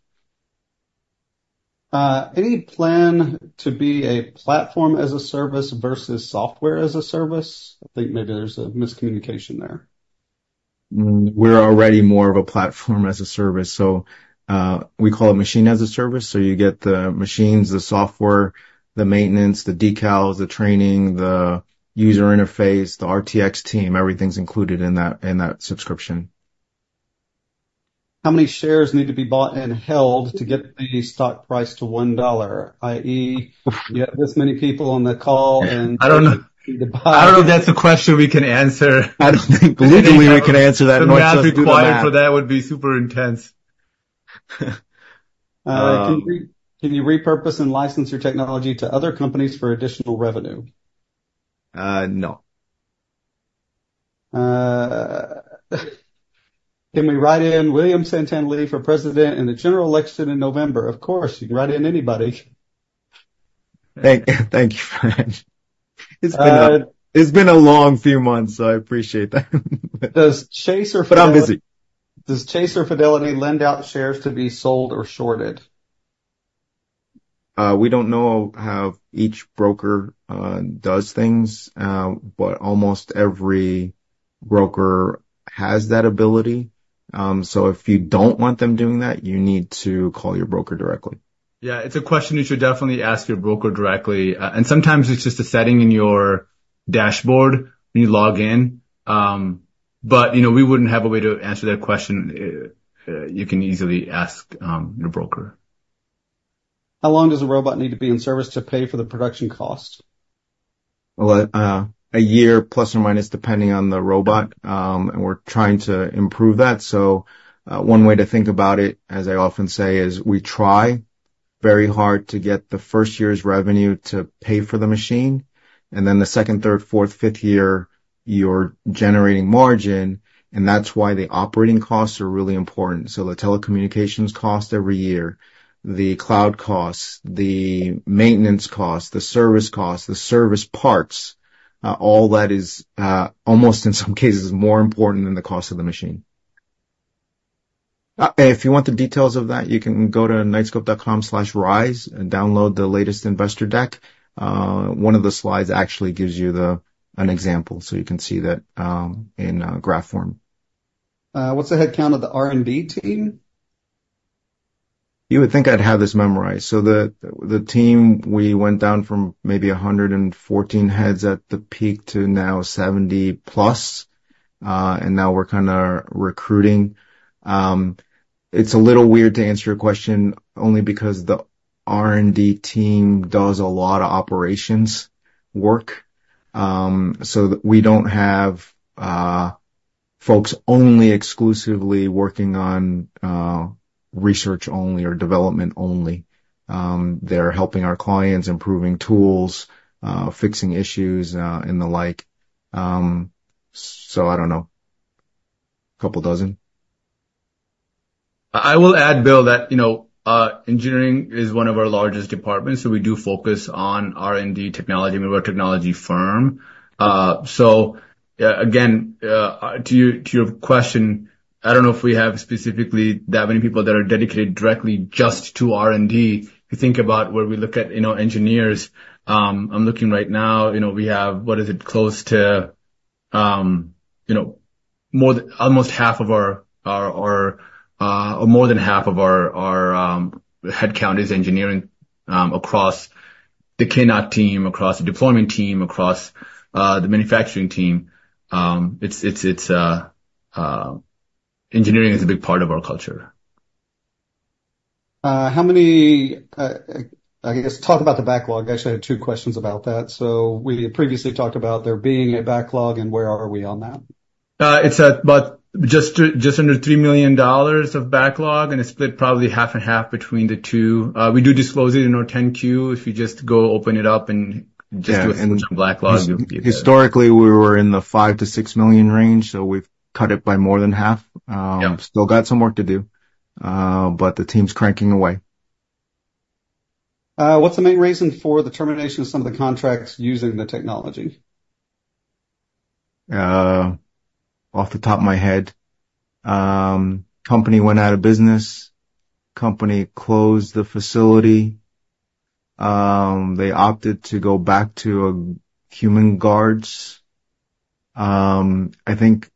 Any plan to be a platform as a service versus software as a service? I think maybe there's a miscommunication there. We're already more of a platform as a service. So, we call it machine as a service, so you get the machines, the software, the maintenance, the decals, the training, the user interface, the RTX team. Everything's included in that, in that subscription. How many shares need to be bought and held to get the stock price to $1, i.e., you have this many people on the call, and- I don't know. I don't know if that's a question we can answer. I don't think we can answer that. The math required for that would be super intense. Can you repurpose and license your technology to other companies for additional revenue? Uh, no. Can we write in William Santana Li for president in the general election in November? Of course, you can write in anybody. Thank you very much. It's been a long few months. I appreciate that. Does Chase or Fidelity- Been busy. Does Chase or Fidelity lend out shares to be sold or shorted? We don't know how each broker does things, but almost every broker has that ability. So if you don't want them doing that, you need to call your broker directly. Yeah, it's a question you should definitely ask your broker directly, and sometimes it's just a setting in your dashboard when you log in. But, you know, we wouldn't have a way to answer that question. You can easily ask your broker. How long does a robot need to be in service to pay for the production cost? Well, a year, plus or minus, depending on the robot. And we're trying to improve that. So, one way to think about it, as I often say, is we try very hard to get the first year's revenue to pay for the machine, and then the second, third, fourth, fifth year, you're generating margin, and that's why the operating costs are really important. So the telecommunications cost every year, the cloud costs, the maintenance costs, the service costs, the service parts, all that is almost in some cases, more important than the cost of the machine. If you want the details of that, you can go to Knightscope.com/rise and download the latest investor deck. One of the slides actually gives you the... an example, so you can see that in graph form. What's the headcount of the R&D team? ... You would think I'd have this memorized. So the team, we went down from maybe 114 heads at the peak to now 70+, and now we're kinda recruiting. It's a little weird to answer your question, only because the R&D team does a lot of operations work. So we don't have folks only exclusively working on research only or development only. They're helping our clients, improving tools, fixing issues, and the like, so I don't know, a couple dozen. I will add, Bill, that you know engineering is one of our largest departments, so we do focus on R&D technology. We're a technology firm. So, again, to your question, I don't know if we have specifically that many people that are dedicated directly just to R&D. If you think about where we look at you know engineers, I'm looking right now, you know, we have, what is it? Close to you know more—almost half of our—more than half of our headcount is engineering across the Knightscope team, across the deployment team, across the manufacturing team. Engineering is a big part of our culture. How many... I guess, talk about the backlog. I actually had two questions about that. So we previously talked about there being a backlog, and where are we on that? It's at about just under $3 million of backlog, and it's split probably half and half between the two. We do disclose it in our 10-Q. If you just go open it up and just do a backlog, you'll be- Historically, we were in the $5-6 million range, so we've cut it by more than half. Yep. Still got some work to do, but the team's cranking away. What's the main reason for the termination of some of the contracts using the technology? Off the top of my head, company went out of business, company closed the facility, they opted to go back to human guards. I think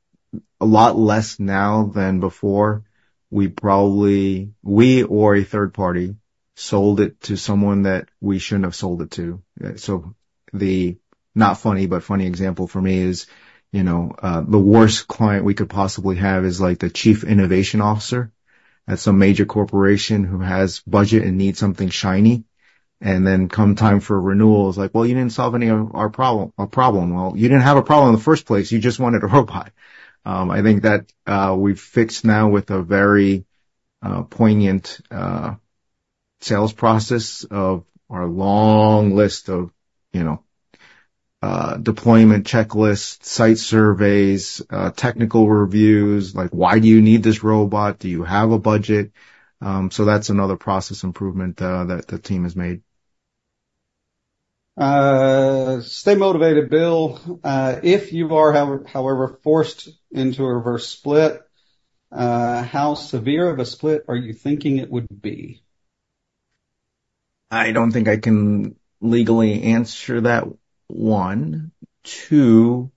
a lot less now than before, we probably—we or a third party sold it to someone that we shouldn't have sold it to. So the not funny, but funny example for me is, you know, the worst client we could possibly have is, like, the chief innovation officer at some major corporation who has budget and needs something shiny, and then come time for renewal, it's like: "Well, you didn't solve any of our problem, our problem." "Well, you didn't have a problem in the first place. You just wanted a robot." I think that we've fixed now with a very poignant sales process of our long list of, you know, deployment checklists, site surveys, technical reviews, like, why do you need this robot? Do you have a budget? So that's another process improvement that the team has made. Stay motivated, Bill. If you are, however, forced into a reverse split, how severe of a split are you thinking it would be? I don't think I can legally answer that, one. Two,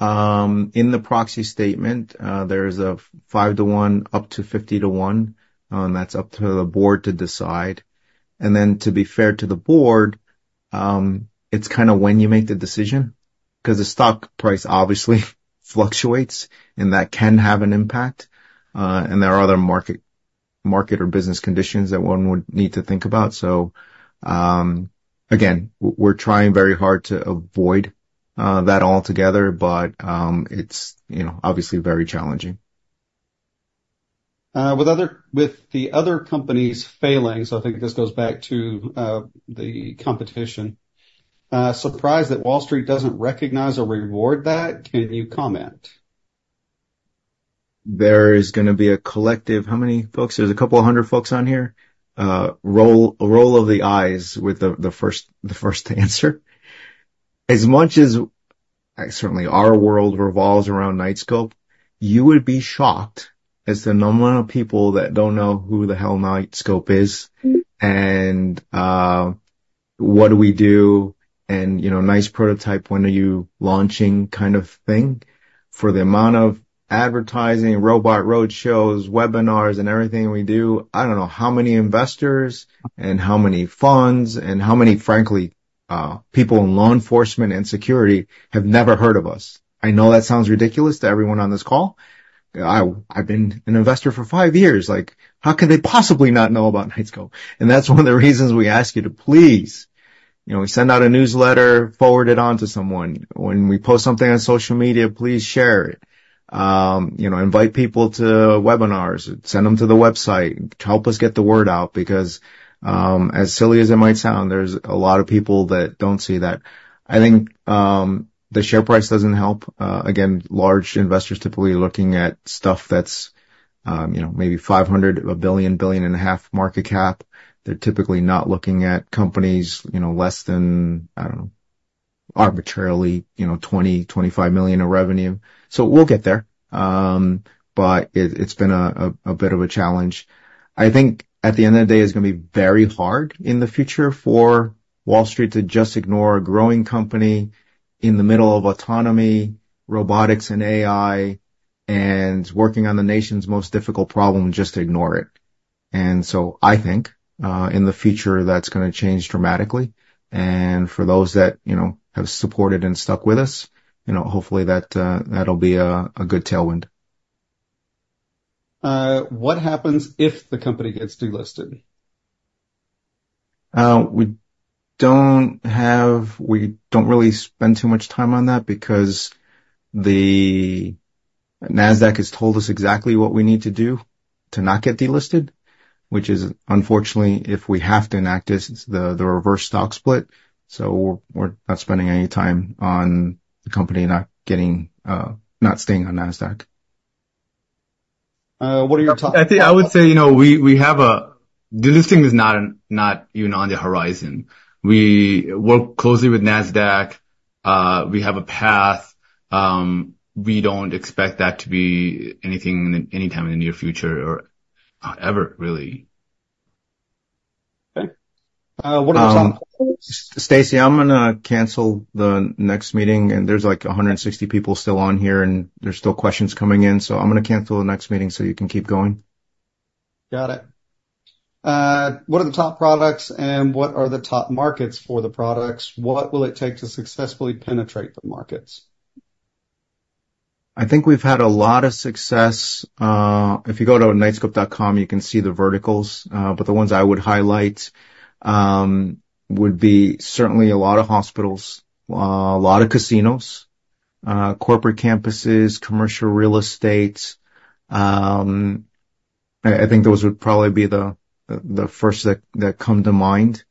in the proxy statement, there's a 5-to-1, up to 50-to-1, and that's up to the board to decide. And then, to be fair to the board, it's kinda when you make the decision, 'cause the stock price obviously fluctuates, and that can have an impact, and there are other market, market or business conditions that one would need to think about. So, again, we're trying very hard to avoid that altogether, but, it's, you know, obviously very challenging. With the other companies failing, so I think this goes back to the competition. Surprised that Wall Street doesn't recognize or reward that? Can you comment? There is gonna be a collective, how many folks? There's 200 folks on here, roll of the eyes with the first to answer. As much as certainly our world revolves around Knightscope, you would be shocked as the number of people that don't know who the hell Knightscope is and what do we do, and, you know, "Nice prototype, when are you launching?" kind of thing. For the amount of advertising, robot roadshows, webinars, and everything we do, I don't know how many investors and how many funds and how many, frankly, people in law enforcement and security have never heard of us. I know that sounds ridiculous to everyone on this call. I've been an investor for five years, like, how could they possibly not know about Knightscope?" And that's one of the reasons we ask you to please, you know, we send out a newsletter, forward it on to someone. When we post something on social media, please share it. You know, invite people to webinars, send them to the website, help us get the word out, because, as silly as it might sound, there's a lot of people that don't see that. I think, the share price doesn't help. Again, large investors typically are looking at stuff that's, you know, maybe $500 million, $1 billion, $1.5 billion market cap. They're typically not looking at companies, you know, less than, I don't know, arbitrarily, you know, $20-$25 million in revenue. So we'll get there, but it, it's been a bit of a challenge. I think at the end of the day, it's gonna be very hard in the future for Wall Street to just ignore a growing company in the middle of autonomy, robotics, and AI.... and working on the nation's most difficult problem and just ignore it. And so I think, in the future, that's gonna change dramatically, and for those that, you know, have supported and stuck with us, you know, hopefully that, that'll be a good tailwind. What happens if the company gets delisted? We don't really spend too much time on that because the NASDAQ has told us exactly what we need to do to not get delisted, which is, unfortunately, if we have to enact this, it's the reverse stock split, so we're not spending any time on the company not getting not staying on NASDAQ. What are your top- I think I would say, you know, we have a delisting is not even on the horizon. We work closely with NASDAQ. We have a path. We don't expect that to be anything anytime in the near future or ever, really. Okay. What are some- Stacy, I'm gonna cancel the next meeting, and there's, like, 160 people still on here, and there's still questions coming in, so I'm gonna cancel the next meeting so you can keep going. Got it. What are the top products, and what are the top markets for the products? What will it take to successfully penetrate the markets? I think we've had a lot of success. If you go to knightscope.com, you can see the verticals, but the ones I would highlight would be certainly a lot of hospitals, a lot of casinos, corporate campuses, commercial real estates. I think those would probably be the first that come to mind.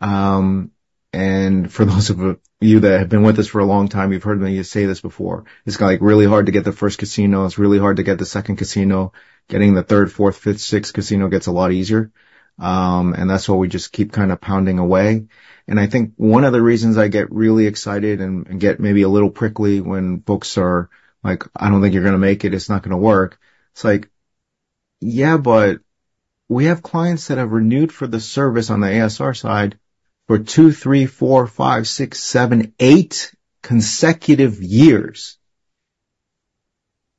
And for those of you that have been with us for a long time, you've heard me say this before. It's like really hard to get the first casino. It's really hard to get the second casino. Getting the third, fourth, fifth, sixth casino gets a lot easier. And that's why we just keep kind of pounding away. And I think one of the reasons I get really excited and get maybe a little prickly when folks are like: I don't think you're gonna make it. It's not gonna work. It's like: Yeah, but we have clients that have renewed for the service on the ASR side for 2, 3, 4, 5, 6, 7, 8 consecutive years.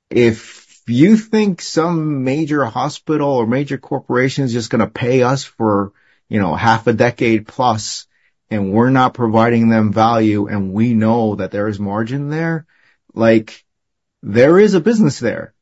If you think some major hospital or major corporation is just gonna pay us for, you know, half a decade plus, and we're not providing them value, and we know that there is margin there, like, there is a business there.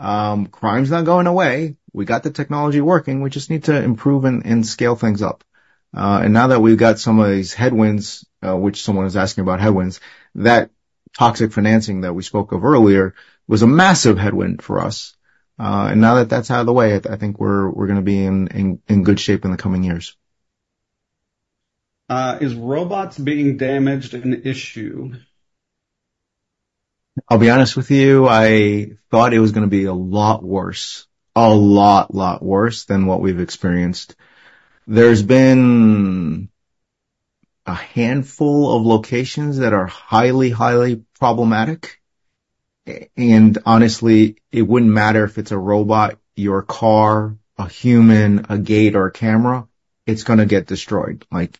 Crime's not going away. We got the technology working. We just need to improve and scale things up. And now that we've got some of these headwinds, which someone is asking about headwinds, that toxic financing that we spoke of earlier was a massive headwind for us. And now that that's out of the way, I, I think we're, we're gonna be in, in, in good shape in the coming years. Is robots being damaged an issue? I'll be honest with you, I thought it was gonna be a lot worse, a lot, lot worse than what we've experienced. There's been a handful of locations that are highly, highly problematic, and honestly, it wouldn't matter if it's a robot, your car, a human, a gate, or a camera, it's gonna get destroyed. Like,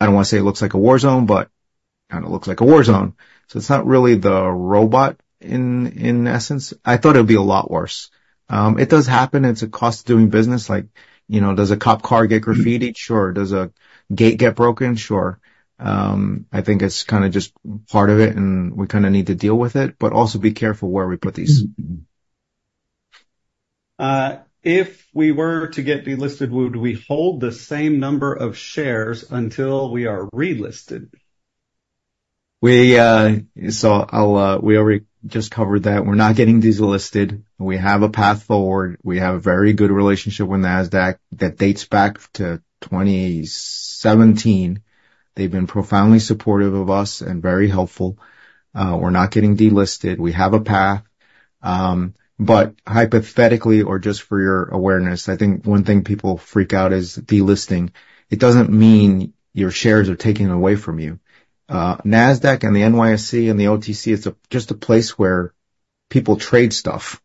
I don't want to say it looks like a war zone, but kind of looks like a war zone. So it's not really the robot in essence. I thought it would be a lot worse. It does happen, and it's a cost of doing business. Like, you know, does a cop car get graffitied? Sure. Does a gate get broken? Sure. I think it's kind of just part of it, and we kind of need to deal with it, but also be careful where we put these. Mm-hmm. If we were to get delisted, would we hold the same number of shares until we are relisted? We already just covered that. We're not getting delisted. We have a path forward. We have a very good relationship with NASDAQ that dates back to 2017. They've been profoundly supportive of us and very helpful. We're not getting delisted. We have a path. But hypothetically, or just for your awareness, I think one thing people freak out is delisting. It doesn't mean your shares are taken away from you. NASDAQ and the NYSE and the OTC is just a place where people trade stuff.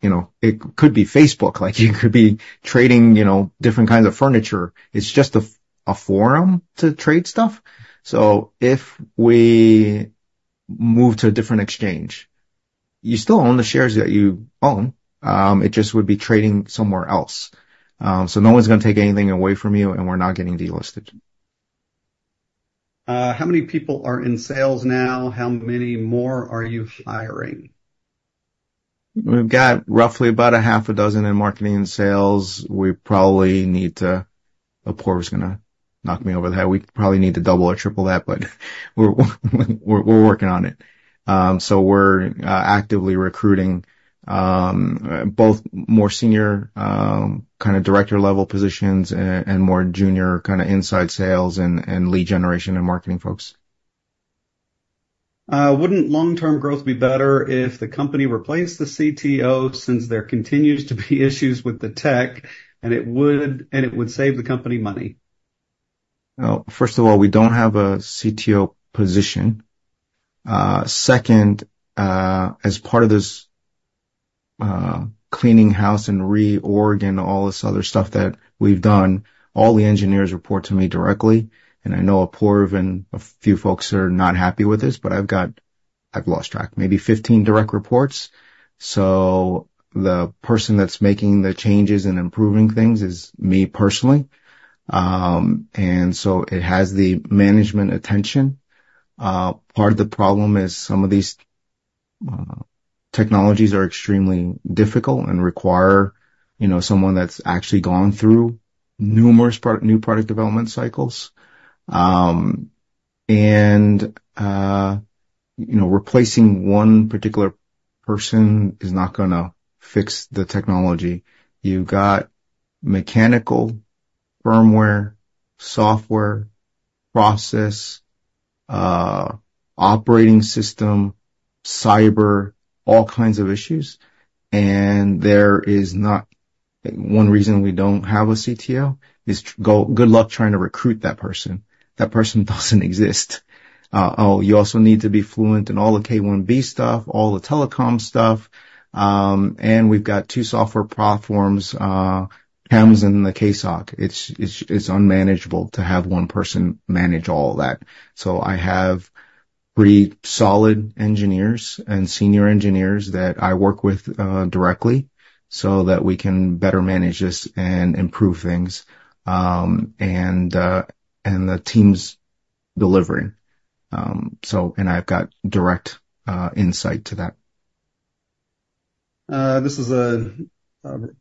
You know, it could be Facebook. Like, you could be trading, you know, different kinds of furniture. It's just a forum to trade stuff. So if we move to a different exchange, you still own the shares that you own. It just would be trading somewhere else. So, no one's gonna take anything away from you, and we're not getting delisted. How many people are in sales now? How many more are you hiring? We've got roughly about 6 in marketing and sales. We probably need to... Apoorv is gonna knock me over the head. We probably need to double or triple that, but we're working on it. So we're actively recruiting both more senior kind of director-level positions and more junior kind of inside sales and lead generation and marketing folks. Wouldn't long-term growth be better if the company replaced the CTO, since there continues to be issues with the tech, and it would save the company money? Well, first of all, we don't have a CTO position. Second, as part of cleaning house and reorg and all this other stuff that we've done, all the engineers report to me directly, and I know Apoorv and a few folks are not happy with this, but I've got, I've lost track, maybe 15 direct reports. So the person that's making the changes and improving things is me personally. So it has the management attention. Part of the problem is some of these technologies are extremely difficult and require, you know, someone that's actually gone through numerous new product development cycles. You know, replacing one particular person is not gonna fix the technology. You've got mechanical, firmware, software, process, operating system, cyber, all kinds of issues, and there is not... One reason we don't have a CTO is good luck trying to recruit that person. That person doesn't exist. You also need to be fluent in all the K1B stuff, all the telecom stuff, and we've got two software platforms, AMS and the KSOC. It's unmanageable to have one person manage all that. So I have pretty solid engineers and senior engineers that I work with directly, so that we can better manage this and improve things. And the team's delivering. So, and I've got direct insight to that. This is a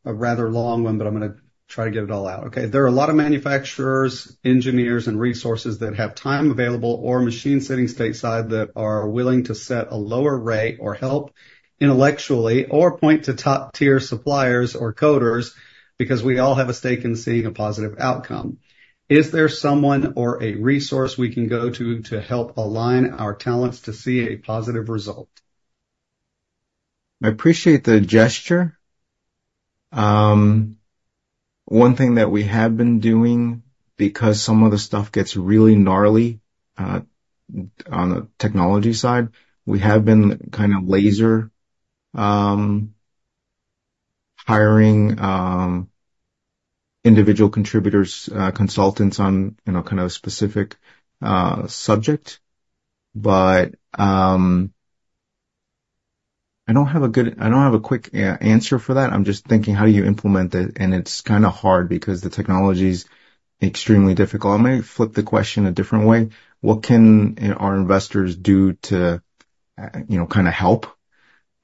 rather long one, but I'm gonna try to get it all out. Okay. There are a lot of manufacturers, engineers, and resources that have time available or machine sitting stateside that are willing to set a lower rate or help intellectually, or point to top-tier suppliers or coders because we all have a stake in seeing a positive outcome. Is there someone or a resource we can go to, to help align our talents to see a positive result? I appreciate the gesture. One thing that we have been doing, because some of the stuff gets really gnarly on the technology side, we have been kind of laser hiring individual contributors consultants on, you know, kind of a specific subject. But I don't have a quick answer for that. I'm just thinking, how do you implement it? It's kind of hard because the technology's extremely difficult. I'm gonna flip the question a different way. What can our investors do to, you know, kind of help?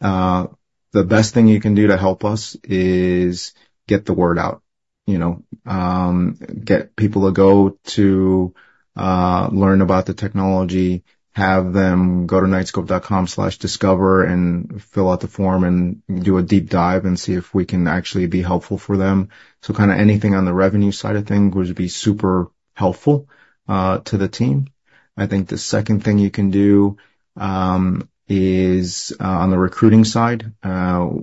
The best thing you can do to help us is get the word out. You know, get people to go to, learn about the technology, have them go to knightscope.com/discover and fill out the form and do a deep dive and see if we can actually be helpful for them. So kind of anything on the revenue side of things would be super helpful, to the team. I think the second thing you can do, is, on the recruiting side, Time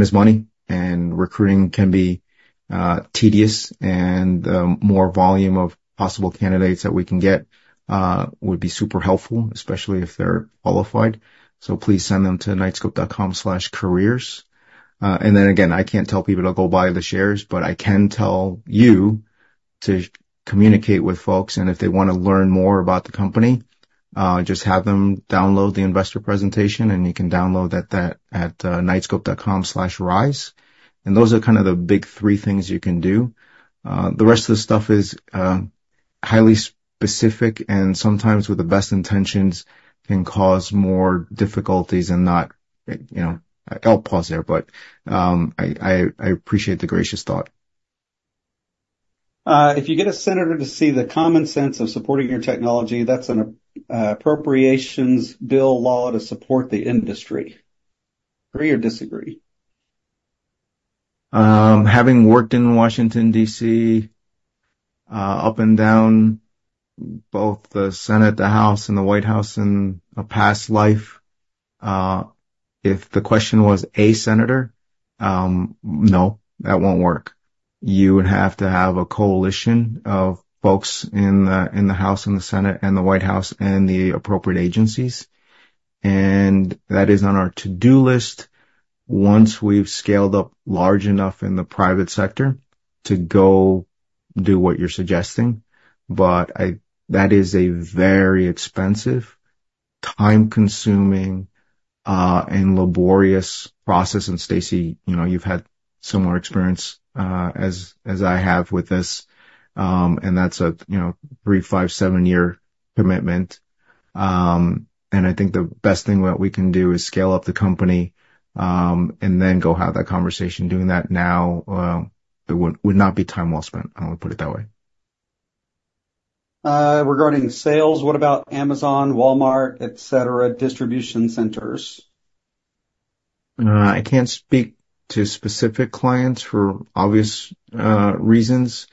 is money, and recruiting can be, tedious and, more volume of possible candidates that we can get, would be super helpful, especially if they're qualified. So please send them to knightscope.com/careers. And then again, I can't tell people to go buy the shares, but I can tell you to communicate with folks, and if they want to learn more about the company, just have them download the investor presentation, and you can download that at Knightscope.com/rise. And those are kind of the big three things you can do. The rest of the stuff is highly specific and sometimes with the best intentions can cause more difficulties and not, you know, I'll pause there, but I appreciate the gracious thought. If you get a senator to see the common sense of supporting your technology, that's an appropriations bill law to support the industry. Agree or disagree? Having worked in Washington, D.C., up and down, both the Senate, the House, and the White House in a past life, if the question was a senator, no, that won't work. You would have to have a coalition of folks in the House and the Senate and the White House and the appropriate agencies, and that is on our to-do list once we've scaled up large enough in the private sector to go do what you're suggesting. But that is a very expensive, time-consuming, and laborious process. And Stacy, you know, you've had similar experience, as I have with this. And that's a, you know, 3, 5, 7-year commitment. And I think the best thing that we can do is scale up the company, and then go have that conversation. Doing that now, it would not be time well spent. I would put it that way. Regarding sales, what about Amazon, Walmart, et cetera, distribution centers? I can't speak to specific clients for obvious reasons.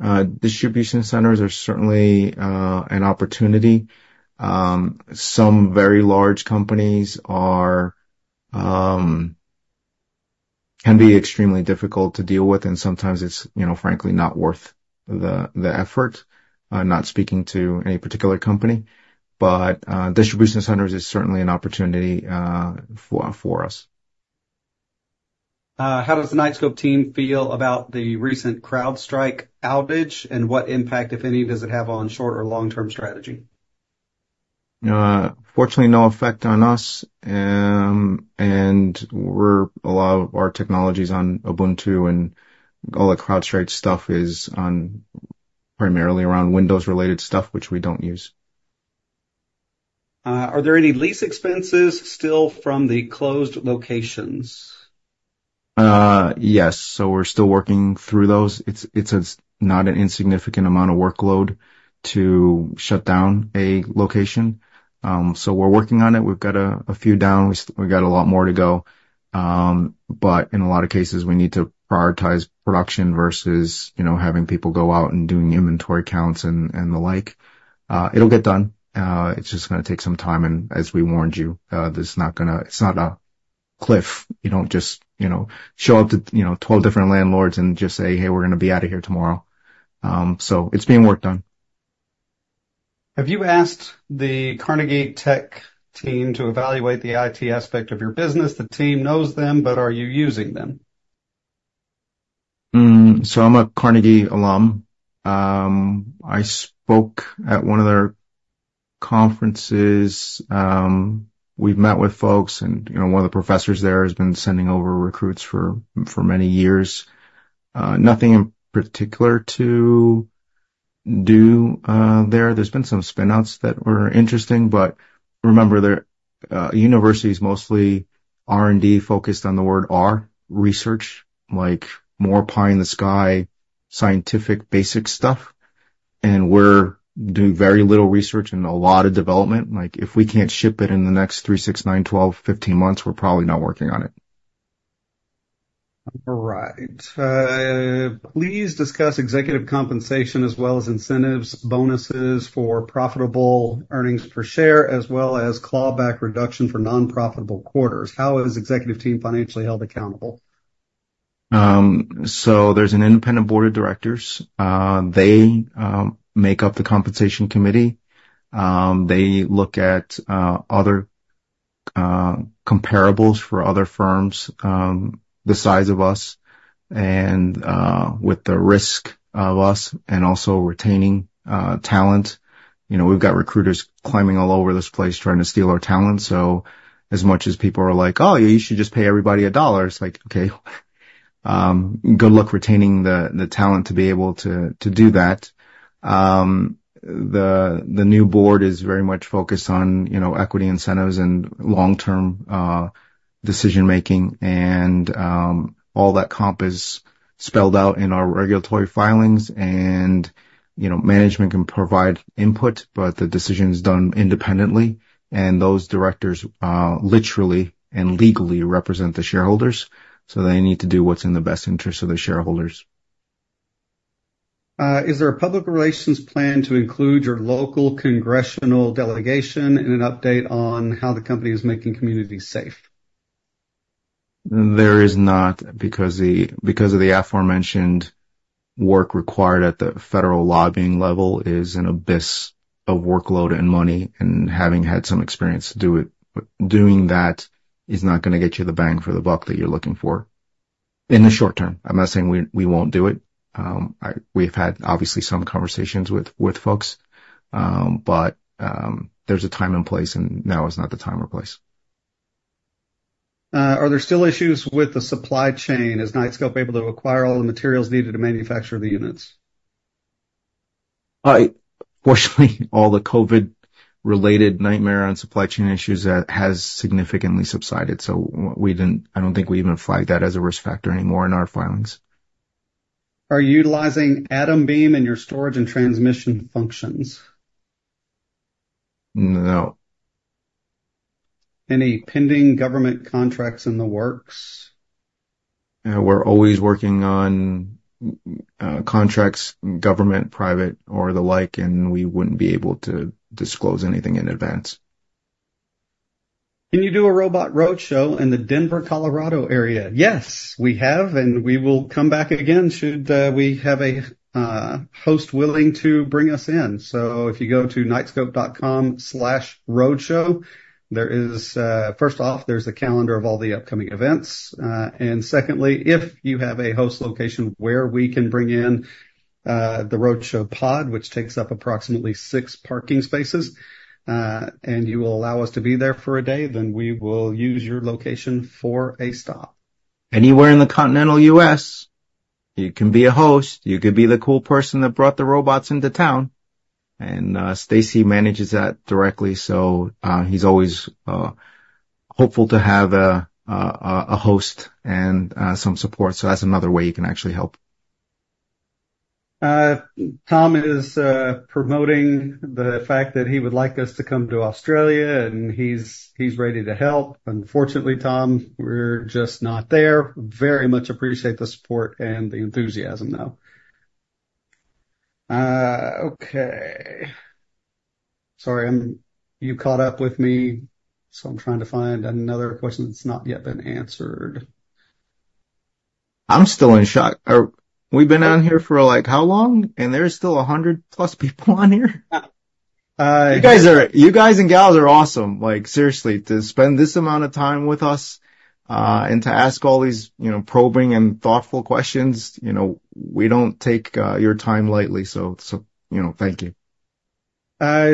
Distribution centers are certainly an opportunity. Some very large companies can be extremely difficult to deal with, and sometimes it's, you know, frankly, not worth the effort. Not speaking to any particular company, but distribution centers is certainly an opportunity for us. How does the Knightscope team feel about the recent CrowdStrike outage, and what impact, if any, does it have on short- or long-term strategy? Fortunately, no effect on us. A lot of our technology's on Ubuntu, and all the CrowdStrike stuff is primarily around Windows-related stuff, which we don't use. Are there any lease expenses still from the closed locations? Yes. So we're still working through those. It's not an insignificant amount of workload to shut down a location. So we're working on it. We've got a few down. We've still got a lot more to go. But in a lot of cases, we need to prioritize production versus, you know, having people go out and doing inventory counts and the like. It'll get done. It's just gonna take some time, and as we warned you, this is not gonna be. It's not a cliff. You don't just, you know, show up to, you know, 12 different landlords and just say, "Hey, we're gonna be out of here tomorrow." So it's being worked on. Have you asked the Carnegie Tech team to evaluate the IT aspect of your business? The team knows them, but are you using them? So I'm a Carnegie alum. I spoke at one of their conferences. We've met with folks, and, you know, one of the professors there has been sending over recruits for many years. Nothing in particular to do there. There's been some spin-outs that were interesting, but remember that university is mostly R&D, focused on the word R, research, like more pie-in-the-sky, scientific, basic stuff, and we're doing very little research and a lot of development. Like, if we can't ship it in the next 3, 6, 9, 12, 15 months, we're probably not working on it. All right. Please discuss executive compensation as well as incentives, bonuses for profitable earnings per share, as well as clawback reduction for non-profitable quarters. How is executive team financially held accountable? So there's an independent board of directors. They make up the compensation committee. They look at other comparables for other firms, the size of us and with the risk of us and also retaining talent. You know, we've got recruiters climbing all over this place, trying to steal our talent, so as much as people are like, "Oh, you should just pay everybody a dollar," it's like, okay, good luck retaining the talent to be able to do that. The new board is very much focused on, you know, equity incentives and long-term decision-making, and all that comp is spelled out in our regulatory filings. You know, management can provide input, but the decision is done independently, and those directors literally and legally represent the shareholders, so they need to do what's in the best interest of the shareholders. Is there a public relations plan to include your local congressional delegation and an update on how the company is making communities safe? There is not, because of the aforementioned work required at the federal lobbying level is an abyss of workload and money, and having had some experience to do it, doing that is not gonna get you the bang for the buck that you're looking for in the short term. I'm not saying we won't do it. We've had, obviously, some conversations with folks, but there's a time and place, and now is not the time or place. Are there still issues with the supply chain? Is Knightscope able to acquire all the materials needed to manufacture the units? Fortunately, all the COVID-related nightmare on supply chain issues that has significantly subsided, so we didn't, I don't think, even flag that as a risk factor anymore in our filings. Are you utilizing AtomBeam in your storage and transmission functions? No. Any pending government contracts in the works? We're always working on contracts, government, private, or the like, and we wouldn't be able to disclose anything in advance. Can you do a robot roadshow in the Denver, Colorado, area? Yes, we have, and we will come back again should we have a host willing to bring us in. So if you go to knightscope.com/roadshow, there is, first off, there's a calendar of all the upcoming events. And secondly, if you have a host location where we can bring in the roadshow pod, which takes up approximately 6 parking spaces, and you will allow us to be there for a day, then we will use your location for a stop. Anywhere in the continental US, you can be a host. You could be the cool person that brought the robots into town, and, Stacy manages that directly, so, he's always, hopeful to have a host and, some support. So that's another way you can actually help. Tom is promoting the fact that he would like us to come to Australia, and he's ready to help. Unfortunately, Tom, we're just not there. Very much appreciate the support and the enthusiasm, though.... Okay. Sorry, I'm - you caught up with me, so I'm trying to find another question that's not yet been answered. I'm still in shock. We've been on here for, like, how long? And there's still 100+ people on here? You guys are, you guys and gals are awesome. Like, seriously, to spend this amount of time with us, and to ask all these, you know, probing and thoughtful questions, you know, we don't take, your time lightly, so, so, you know, thank you.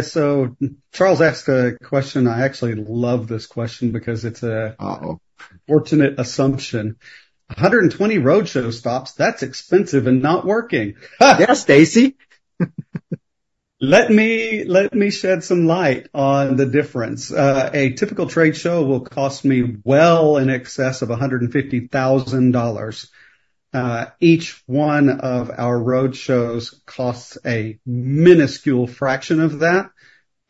So Charles asked a question. I actually love this question because it's a- Uh-oh. Unfortunate assumption. "120 roadshow stops, that's expensive and not working. Yeah, Stacy! Let me, let me shed some light on the difference. A typical trade show will cost me well in excess of $150,000. Each one of our roadshows costs a minuscule fraction of that,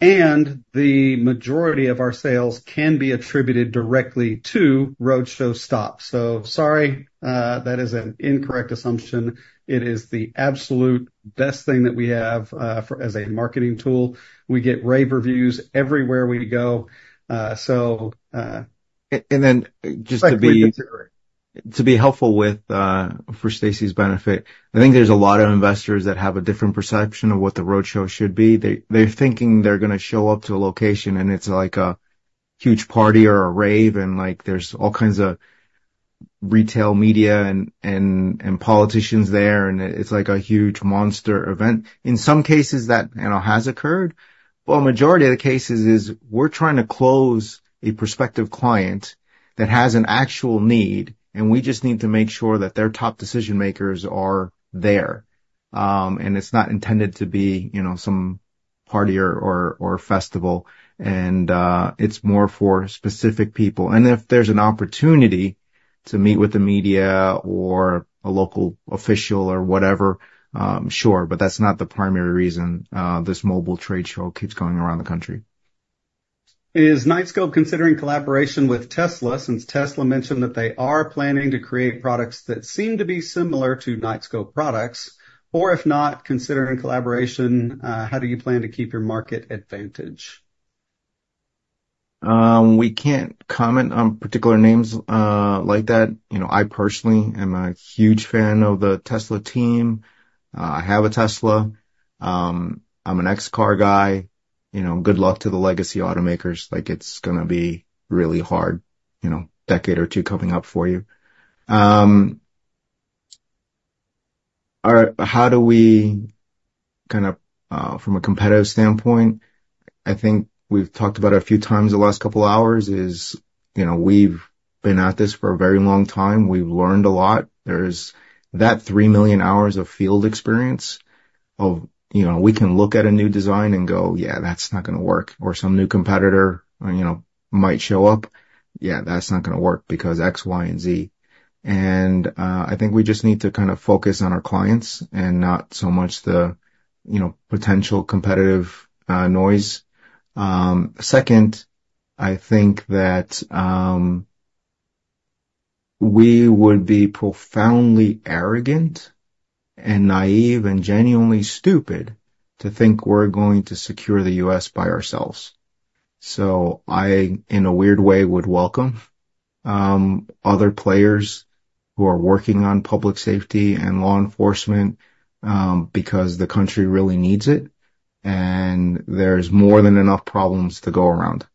and the majority of our sales can be attributed directly to roadshow stops. So sorry, that is an incorrect assumption. It is the absolute best thing that we have for as a marketing tool. We get rave reviews everywhere we go. So, And then just to be I'd reconsider it. To be helpful with, for Stacy's benefit, I think there's a lot of investors that have a different perception of what the roadshow should be. They, they're thinking they're gonna show up to a location, and it's like a huge party or a rave, and, like, there's all kinds of retail media and, and, and politicians there, and it's like a huge monster event. In some cases, that, you know, has occurred. But a majority of the cases is we're trying to close a prospective client that has an actual need, and we just need to make sure that their top decision makers are there. And it's not intended to be, you know, some party or, or, or festival, and it's more for specific people. If there's an opportunity to meet with the media or a local official or whatever, sure, but that's not the primary reason this mobile trade show keeps going around the country. Is Knightscope considering collaboration with Tesla, since Tesla mentioned that they are planning to create products that seem to be similar to Knightscope products, or if not, considering collaboration, how do you plan to keep your market advantage? We can't comment on particular names, like that. You know, I personally am a huge fan of the Tesla team. I have a Tesla. I'm an X car guy. You know, good luck to the legacy automakers. Like, it's gonna be really hard, you know, decade or 2 coming up for you. How do we kind of from a competitive standpoint? I think we've talked about it a few times in the last couple of hours. Is, you know, we've been at this for a very long time. We've learned a lot. There's that 3 million hours of field experience of... You know, we can look at a new design and go: Yeah, that's not gonna work, or some new competitor, you know, might show up. Yeah, that's not gonna work because X, Y, and Z." And, I think we just need to kind of focus on our clients and not so much the, you know, potential competitive, noise. Second, I think that, we would be profoundly arrogant and naive and genuinely stupid to think we're going to secure the U.S. by ourselves. So I, in a weird way, would welcome, other players who are working on public safety and law enforcement, because the country really needs it, and there's more than enough problems to go around.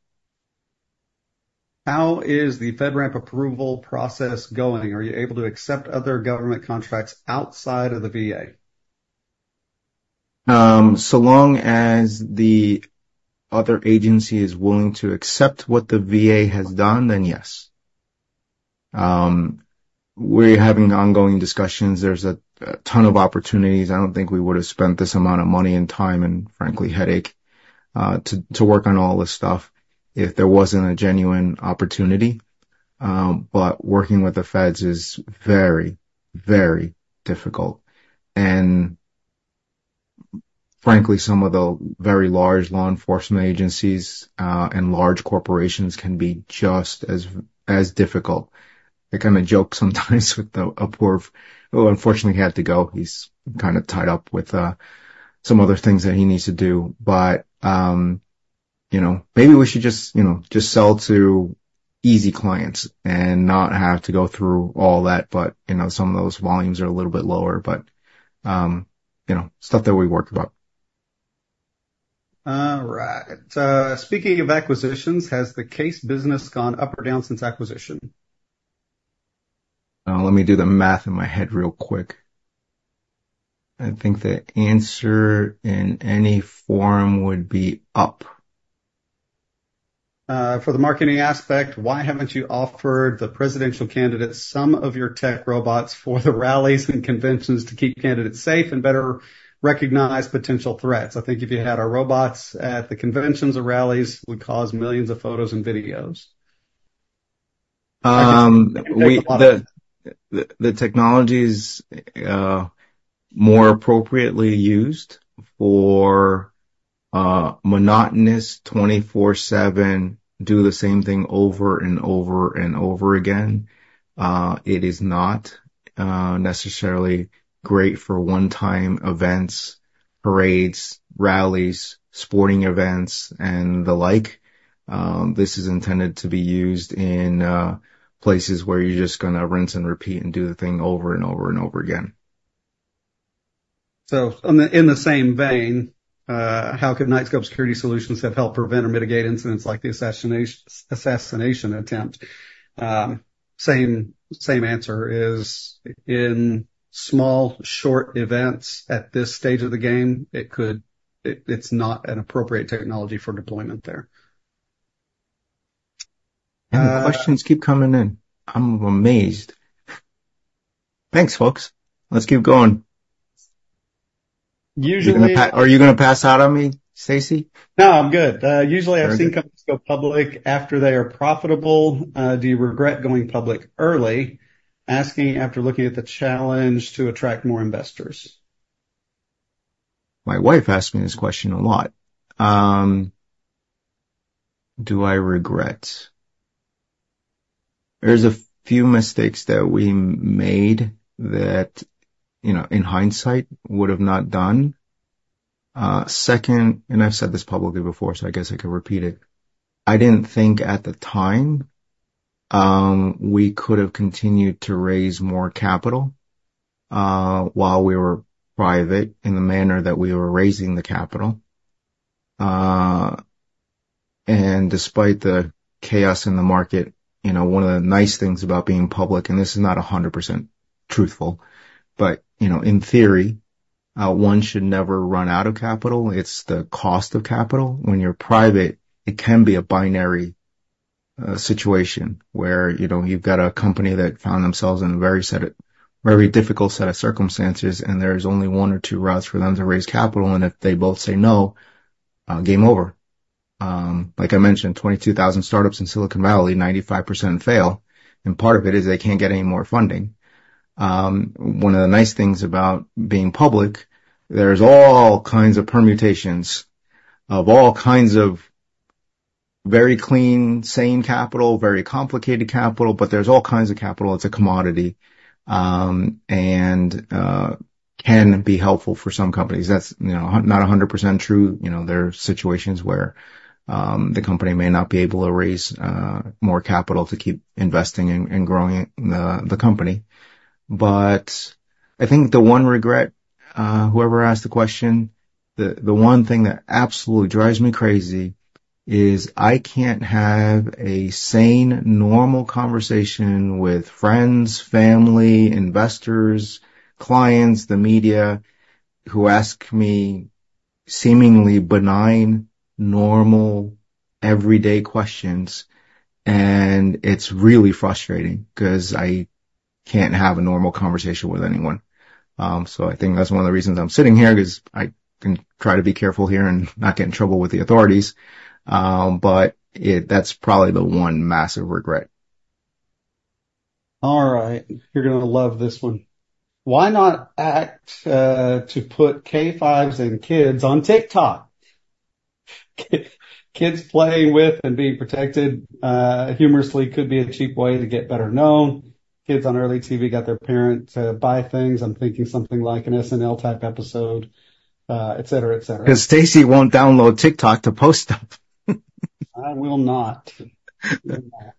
How is the FedRAMP approval process going? Are you able to accept other government contracts outside of the VA? So long as the other agency is willing to accept what the VA has done, then yes. We're having ongoing discussions. There's a ton of opportunities. I don't think we would have spent this amount of money and time and, frankly, headache, to work on all this stuff if there wasn't a genuine opportunity. But working with the feds is very, very difficult. And frankly, some of the very large law enforcement agencies and large corporations can be just as difficult. I kind of joke sometimes with the Apoorv... Well, unfortunately, he had to go. He's kind of tied up with some other things that he needs to do, but you know, maybe we should just, you know, just sell to easy clients and not have to go through all that. You know, some of those volumes are a little bit lower, but, you know, stuff that we worked about. All right. Speaking of acquisitions, "Has the Case business gone up or down since acquisition? Let me do the math in my head real quick. I think the answer in any form would be up. For the marketing aspect: "Why haven't you offered the presidential candidates some of your tech robots for the rallies and conventions to keep candidates safe and better recognize potential threats? I think if you had our robots at the conventions or rallies, would cause millions of photos and videos. Um, we- The- The technology is more appropriately used for monotonous, 24/7, do the same thing over and over and over again. It is not necessarily great for one-time events, parades, rallies, sporting events, and the like. This is intended to be used in places where you're just gonna rinse and repeat and do the thing over and over and over again. So on the—in the same vein, how could Knightscope Security Solutions have helped prevent or mitigate incidents like the assassination, assassination attempt? Same, same answer, is in small, short events at this stage of the game, it could—it, it's not an appropriate technology for deployment there. The questions keep coming in. I'm amazed. Thanks, folks. Let's keep going. Usually- Are you gonna pass out on me, Stacy? No, I'm good. Very good. Usually I've seen companies go public after they are profitable. Do you regret going public early? Asking after looking at the challenge to attract more investors. My wife asks me this question a lot. Do I regret? There's a few mistakes that we made that, you know, in hindsight, would have not done. Second, and I've said this publicly before, so I guess I could repeat it: I didn't think at the time we could have continued to raise more capital while we were private, in the manner that we were raising the capital. And despite the chaos in the market, you know, one of the nice things about being public, and this is not 100% truthful, but, you know, in theory, one should never run out of capital. It's the cost of capital. When you're private, it can be a binary situation, where, you know, you've got a company that found themselves in a very difficult set of circumstances, and there's only one or two routes for them to raise capital, and if they both say "no," game over. Like I mentioned, 22,000 startups in Silicon Valley, 95% fail, and part of it is they can't get any more funding. One of the nice things about being public, there's all kinds of permutations of all kinds of very clean, sane capital, very complicated capital, but there's all kinds of capital. It's a commodity. And can be helpful for some companies. That's, you know, not 100% true. You know, there are situations where the company may not be able to raise more capital to keep investing in and growing the company. But I think the one regret, whoever asked the question, the one thing that absolutely drives me crazy is I can't have a sane, normal conversation with friends, family, investors, clients, the media, who ask me seemingly benign, normal, everyday questions. It's really frustrating, 'cause I can't have a normal conversation with anyone. So I think that's one of the reasons I'm sitting here, is I can try to be careful here and not get in trouble with the authorities. But that's probably the one massive regret. All right. You're gonna love this one. Why not act to put K5s and kids on TikTok? Kids playing with and being protected humorously could be a cheap way to get better known. Kids on early TV got their parents to buy things. I'm thinking something like an SNL-type episode, et cetera, et cetera. 'Cause Stacy won't download TikTok to post them. I will not do that.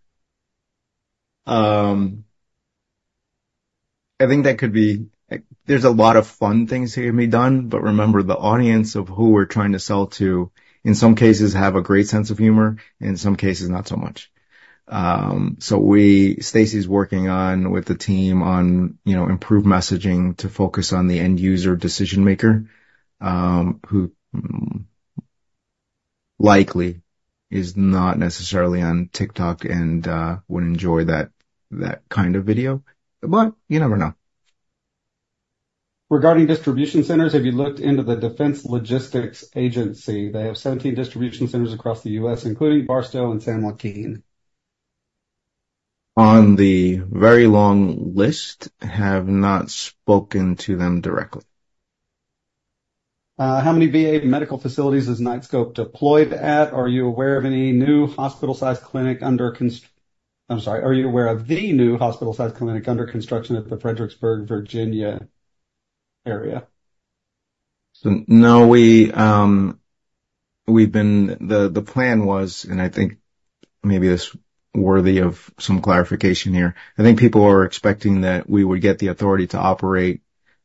I think that could be... There's a lot of fun things that can be done, but remember, the audience of who we're trying to sell to, in some cases, have a great sense of humor, and in some cases, not so much. So, Stacy's working on, with the team on, you know, improved messaging to focus on the end user decision-maker, who, likely is not necessarily on TikTok and, would enjoy that, that kind of video. But you never know. Regarding distribution centers, have you looked into the Defense Logistics Agency? They have 17 distribution centers across the U.S., including Barstow and San Joaquin. On the very long list, have not spoken to them directly. How many VA medical facilities is Knightscope deployed at? Are you aware of any new hospital-sized clinic under construction at the Fredericksburg, Virginia, area? So, no, the plan was, and I think maybe this is worthy of some clarification here. I think people were expecting that we would get the authority to operate,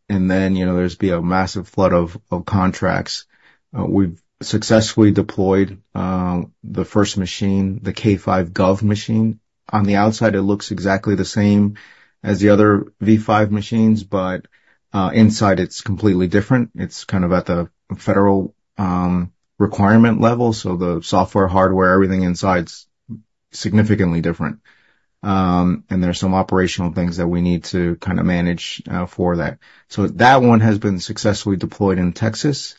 and then, you know, there'd be a massive flood of contracts. We've successfully deployed the first machine, the K5 Gov machine. On the outside, it looks exactly the same as the other V5 machines, but inside it's completely different. It's kind of at the federal requirement level, so the software, hardware, everything inside's significantly different. And there are some operational things that we need to kind of manage for that. So that one has been successfully deployed in Texas,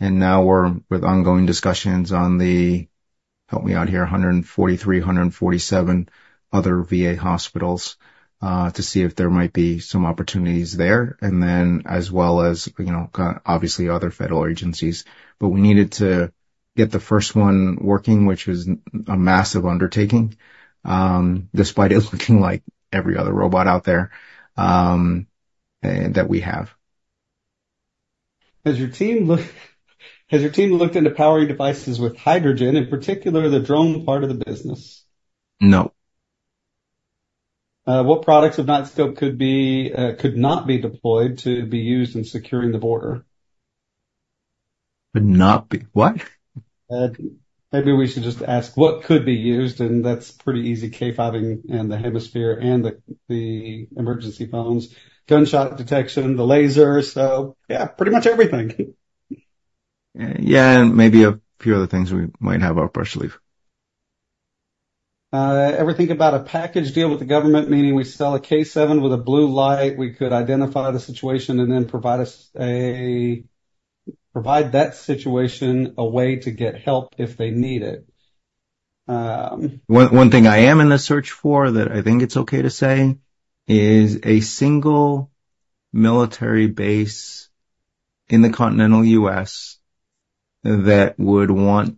and now we're with ongoing discussions on... Help me out here, 143-147 other VA hospitals to see if there might be some opportunities there, and then as well as, you know, obviously other federal agencies. But we needed to get the first one working, which was a massive undertaking, despite it looking like every other robot out there, and that we have. Has your team looked into powering devices with hydrogen, in particular, the drone part of the business? No. What products of Knightscope could be, could not be deployed to be used in securing the border? Would not be what? Maybe we should just ask what could be used, and that's pretty easy, K5 and the Hemisphere and the emergency phones, gunshot detection, the laser. So yeah, pretty much everything. Yeah, and maybe a few other things we might have up our sleeve. Ever think about a package deal with the government, meaning we sell a K7 with a blue light, we could identify the situation and then provide that situation a way to get help if they need it. One thing I am in the search for, that I think it's okay to say, is a single military base in the continental U.S. that would want...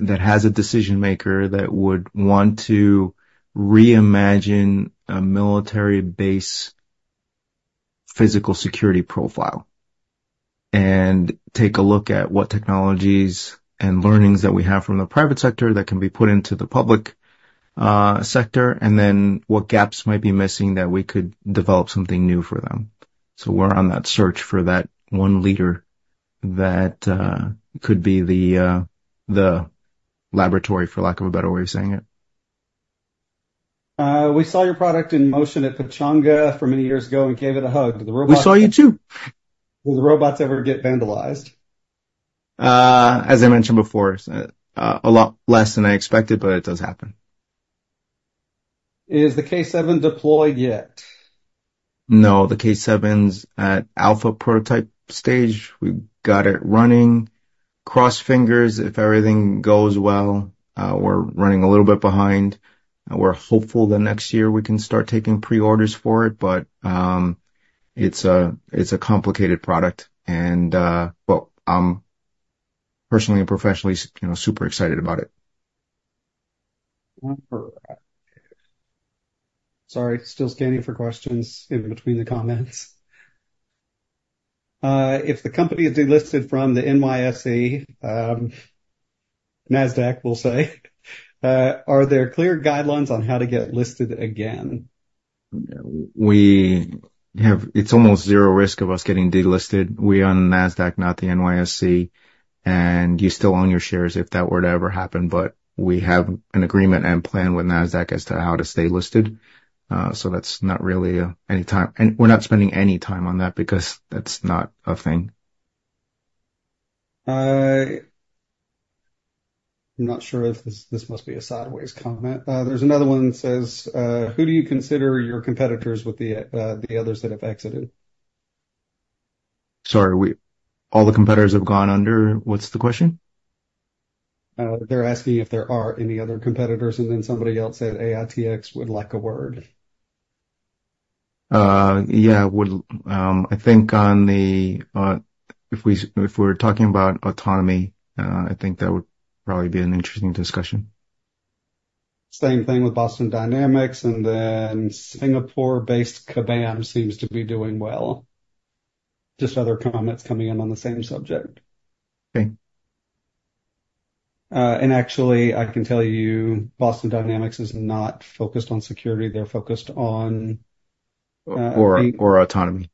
That has a decision maker that would want to reimagine a military base physical security profile, and take a look at what technologies and learnings that we have from the private sector that can be put into the public sector, and then what gaps might be missing, that we could develop something new for them. So we're on that search for that one leader that could be the laboratory, for lack of a better way of saying it. We saw your product in motion at Pechanga for many years ago and gave it a hug. The robot- We saw you, too. Do the robots ever get vandalized? As I mentioned before, a lot less than I expected, but it does happen. Is the K7 deployed yet? No, the K7's at alpha prototype stage. We got it running. Cross fingers, if everything goes well, we're running a little bit behind. We're hopeful that next year we can start taking pre-orders for it, but, it's a, it's a complicated product, and, well, I'm personally and professionally, you know, super excited about it. Sorry, still scanning for questions in between the comments. If the company is delisted from the NYSE, NASDAQ, we'll say, are there clear guidelines on how to get listed again? It's almost zero risk of us getting delisted. We are on NASDAQ, not the NYSE, and you still own your shares if that were to ever happen. But we have an agreement and plan with NASDAQ as to how to stay listed. So that's not really any time, and we're not spending any time on that because that's not a thing. I'm not sure if this, this must be a sideways comment. There's another one that says, "Who do you consider your competitors with the, the others that have exited? Sorry, all the competitors have gone under? What's the question? They're asking if there are any other competitors, and then somebody else said, "AITX would like a word. Yeah, I think if we're talking about autonomy, I think that would probably be an interesting discussion. Same thing with Boston Dynamics, and then Singapore-based Kabam seems to be doing well. Just other comments coming in on the same subject. Okay. Actually, I can tell you, Boston Dynamics is not focused on security. They're focused on, Or autonomy.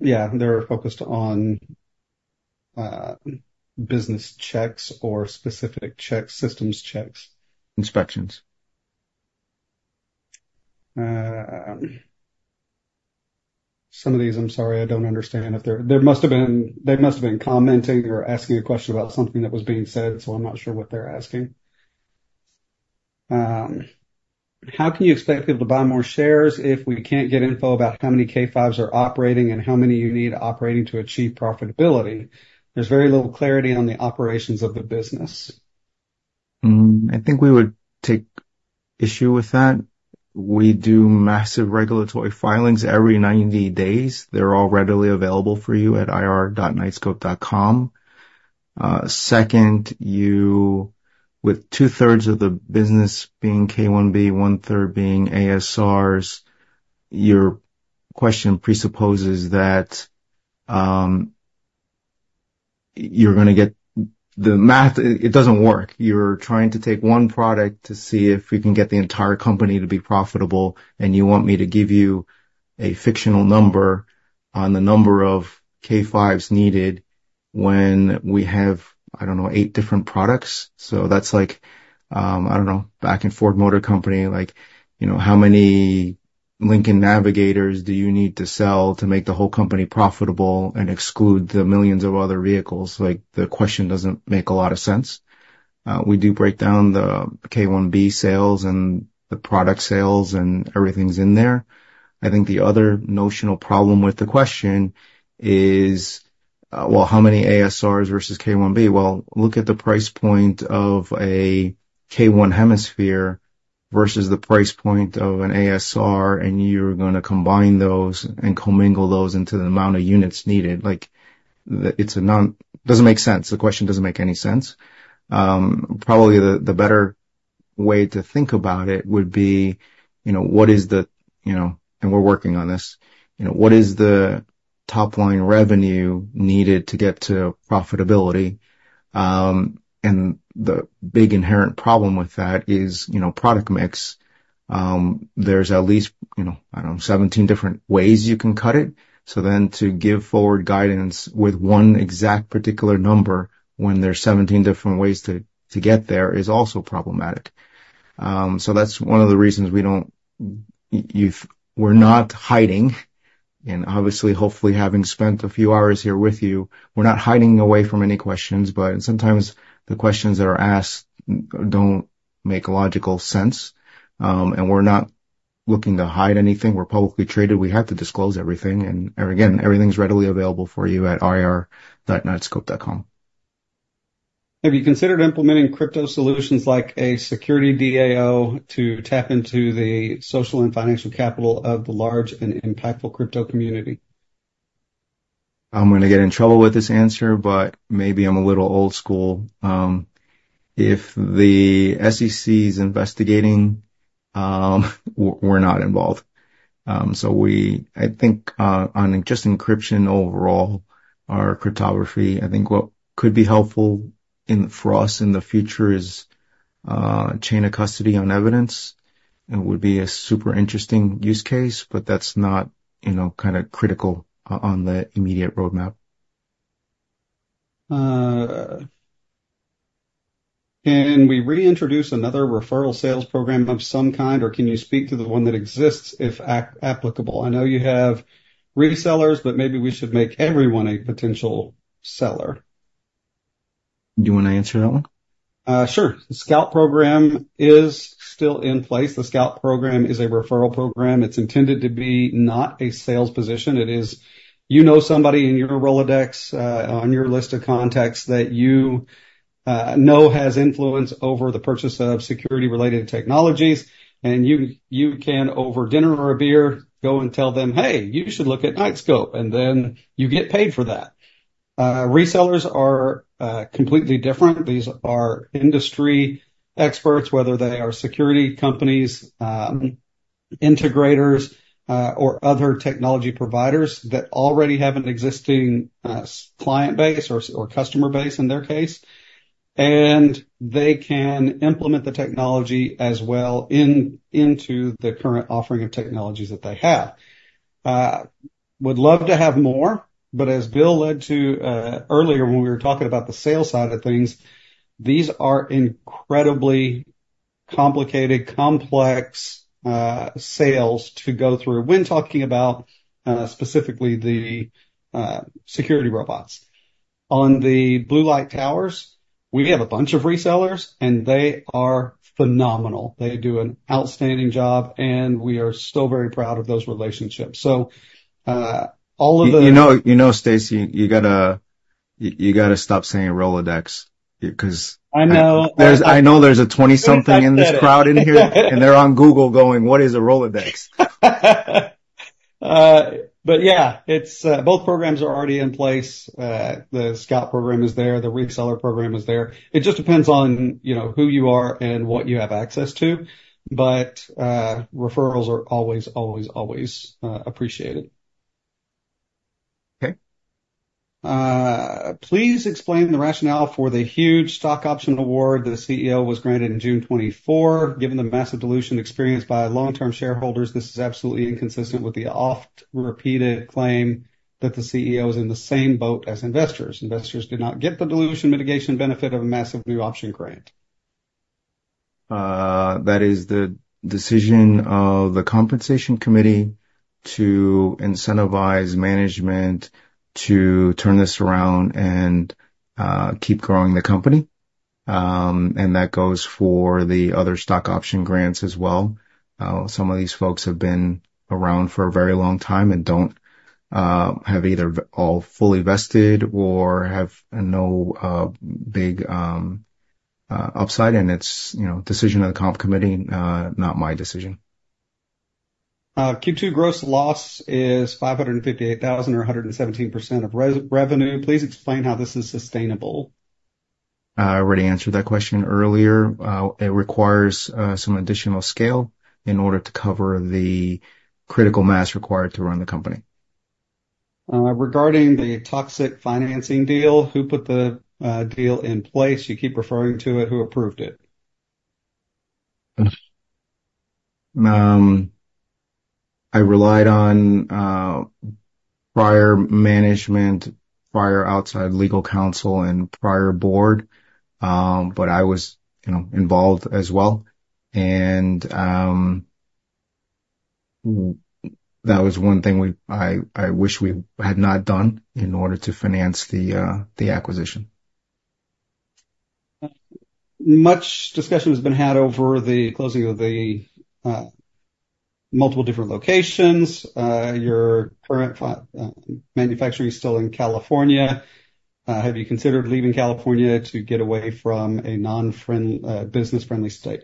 Yeah. They're focused on business checks or specific checks, systems checks. Inspections. Some of these, I'm sorry, I don't understand. If they're, there must have been, they must have been commenting or asking a question about something that was being said, so I'm not sure what they're asking. How can you expect people to buy more shares if we can't get info about how many K5s are operating and how many you need operating to achieve profitability? There's very little clarity on the operations of the business. I think we would take issue with that. We do massive regulatory filings every 90 days. They're all readily available for you at ir.knightscope.com. Second, you with two-thirds of the business being K1B, one-third being ASRs, your question presupposes that, you're gonna get... The math, it doesn't work. You're trying to take one product to see if we can get the entire company to be profitable, and you want me to give you a fictional number on the number of K5s needed when we have, I don't know, 8 different products. So that's like, I don't know, back in Ford Motor Company, like, you know, how many Lincoln Navigators do you need to sell to make the whole company profitable and exclude the millions of other vehicles? Like, the question doesn't make a lot of sense. We do break down the K1B sales and the product sales, and everything's in there. I think the other notional problem with the question is... Well, how many ASRs versus K1B? Well, look at the price point of a K1 Hemisphere versus the price point of an ASR, and you're gonna combine those and commingle those into the amount of units needed. Like, it doesn't make sense. The question doesn't make any sense. Probably the better way to think about it would be, you know, what is the, you know, and we're working on this, you know, what is the top-line revenue needed to get to profitability? And the big inherent problem with that is, you know, product mix. There's at least, you know, I don't know, 17 different ways you can cut it. So then, to give forward guidance with one exact particular number when there's 17 different ways to get there, is also problematic. So that's one of the reasons we don't. We're not hiding, and obviously, hopefully, having spent a few hours here with you, we're not hiding away from any questions, but sometimes the questions that are asked don't make logical sense. And we're not looking to hide anything. We're publicly traded. We have to disclose everything, and, again, everything's readily available for you at ir.knightscope.com. Have you considered implementing crypto solutions like a security DAO to tap into the social and financial capital of the large and impactful crypto community? I'm gonna get in trouble with this answer, but maybe I'm a little old school. If the SEC is investigating, we're not involved. So we, I think, on just encryption overall, our cryptography, I think what could be helpful in, for us in the future is, chain of custody on evidence. It would be a super interesting use case, but that's not, you know, kind of critical on the immediate roadmap. Can we reintroduce another referral sales program of some kind, or can you speak to the one that exists, if applicable? I know you have resellers, but maybe we should make everyone a potential seller. Do you want to answer that one? Sure. The Scout Program is still in place. The Scout Program is a referral program. It's intended to be not a sales position. It is, you know somebody in your Rolodex, on your list of contacts that you know has influence over the purchase of security-related technologies, and you can, over dinner or a beer, go and tell them, "Hey, you should look at Knightscope," and then you get paid for that. Resellers are completely different. These are industry experts, whether they are security companies, integrators, or other technology providers that already have an existing, client base or customer base in their case, and they can implement the technology as well into the current offering of technologies that they have. Would love to have more, but as Bill led to earlier when we were talking about the sales side of things, these are incredibly complicated, complex sales to go through, when talking about specifically the security robots. On the Blue Light Towers, we have a bunch of resellers, and they are phenomenal. They do an outstanding job, and we are still very proud of those relationships. So, all of the- You know, you know, Stacy, you gotta stop saying Rolodex, because- I know. I know there's a 20-something in this crowd in here, and they're on Google going, "What is a Rolodex? But yeah, it's both programs are already in place. The Scout Program is there, the reseller program is there. It just depends on, you know, who you are and what you have access to. But, referrals are always, always, always appreciated. Okay. Please explain the rationale for the huge stock option award the CEO was granted in June 2024. Given the massive dilution experienced by long-term shareholders, this is absolutely inconsistent with the oft-repeated claim that the CEO is in the same boat as investors. Investors did not get the dilution mitigation benefit of a massive new option grant. That is the decision of the compensation committee to incentivize management to turn this around and keep growing the company. And that goes for the other stock option grants as well. Some of these folks have been around for a very long time and don't have either all fully vested or have no big upside, and it's, you know, decision of the comp committee, not my decision. Q2 gross loss is $558,000 or 117% of revenue. Please explain how this is sustainable. I already answered that question earlier. It requires some additional scale in order to cover the critical mass required to run the company. Regarding the toxic financing deal, who put the deal in place? You keep referring to it. Who approved it? I relied on prior management, prior outside legal counsel, and prior board, but I was, you know, involved as well. And that was one thing we, I, I wish we had not done in order to finance the, the acquisition.... Much discussion has been had over the closing of the multiple different locations. Your current manufacturing is still in California. Have you considered leaving California to get away from a non-business-friendly state?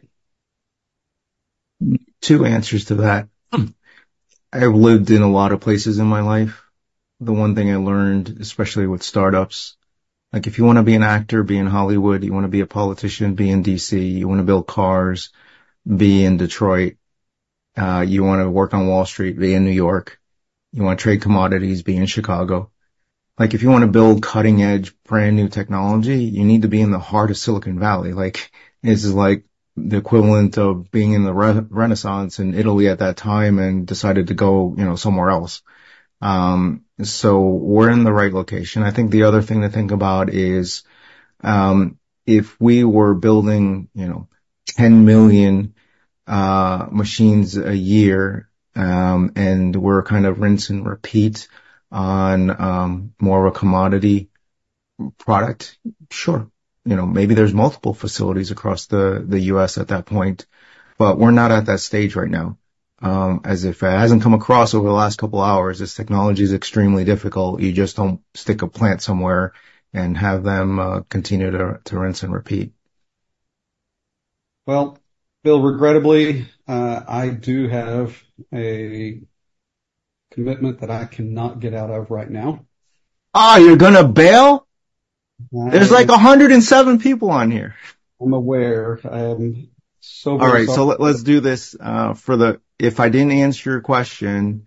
Two answers to that. I've lived in a lot of places in my life. The one thing I learned, especially with startups, like, if you wanna be an actor, be in Hollywood, you wanna be a politician, be in DC, you wanna build cars, be in Detroit, you wanna work on Wall Street, be in New York, you wanna trade commodities, be in Chicago. Like, if you wanna build cutting-edge, brand-new technology, you need to be in the heart of Silicon Valley. Like, this is like the equivalent of being in the Renaissance in Italy at that time and decided to go, you know, somewhere else. So we're in the right location. I think the other thing to think about is, if we were building, you know, 10 million machines a year, and we're kind of rinse and repeat on more of a commodity product, sure, you know, maybe there's multiple facilities across the U.S. at that point, but we're not at that stage right now. As if it hasn't come across over the last couple hours, this technology is extremely difficult. You just don't stick a plant somewhere and have them continue to rinse and repeat. Well, Bill, regrettably, I do have a commitment that I cannot get out of right now. Ah! You're gonna bail? There's like 107 people on here. I'm aware. All right, so let's do this for the... If I didn't answer your question,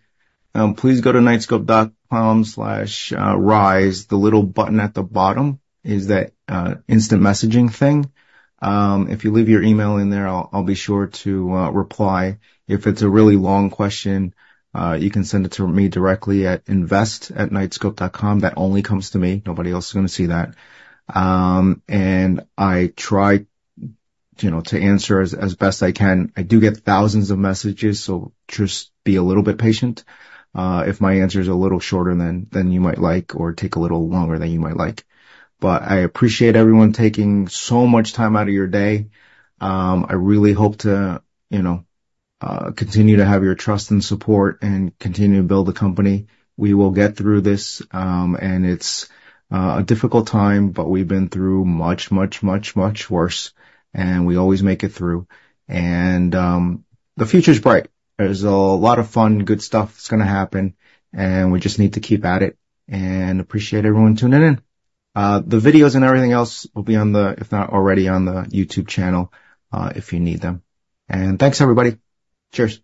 please go to knightscope.com/rise. The little button at the bottom is that instant messaging thing. If you leave your email in there, I'll, I'll be sure to reply. If it's a really long question, you can send it to me directly at invest@knightscope.com. That only comes to me. Nobody else is gonna see that. And I try, you know, to answer as best I can. I do get thousands of messages, so just be a little bit patient. If my answer is a little shorter than you might like or take a little longer than you might like. But I appreciate everyone taking so much time out of your day. I really hope to, you know, continue to have your trust and support and continue to build the company. We will get through this, and it's a difficult time, but we've been through much, much, much, much worse, and we always make it through, and the future's bright. There's a lot of fun, good stuff that's gonna happen, and we just need to keep at it and appreciate everyone tuning in. The videos and everything else will be on the, if not already, on the YouTube channel, if you need them. And thanks, everybody. Cheers.